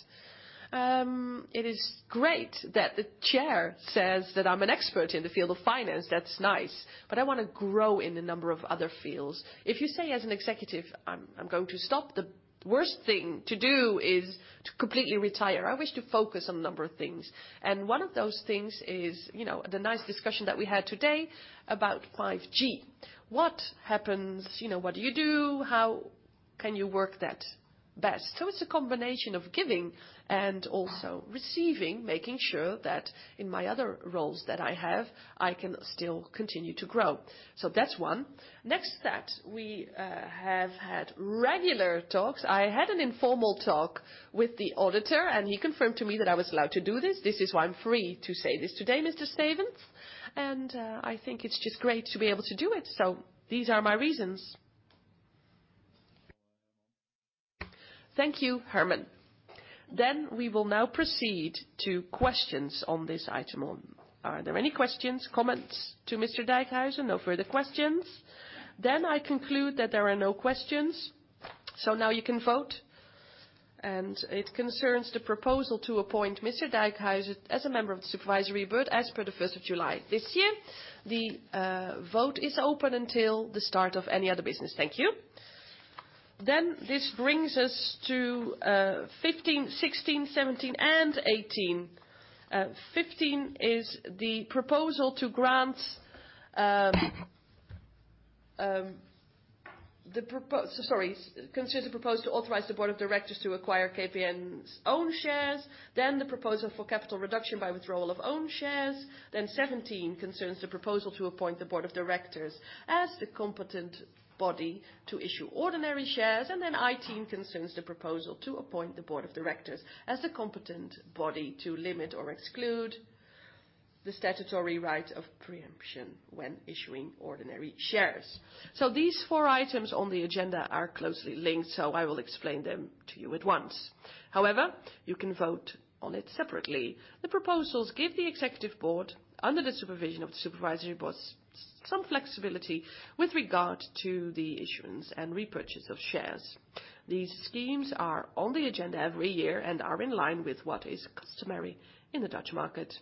It is great that the chair says that I'm an expert in the field of finance. That's nice. I wanna grow in a number of other fields. If you say, as an executive, I'm going to stop, the worst thing to do is to completely retire. I wish to focus on a number of things. One of those things is, you know, the nice discussion that we had today about 5G. What happens? You know, what do you do? How can you work that best? It's a combination of giving and also receiving, making sure that in my other roles that I have, I can still continue to grow. That's one. Next step, we have had regular talks. I had an informal talk with the auditor, and he confirmed to me that I was allowed to do this. This is why I'm free to say this today, Mr. Stevens. I think it's just great to be able to do it. These are my reasons. Thank you, Herman. We will now proceed to questions on this item. Are there any questions, comments to Mr. Dijkhuizen? No further questions. I conclude that there are no questions. Now you can vote, and it concerns the proposal to appoint Mr. Dijkhuizen as a member of the supervisory board as per the 1st of July this year. The vote is open until the start of any other business. Thank you. This brings us to 15, 16, 17, and 18. 15 is the proposal to grant. So sorry. Concern the proposal to authorize the Board of Directors to acquire KPN's own shares, then the proposal for capital reduction by withdrawal of own shares. 17 concerns the proposal to appoint the Board of Directors as the competent body to issue ordinary shares. 18 concerns the proposal to appoint the Board of Directors as the competent body to limit or exclude the statutory right of preemption when issuing ordinary shares. These four items on the agenda are closely linked, I will explain them to you at once. However, you can vote on it separately. The proposals give the Executive Board, under the supervision of the Supervisory Board, some flexibility with regard to the issuance and repurchase of shares. These schemes are on the agenda every year and are in line with what is customary in the Dutch market.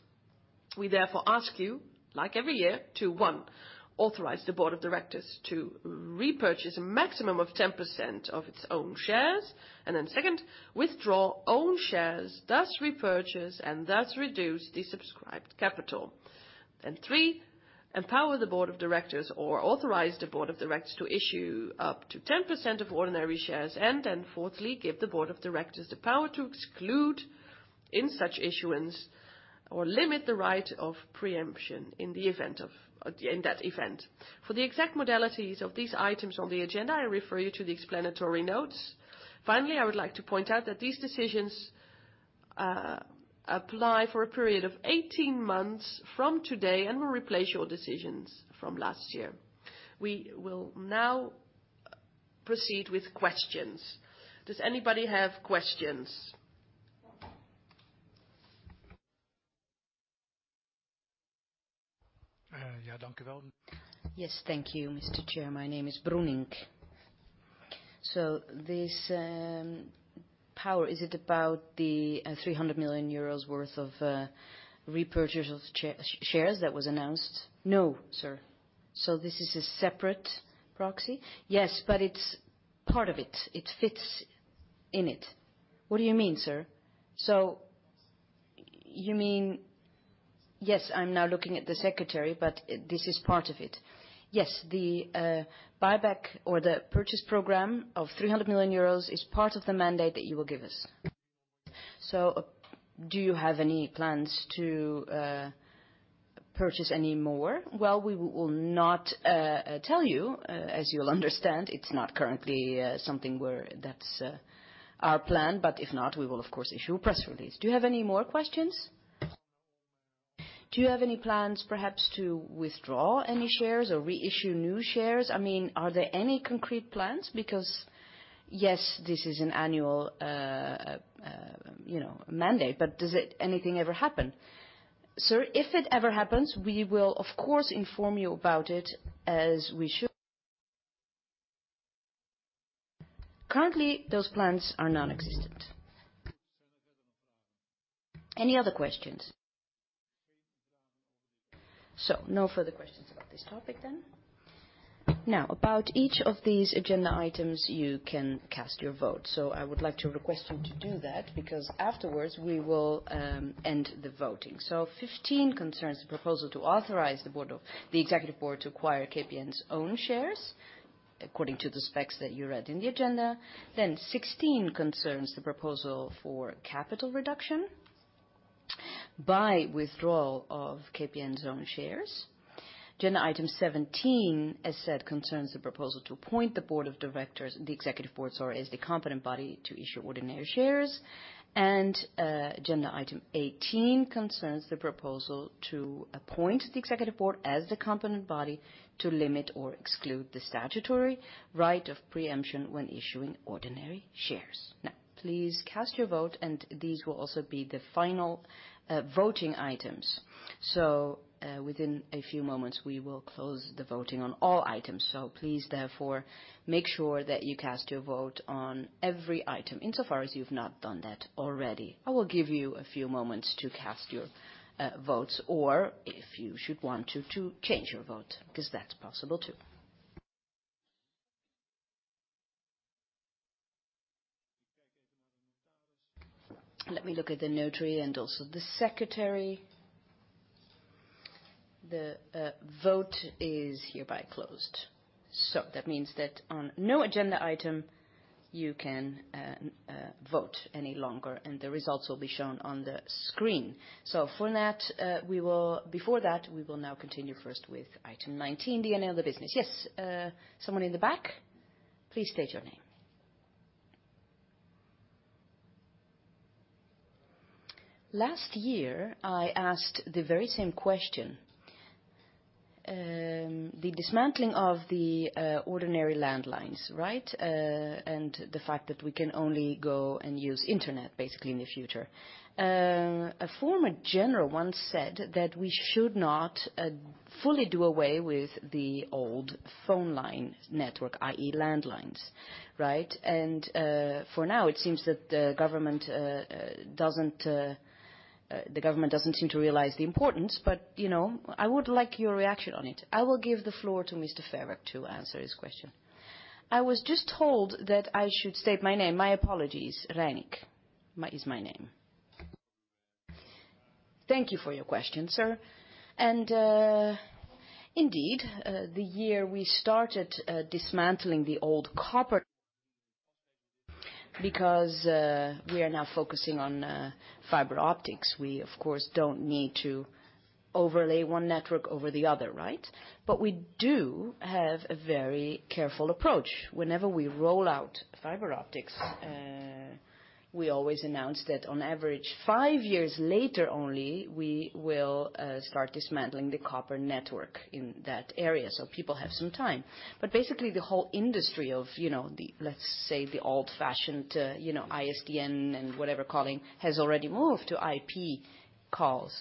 We therefore ask you, like every year, to, one, authorize the board of directors to repurchase a maximum of 10% of its own shares and, second, withdraw own shares, thus repurchase and thus reduce the subscribed capital. Three, empower the board of directors or authorize the board of directors to issue up to 10% of ordinary shares. Fourthly, give the board of directors the power to exclude in such issuance or limit the right of preemption in that event. For the exact modalities of these items on the agenda, I refer you to the explanatory notes. Finally, I would like to point out that these decisions, apply for a period of 18 months from today and will replace your decisions from last year. We will now proceed with questions. Does anybody have questions? yeah. Danke well. Yes. Thank you, Mr. Chair. My name is Bruning. This, power, is it about the 300 million euros worth of repurchase of shares that was announced? No, sir. This is a separate proxy? Yes, it's part of it. It fits in it. What do you mean, sir? You mean... Yes, I'm now looking at the secretary. This is part of it. Yes. The buyback or the purchase program of 300 million euros is part of the mandate that you will give us. Do you have any plans to purchase any more? We will not tell you, as you'll understand, it's not currently something where that's our plan. If not, we will of course issue a press release. Do you have any more questions? Do you have any plans perhaps to withdraw any shares or reissue new shares? I mean, are there any concrete plans? Because, yes, this is an annual, you know, mandate, but does it, anything ever happen? Sir, if it ever happens, we will of course inform you about it as we should. Currently, those plans are nonexistent. Any other questions? No further questions about this topic then. Now, about each of these agenda items, you can cast your vote. I would like to request you to do that, because afterwards we will end the voting. 15 concerns the proposal to authorize the executive board to acquire KPN's own shares according to the specs that you read in the agenda. 16 concerns the proposal for capital reduction by withdrawal of KPN's own shares. Agenda item 17, as said, concerns the proposal to appoint the board of directors, the executive board, sorry, as the competent body to issue ordinary shares. Agenda item 18 concerns the proposal to appoint the executive board as the competent body to limit or exclude the statutory right of preemption when issuing ordinary shares. Please cast your vote, these will also be the final voting items. Within a few moments, we will close the voting on all items. Please therefore make sure that you cast your vote on every item insofar as you've not done that already. I will give you a few moments to cast your votes, or if you should want to change your vote, 'cause that's possible too. Let me look at the notary and also the secretary. The vote is hereby closed. That means that on no agenda item you can vote any longer, the results will be shown on the screen. For that, before that, we will now continue first with item 19, DNA of the business. Someone in the back. Please state your name. Last year, I asked the very same question. The dismantling of the ordinary landlines, and the fact that we can only go and use internet basically in the future. A former general once said that we should not fully do away with the old phone line network, i.e. landlines. For now, it seems that the government doesn't seem to realize the importance, but, you know, I would like your reaction on it. I will give the floor to Mr. Figee to answer this question. I was just told that I should state my name. My apologies. Reinik is my name. Thank you for your question, sir. Indeed, the year we started dismantling the old copper because we are now focusing on fiber optics. We of course don't need to overlay one network over the other, right? We do have a very careful approach. Whenever we roll out fiber optics, we always announce that on average five years later only, we will start dismantling the copper network in that area, so people have some time. Basically the whole industry of, you know, the, let's say, the old-fashioned, you know, ISDN and whatever calling has already moved to IP calls.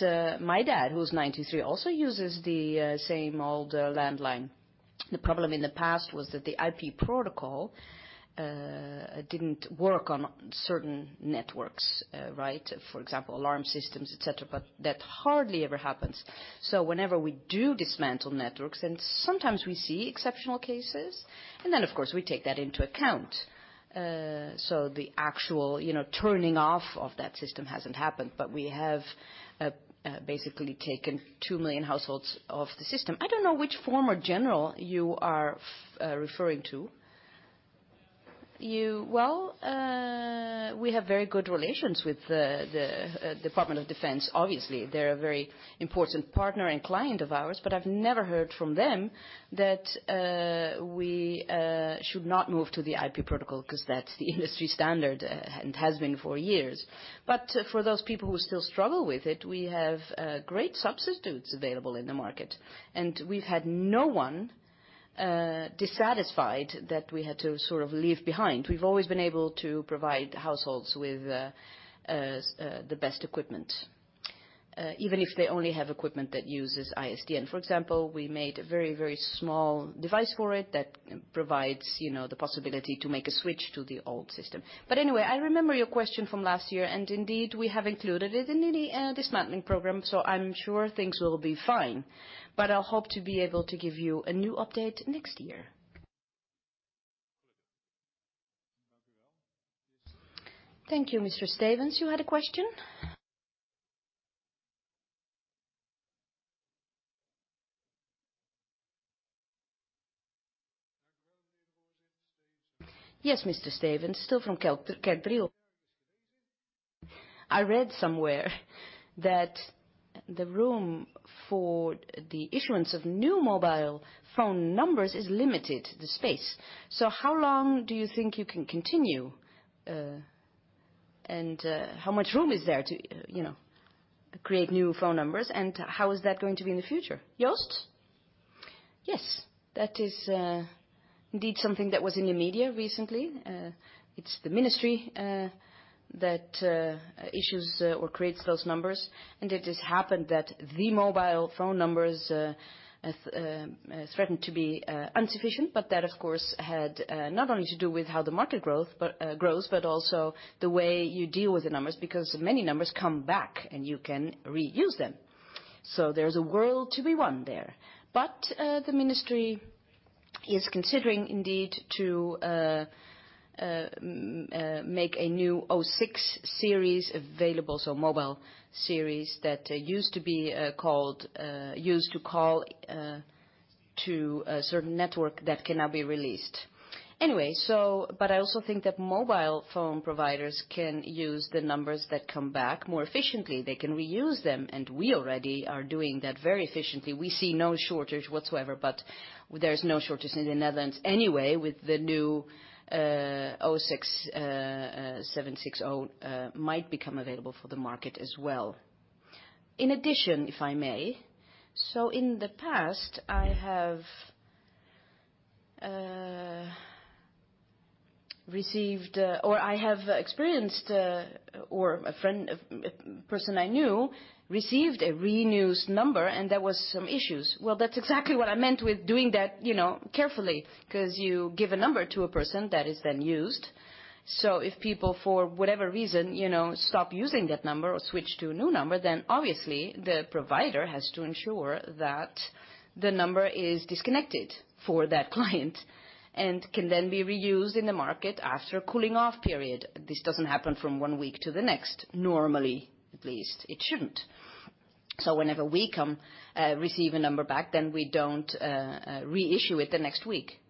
My dad, who's 93, also uses the same old, landline. The problem in the past was that the IP protocol didn't work on certain networks, right? For example, alarm systems, et cetera, but that hardly ever happens. Whenever we do dismantle networks, and sometimes we see exceptional cases, and then of course we take that into account. The actual, you know, turning off of that system hasn't happened, but we have basically taken 2 million households off the system. I don't know which former general you are referring to. We have very good relations with the Department of Defense, obviously. They're a very important partner and client of ours, I've never heard from them that we should not move to the IP protocol 'cause that's the industry standard and has been for years. For those people who still struggle with it, we have great substitutes available in the market. We've had no one dissatisfied that we had to sort of leave behind. We've always been able to provide households with the best equipment, even if they only have equipment that uses ISDN. For example, we made a very, very small device for it that provides, you know, the possibility to make a switch to the old system. Anyway, I remember your question from last year, and indeed, we have included it in the dismantling program, I'm sure things will be fine. I'll hope to be able to give you a new update next year. Thank you. Mr. Stevens, you had a question? Yes, Mr. Stevens, still from Kerkdriel. I read somewhere that the room for the issuance of new mobile phone numbers is limited, the space. How long do you think you can continue, and how much room is there to, you know, create new phone numbers? How is that going to be in the future? Joost? Yes. That is, indeed something that was in the media recently. It's the ministry that issues or creates those numbers. It has happened that the mobile phone numbers threaten to be insufficient. That, of course, had not only to do with how the market growth but grows, but also the way you deal with the numbers, because many numbers come back, and you can reuse them. There's a world to be won there. The ministry is considering indeed to make a new 06 series available, so mobile series that used to be called, used to call, to a certain network that cannot be released. Anyway, I also think that mobile phone providers can use the numbers that come back more efficiently. They can reuse them, and we already are doing that very efficiently. We see no shortage whatsoever. There's no shortage in the Netherlands anyway, with the new 06, 760, might become available for the market as well. In addition, if I may. In the past, I have received or I have experienced or a friend, a person I knew received a reused number, and there was some issues. That's exactly what I meant with doing that, you know, carefully 'cause you give a number to a person that is then used. If people, for whatever reason, you know, stop using that number or switch to a new number, then obviously the provider has to ensure that the number is disconnected for that client and can then be reused in the market after a cooling off period. This doesn't happen from one week to the next. Normally, at least, it shouldn't. Whenever we come, receive a number back, then we don't re-issue it the next week.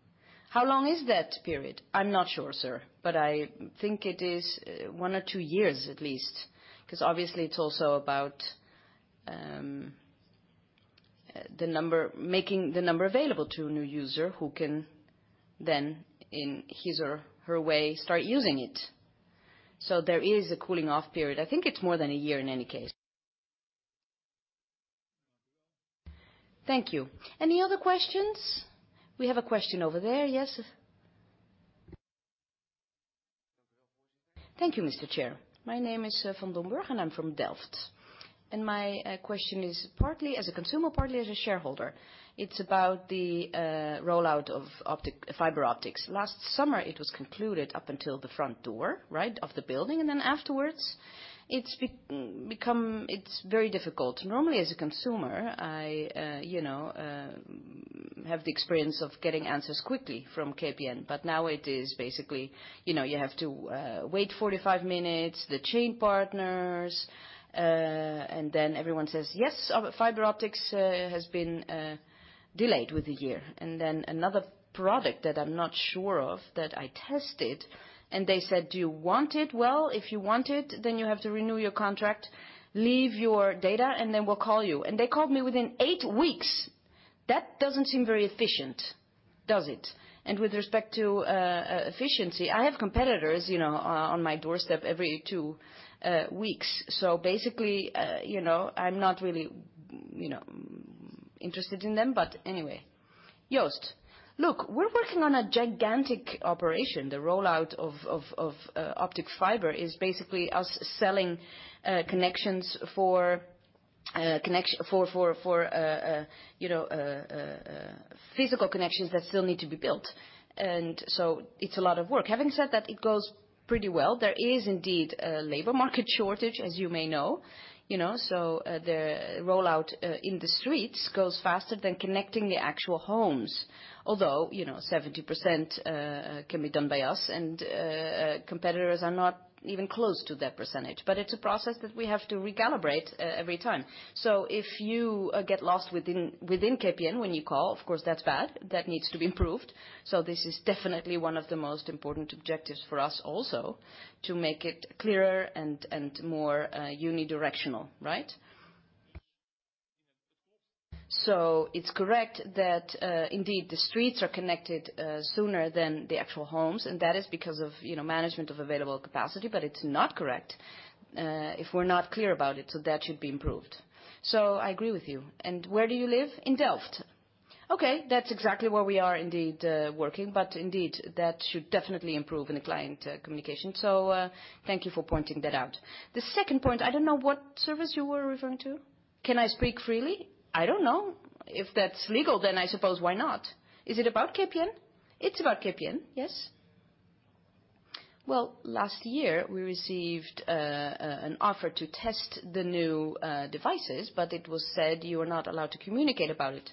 How long is that period? I'm not sure, sir, but I think it is one or two years at least. 'Cause obviously it's also about the number, making the number available to a new user who can then, in his or her way, start using it. There is a cooling off period. I think it's more than a year in any case. Thank you. Any other questions? We have a question over there. Thank you, Mr. Chair. My name is van Domberg, I'm from Delft. My question is partly as a consumer, partly as a shareholder. It's about the rollout of optic, fiber optics. Last summer, it was concluded up until the front door, right? Of the building, afterwards, it's become, it's very difficult. Normally, as a consumer, I, you know, have the experience of getting answers quickly from KPN, now it is basically, you know, you have to wait 45 minutes, the chain partners, everyone says, "Yes, fiber optics has been delayed with a year." Another product that I'm not sure of that I tested, they said, "Do you want it? Well, if you want it, then you have to renew your contract, leave your data, we'll call you." They called me within eight weeks. That doesn't seem very efficient, does it? With respect to efficiency, I have competitors, you know, on my doorstep every two weeks. Basically, you know, I'm not really, you know, interested in them. Anyway. Joost, look, we're working on a gigantic operation. The rollout of optic fiber is basically us selling connections for connection, for physical connections that still need to be built. It's a lot of work. Having said that, it goes pretty well. There is indeed a labor market shortage, as you may know. You know, the rollout in the streets goes faster than connecting the actual homes. Although, you know, 70% can be done by us, and competitors are not even close to that percentage. It's a process that we have to recalibrate every time. If you get lost within KPN when you call, of course, that's bad. That needs to be improved. This is definitely one of the most important objectives for us also, to make it clearer and more unidirectional, right? It's correct that indeed the streets are connected sooner than the actual homes, and that is because of, you know, management of available capacity, but it's not correct if we're not clear about it, that should be improved. I agree with you. Where do you live? In Delft. Okay. That's exactly where we are indeed working, but indeed, that should definitely improve in the client communication. Thank you for pointing that out. The second point, I don't know what service you were referring to. Can I speak freely? I don't know. If that's legal, then I suppose, why not? Is it about KPN? It's about KPN. Yes. Last year, we received an offer to test the new devices. It was said you are not allowed to communicate about it.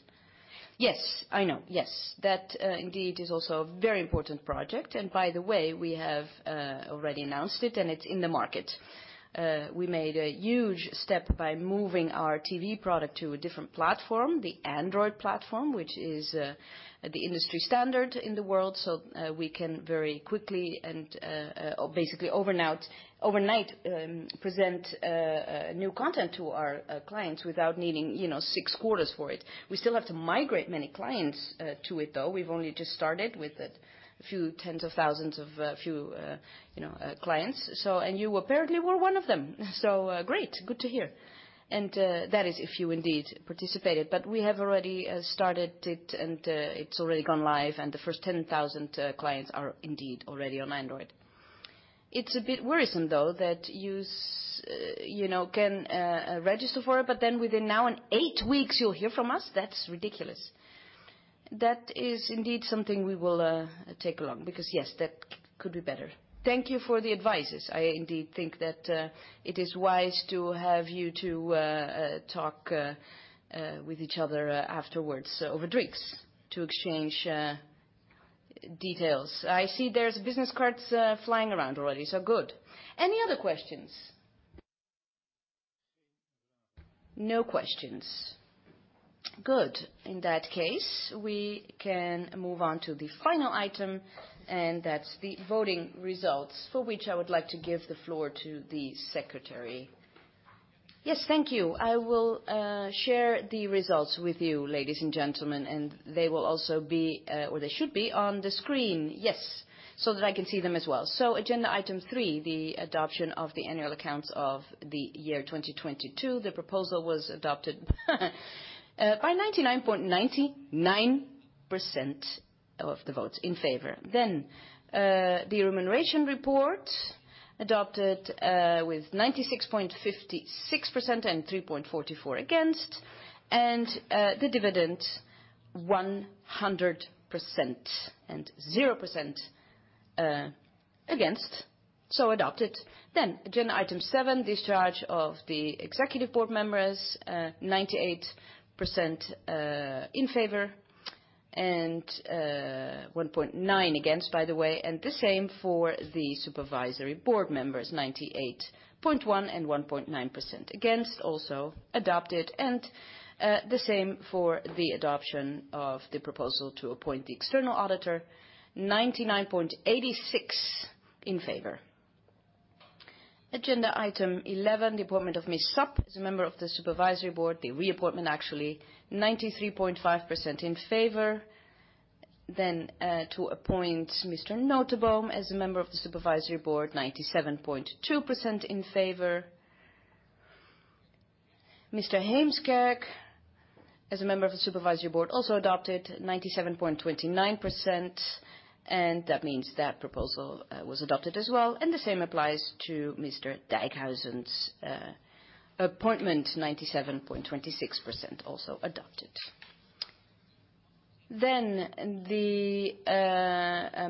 Yes, I know. Yes. That indeed is also a very important project. By the way, we have already announced it, and it's in the market. We made a huge step by moving our TV product to a different platform, the Android platform, which is the industry standard in the world. We can very quickly and basically overnight present new content to our clients without needing, you know, six quarters for it. We still have to migrate many clients to it, though. We've only just started with a few tens of thousands of, you know, clients. You apparently were one of them. Great. Good to hear. That is if you indeed participated. We have already started it's already gone live, and the first 10,000 clients are indeed already on Android. It's a bit worrisome, though, that you know, can register for it, but then within now and eight weeks, you'll hear from us? That's ridiculous. That is indeed something we will take along because yes, th at could be better. Thank you for the advices. I indeed think that it is wise to have you to talk with each other afterwards over drinks to exchange details. I see there's business cards flying around already, good. Any other questions? No questions. Good. In that case, we can move on to the final item, and that's the voting results, for which I would like to give the floor to the secretary Yes, thank you. I will share the results with you, ladies and gentlemen, and they will also be, or they should be on the screen. Yes, so that I can see them as well. Agenda item three, the adoption of the annual accounts of the year 2022. The proposal was adopted by 99.99% of the votes in favor. The remuneration report adopted with 96.56% and 3.44% against. The dividend 100% and 0% against. Adopted. Agenda item seven, discharge of the executive board members, 98% in favor and 1.9% against, by the way. The same for the Supervisory Board members, 98.1% and 1.9% against, also adopted. The same for the adoption of the proposal to appoint the external auditor, 99.86% in favor. Agenda item 11, the appointment of Ms. Sapp as a member of the Supervisory Board, the reappointment actually, 93.5% in favor. To appoint Mr. Noteboom as a member of the Supervisory Board, 97.2% in favor. Mr. Heemskerk as a member of the Supervisory Board also adopted 97.29%, and that means that proposal was adopted as well. The same applies to Mr. Dijkhuizen's appointment, 97.26%, also adopted. The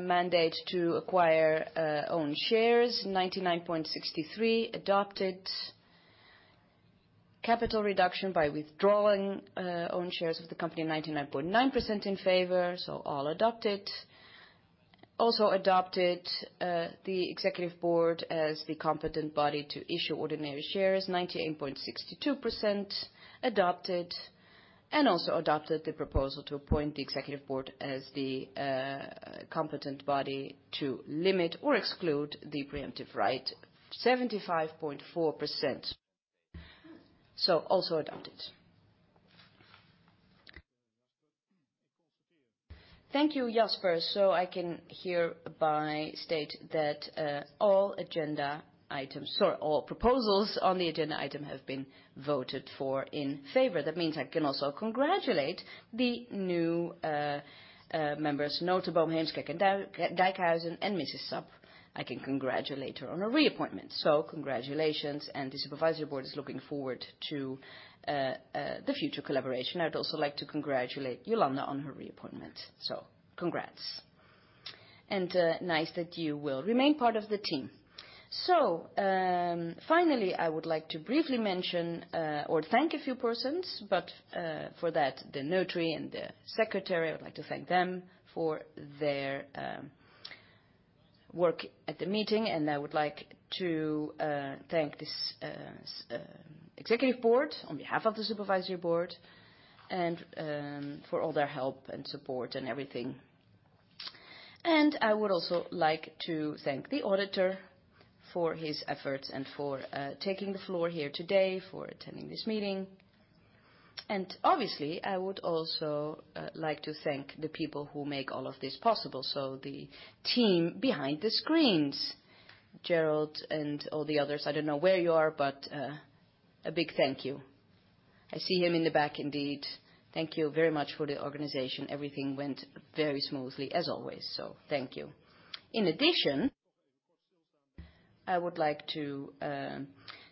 mandate to acquire own shares, 99.63%, adopted. Capital reduction by withdrawing own shares of the company, 99.9% in favor. All adopted. Also adopted the executive board as the competent body to issue ordinary shares, 98.62%, adopted. Also adopted the proposal to appoint the executive board as the competent body to limit or exclude the preemptive right, 75.4%. Also adopted. Thank you, Jasper. I can hereby state that all agenda items or all proposals on the agenda item have been voted for in favor. That means I can also congratulate the new members, Noteboom, Heemskerk, and Dijkhuizen and Mrs. Sapp. I can congratulate her on her reappointment. Congratulations, and the supervisory board is looking forward to the future collaboration. I'd also like to congratulate Jolanda on her reappointment. Congrats, and nice that you will remain part of the team. Finally, I would like to briefly mention or thank a few persons, for that the notary and the secretary, I would like to thank them for their work at the meeting, I would like to thank this executive board on behalf of the Supervisory Board for all their help and support and everything. I would also like to thank the auditor for his efforts and for taking the floor here today, for attending this meeting. Obviously, I would also like to thank the people who make all of this possible, so the team behind the screens. Gerald and all the others, I don't know where you are, but a big thank you. I see him in the back indeed. Thank you very much for the organization. Everything went very smoothly as always. Thank you. In addition, I would like to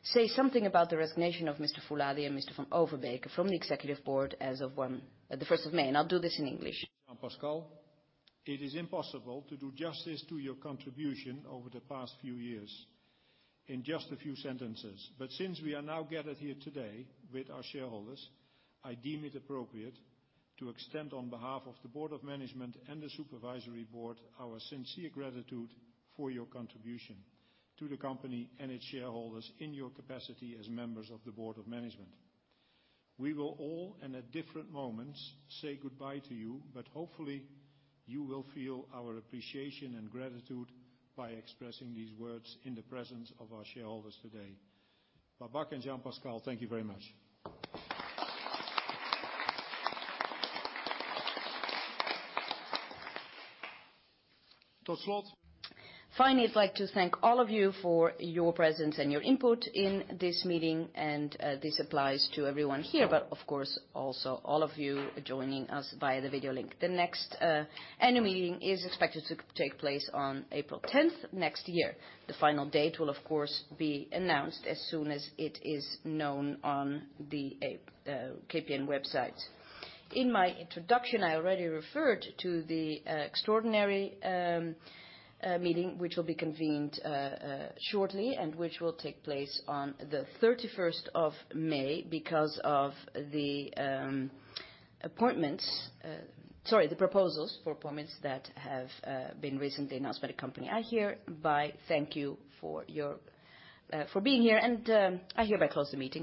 say something about the resignation of Mr. Fouladi and Mr. van Overbeke from the executive board as of the first of May. I'll do this in English. Jean-Pascal, it is impossible to do justice to your contribution over the past few years in just a few sentences. Since we are now gathered here today with our shareholders, I deem it appropriate to extend on behalf of the board of management and the supervisory board our sincere gratitude for your contribution to the company and its shareholders in your capacity as members of the board of management. We will all, and at different moments, say goodbye to you, but hopefully you will feel our appreciation and gratitude by expressing these words in the presence of our shareholders today. Babak and Jean-Pascal, thank you very much. Finally, I'd like to thank all of you for your presence and your input in this meeting. This applies to everyone here, but of course also all of you joining us via the video link. The next annual meeting is expected to take place on April 10th next year. The final date will of course be announced as soon as it is known on the KPN website. In my introduction, I already referred to the extraordinary meeting which will be convened shortly and which will take place on the 31st of May because of the appointments, sorry, the proposals for appointments that have been recently announced by the company. I hereby thank you for your for being here. I hereby close the meeting. Thank you.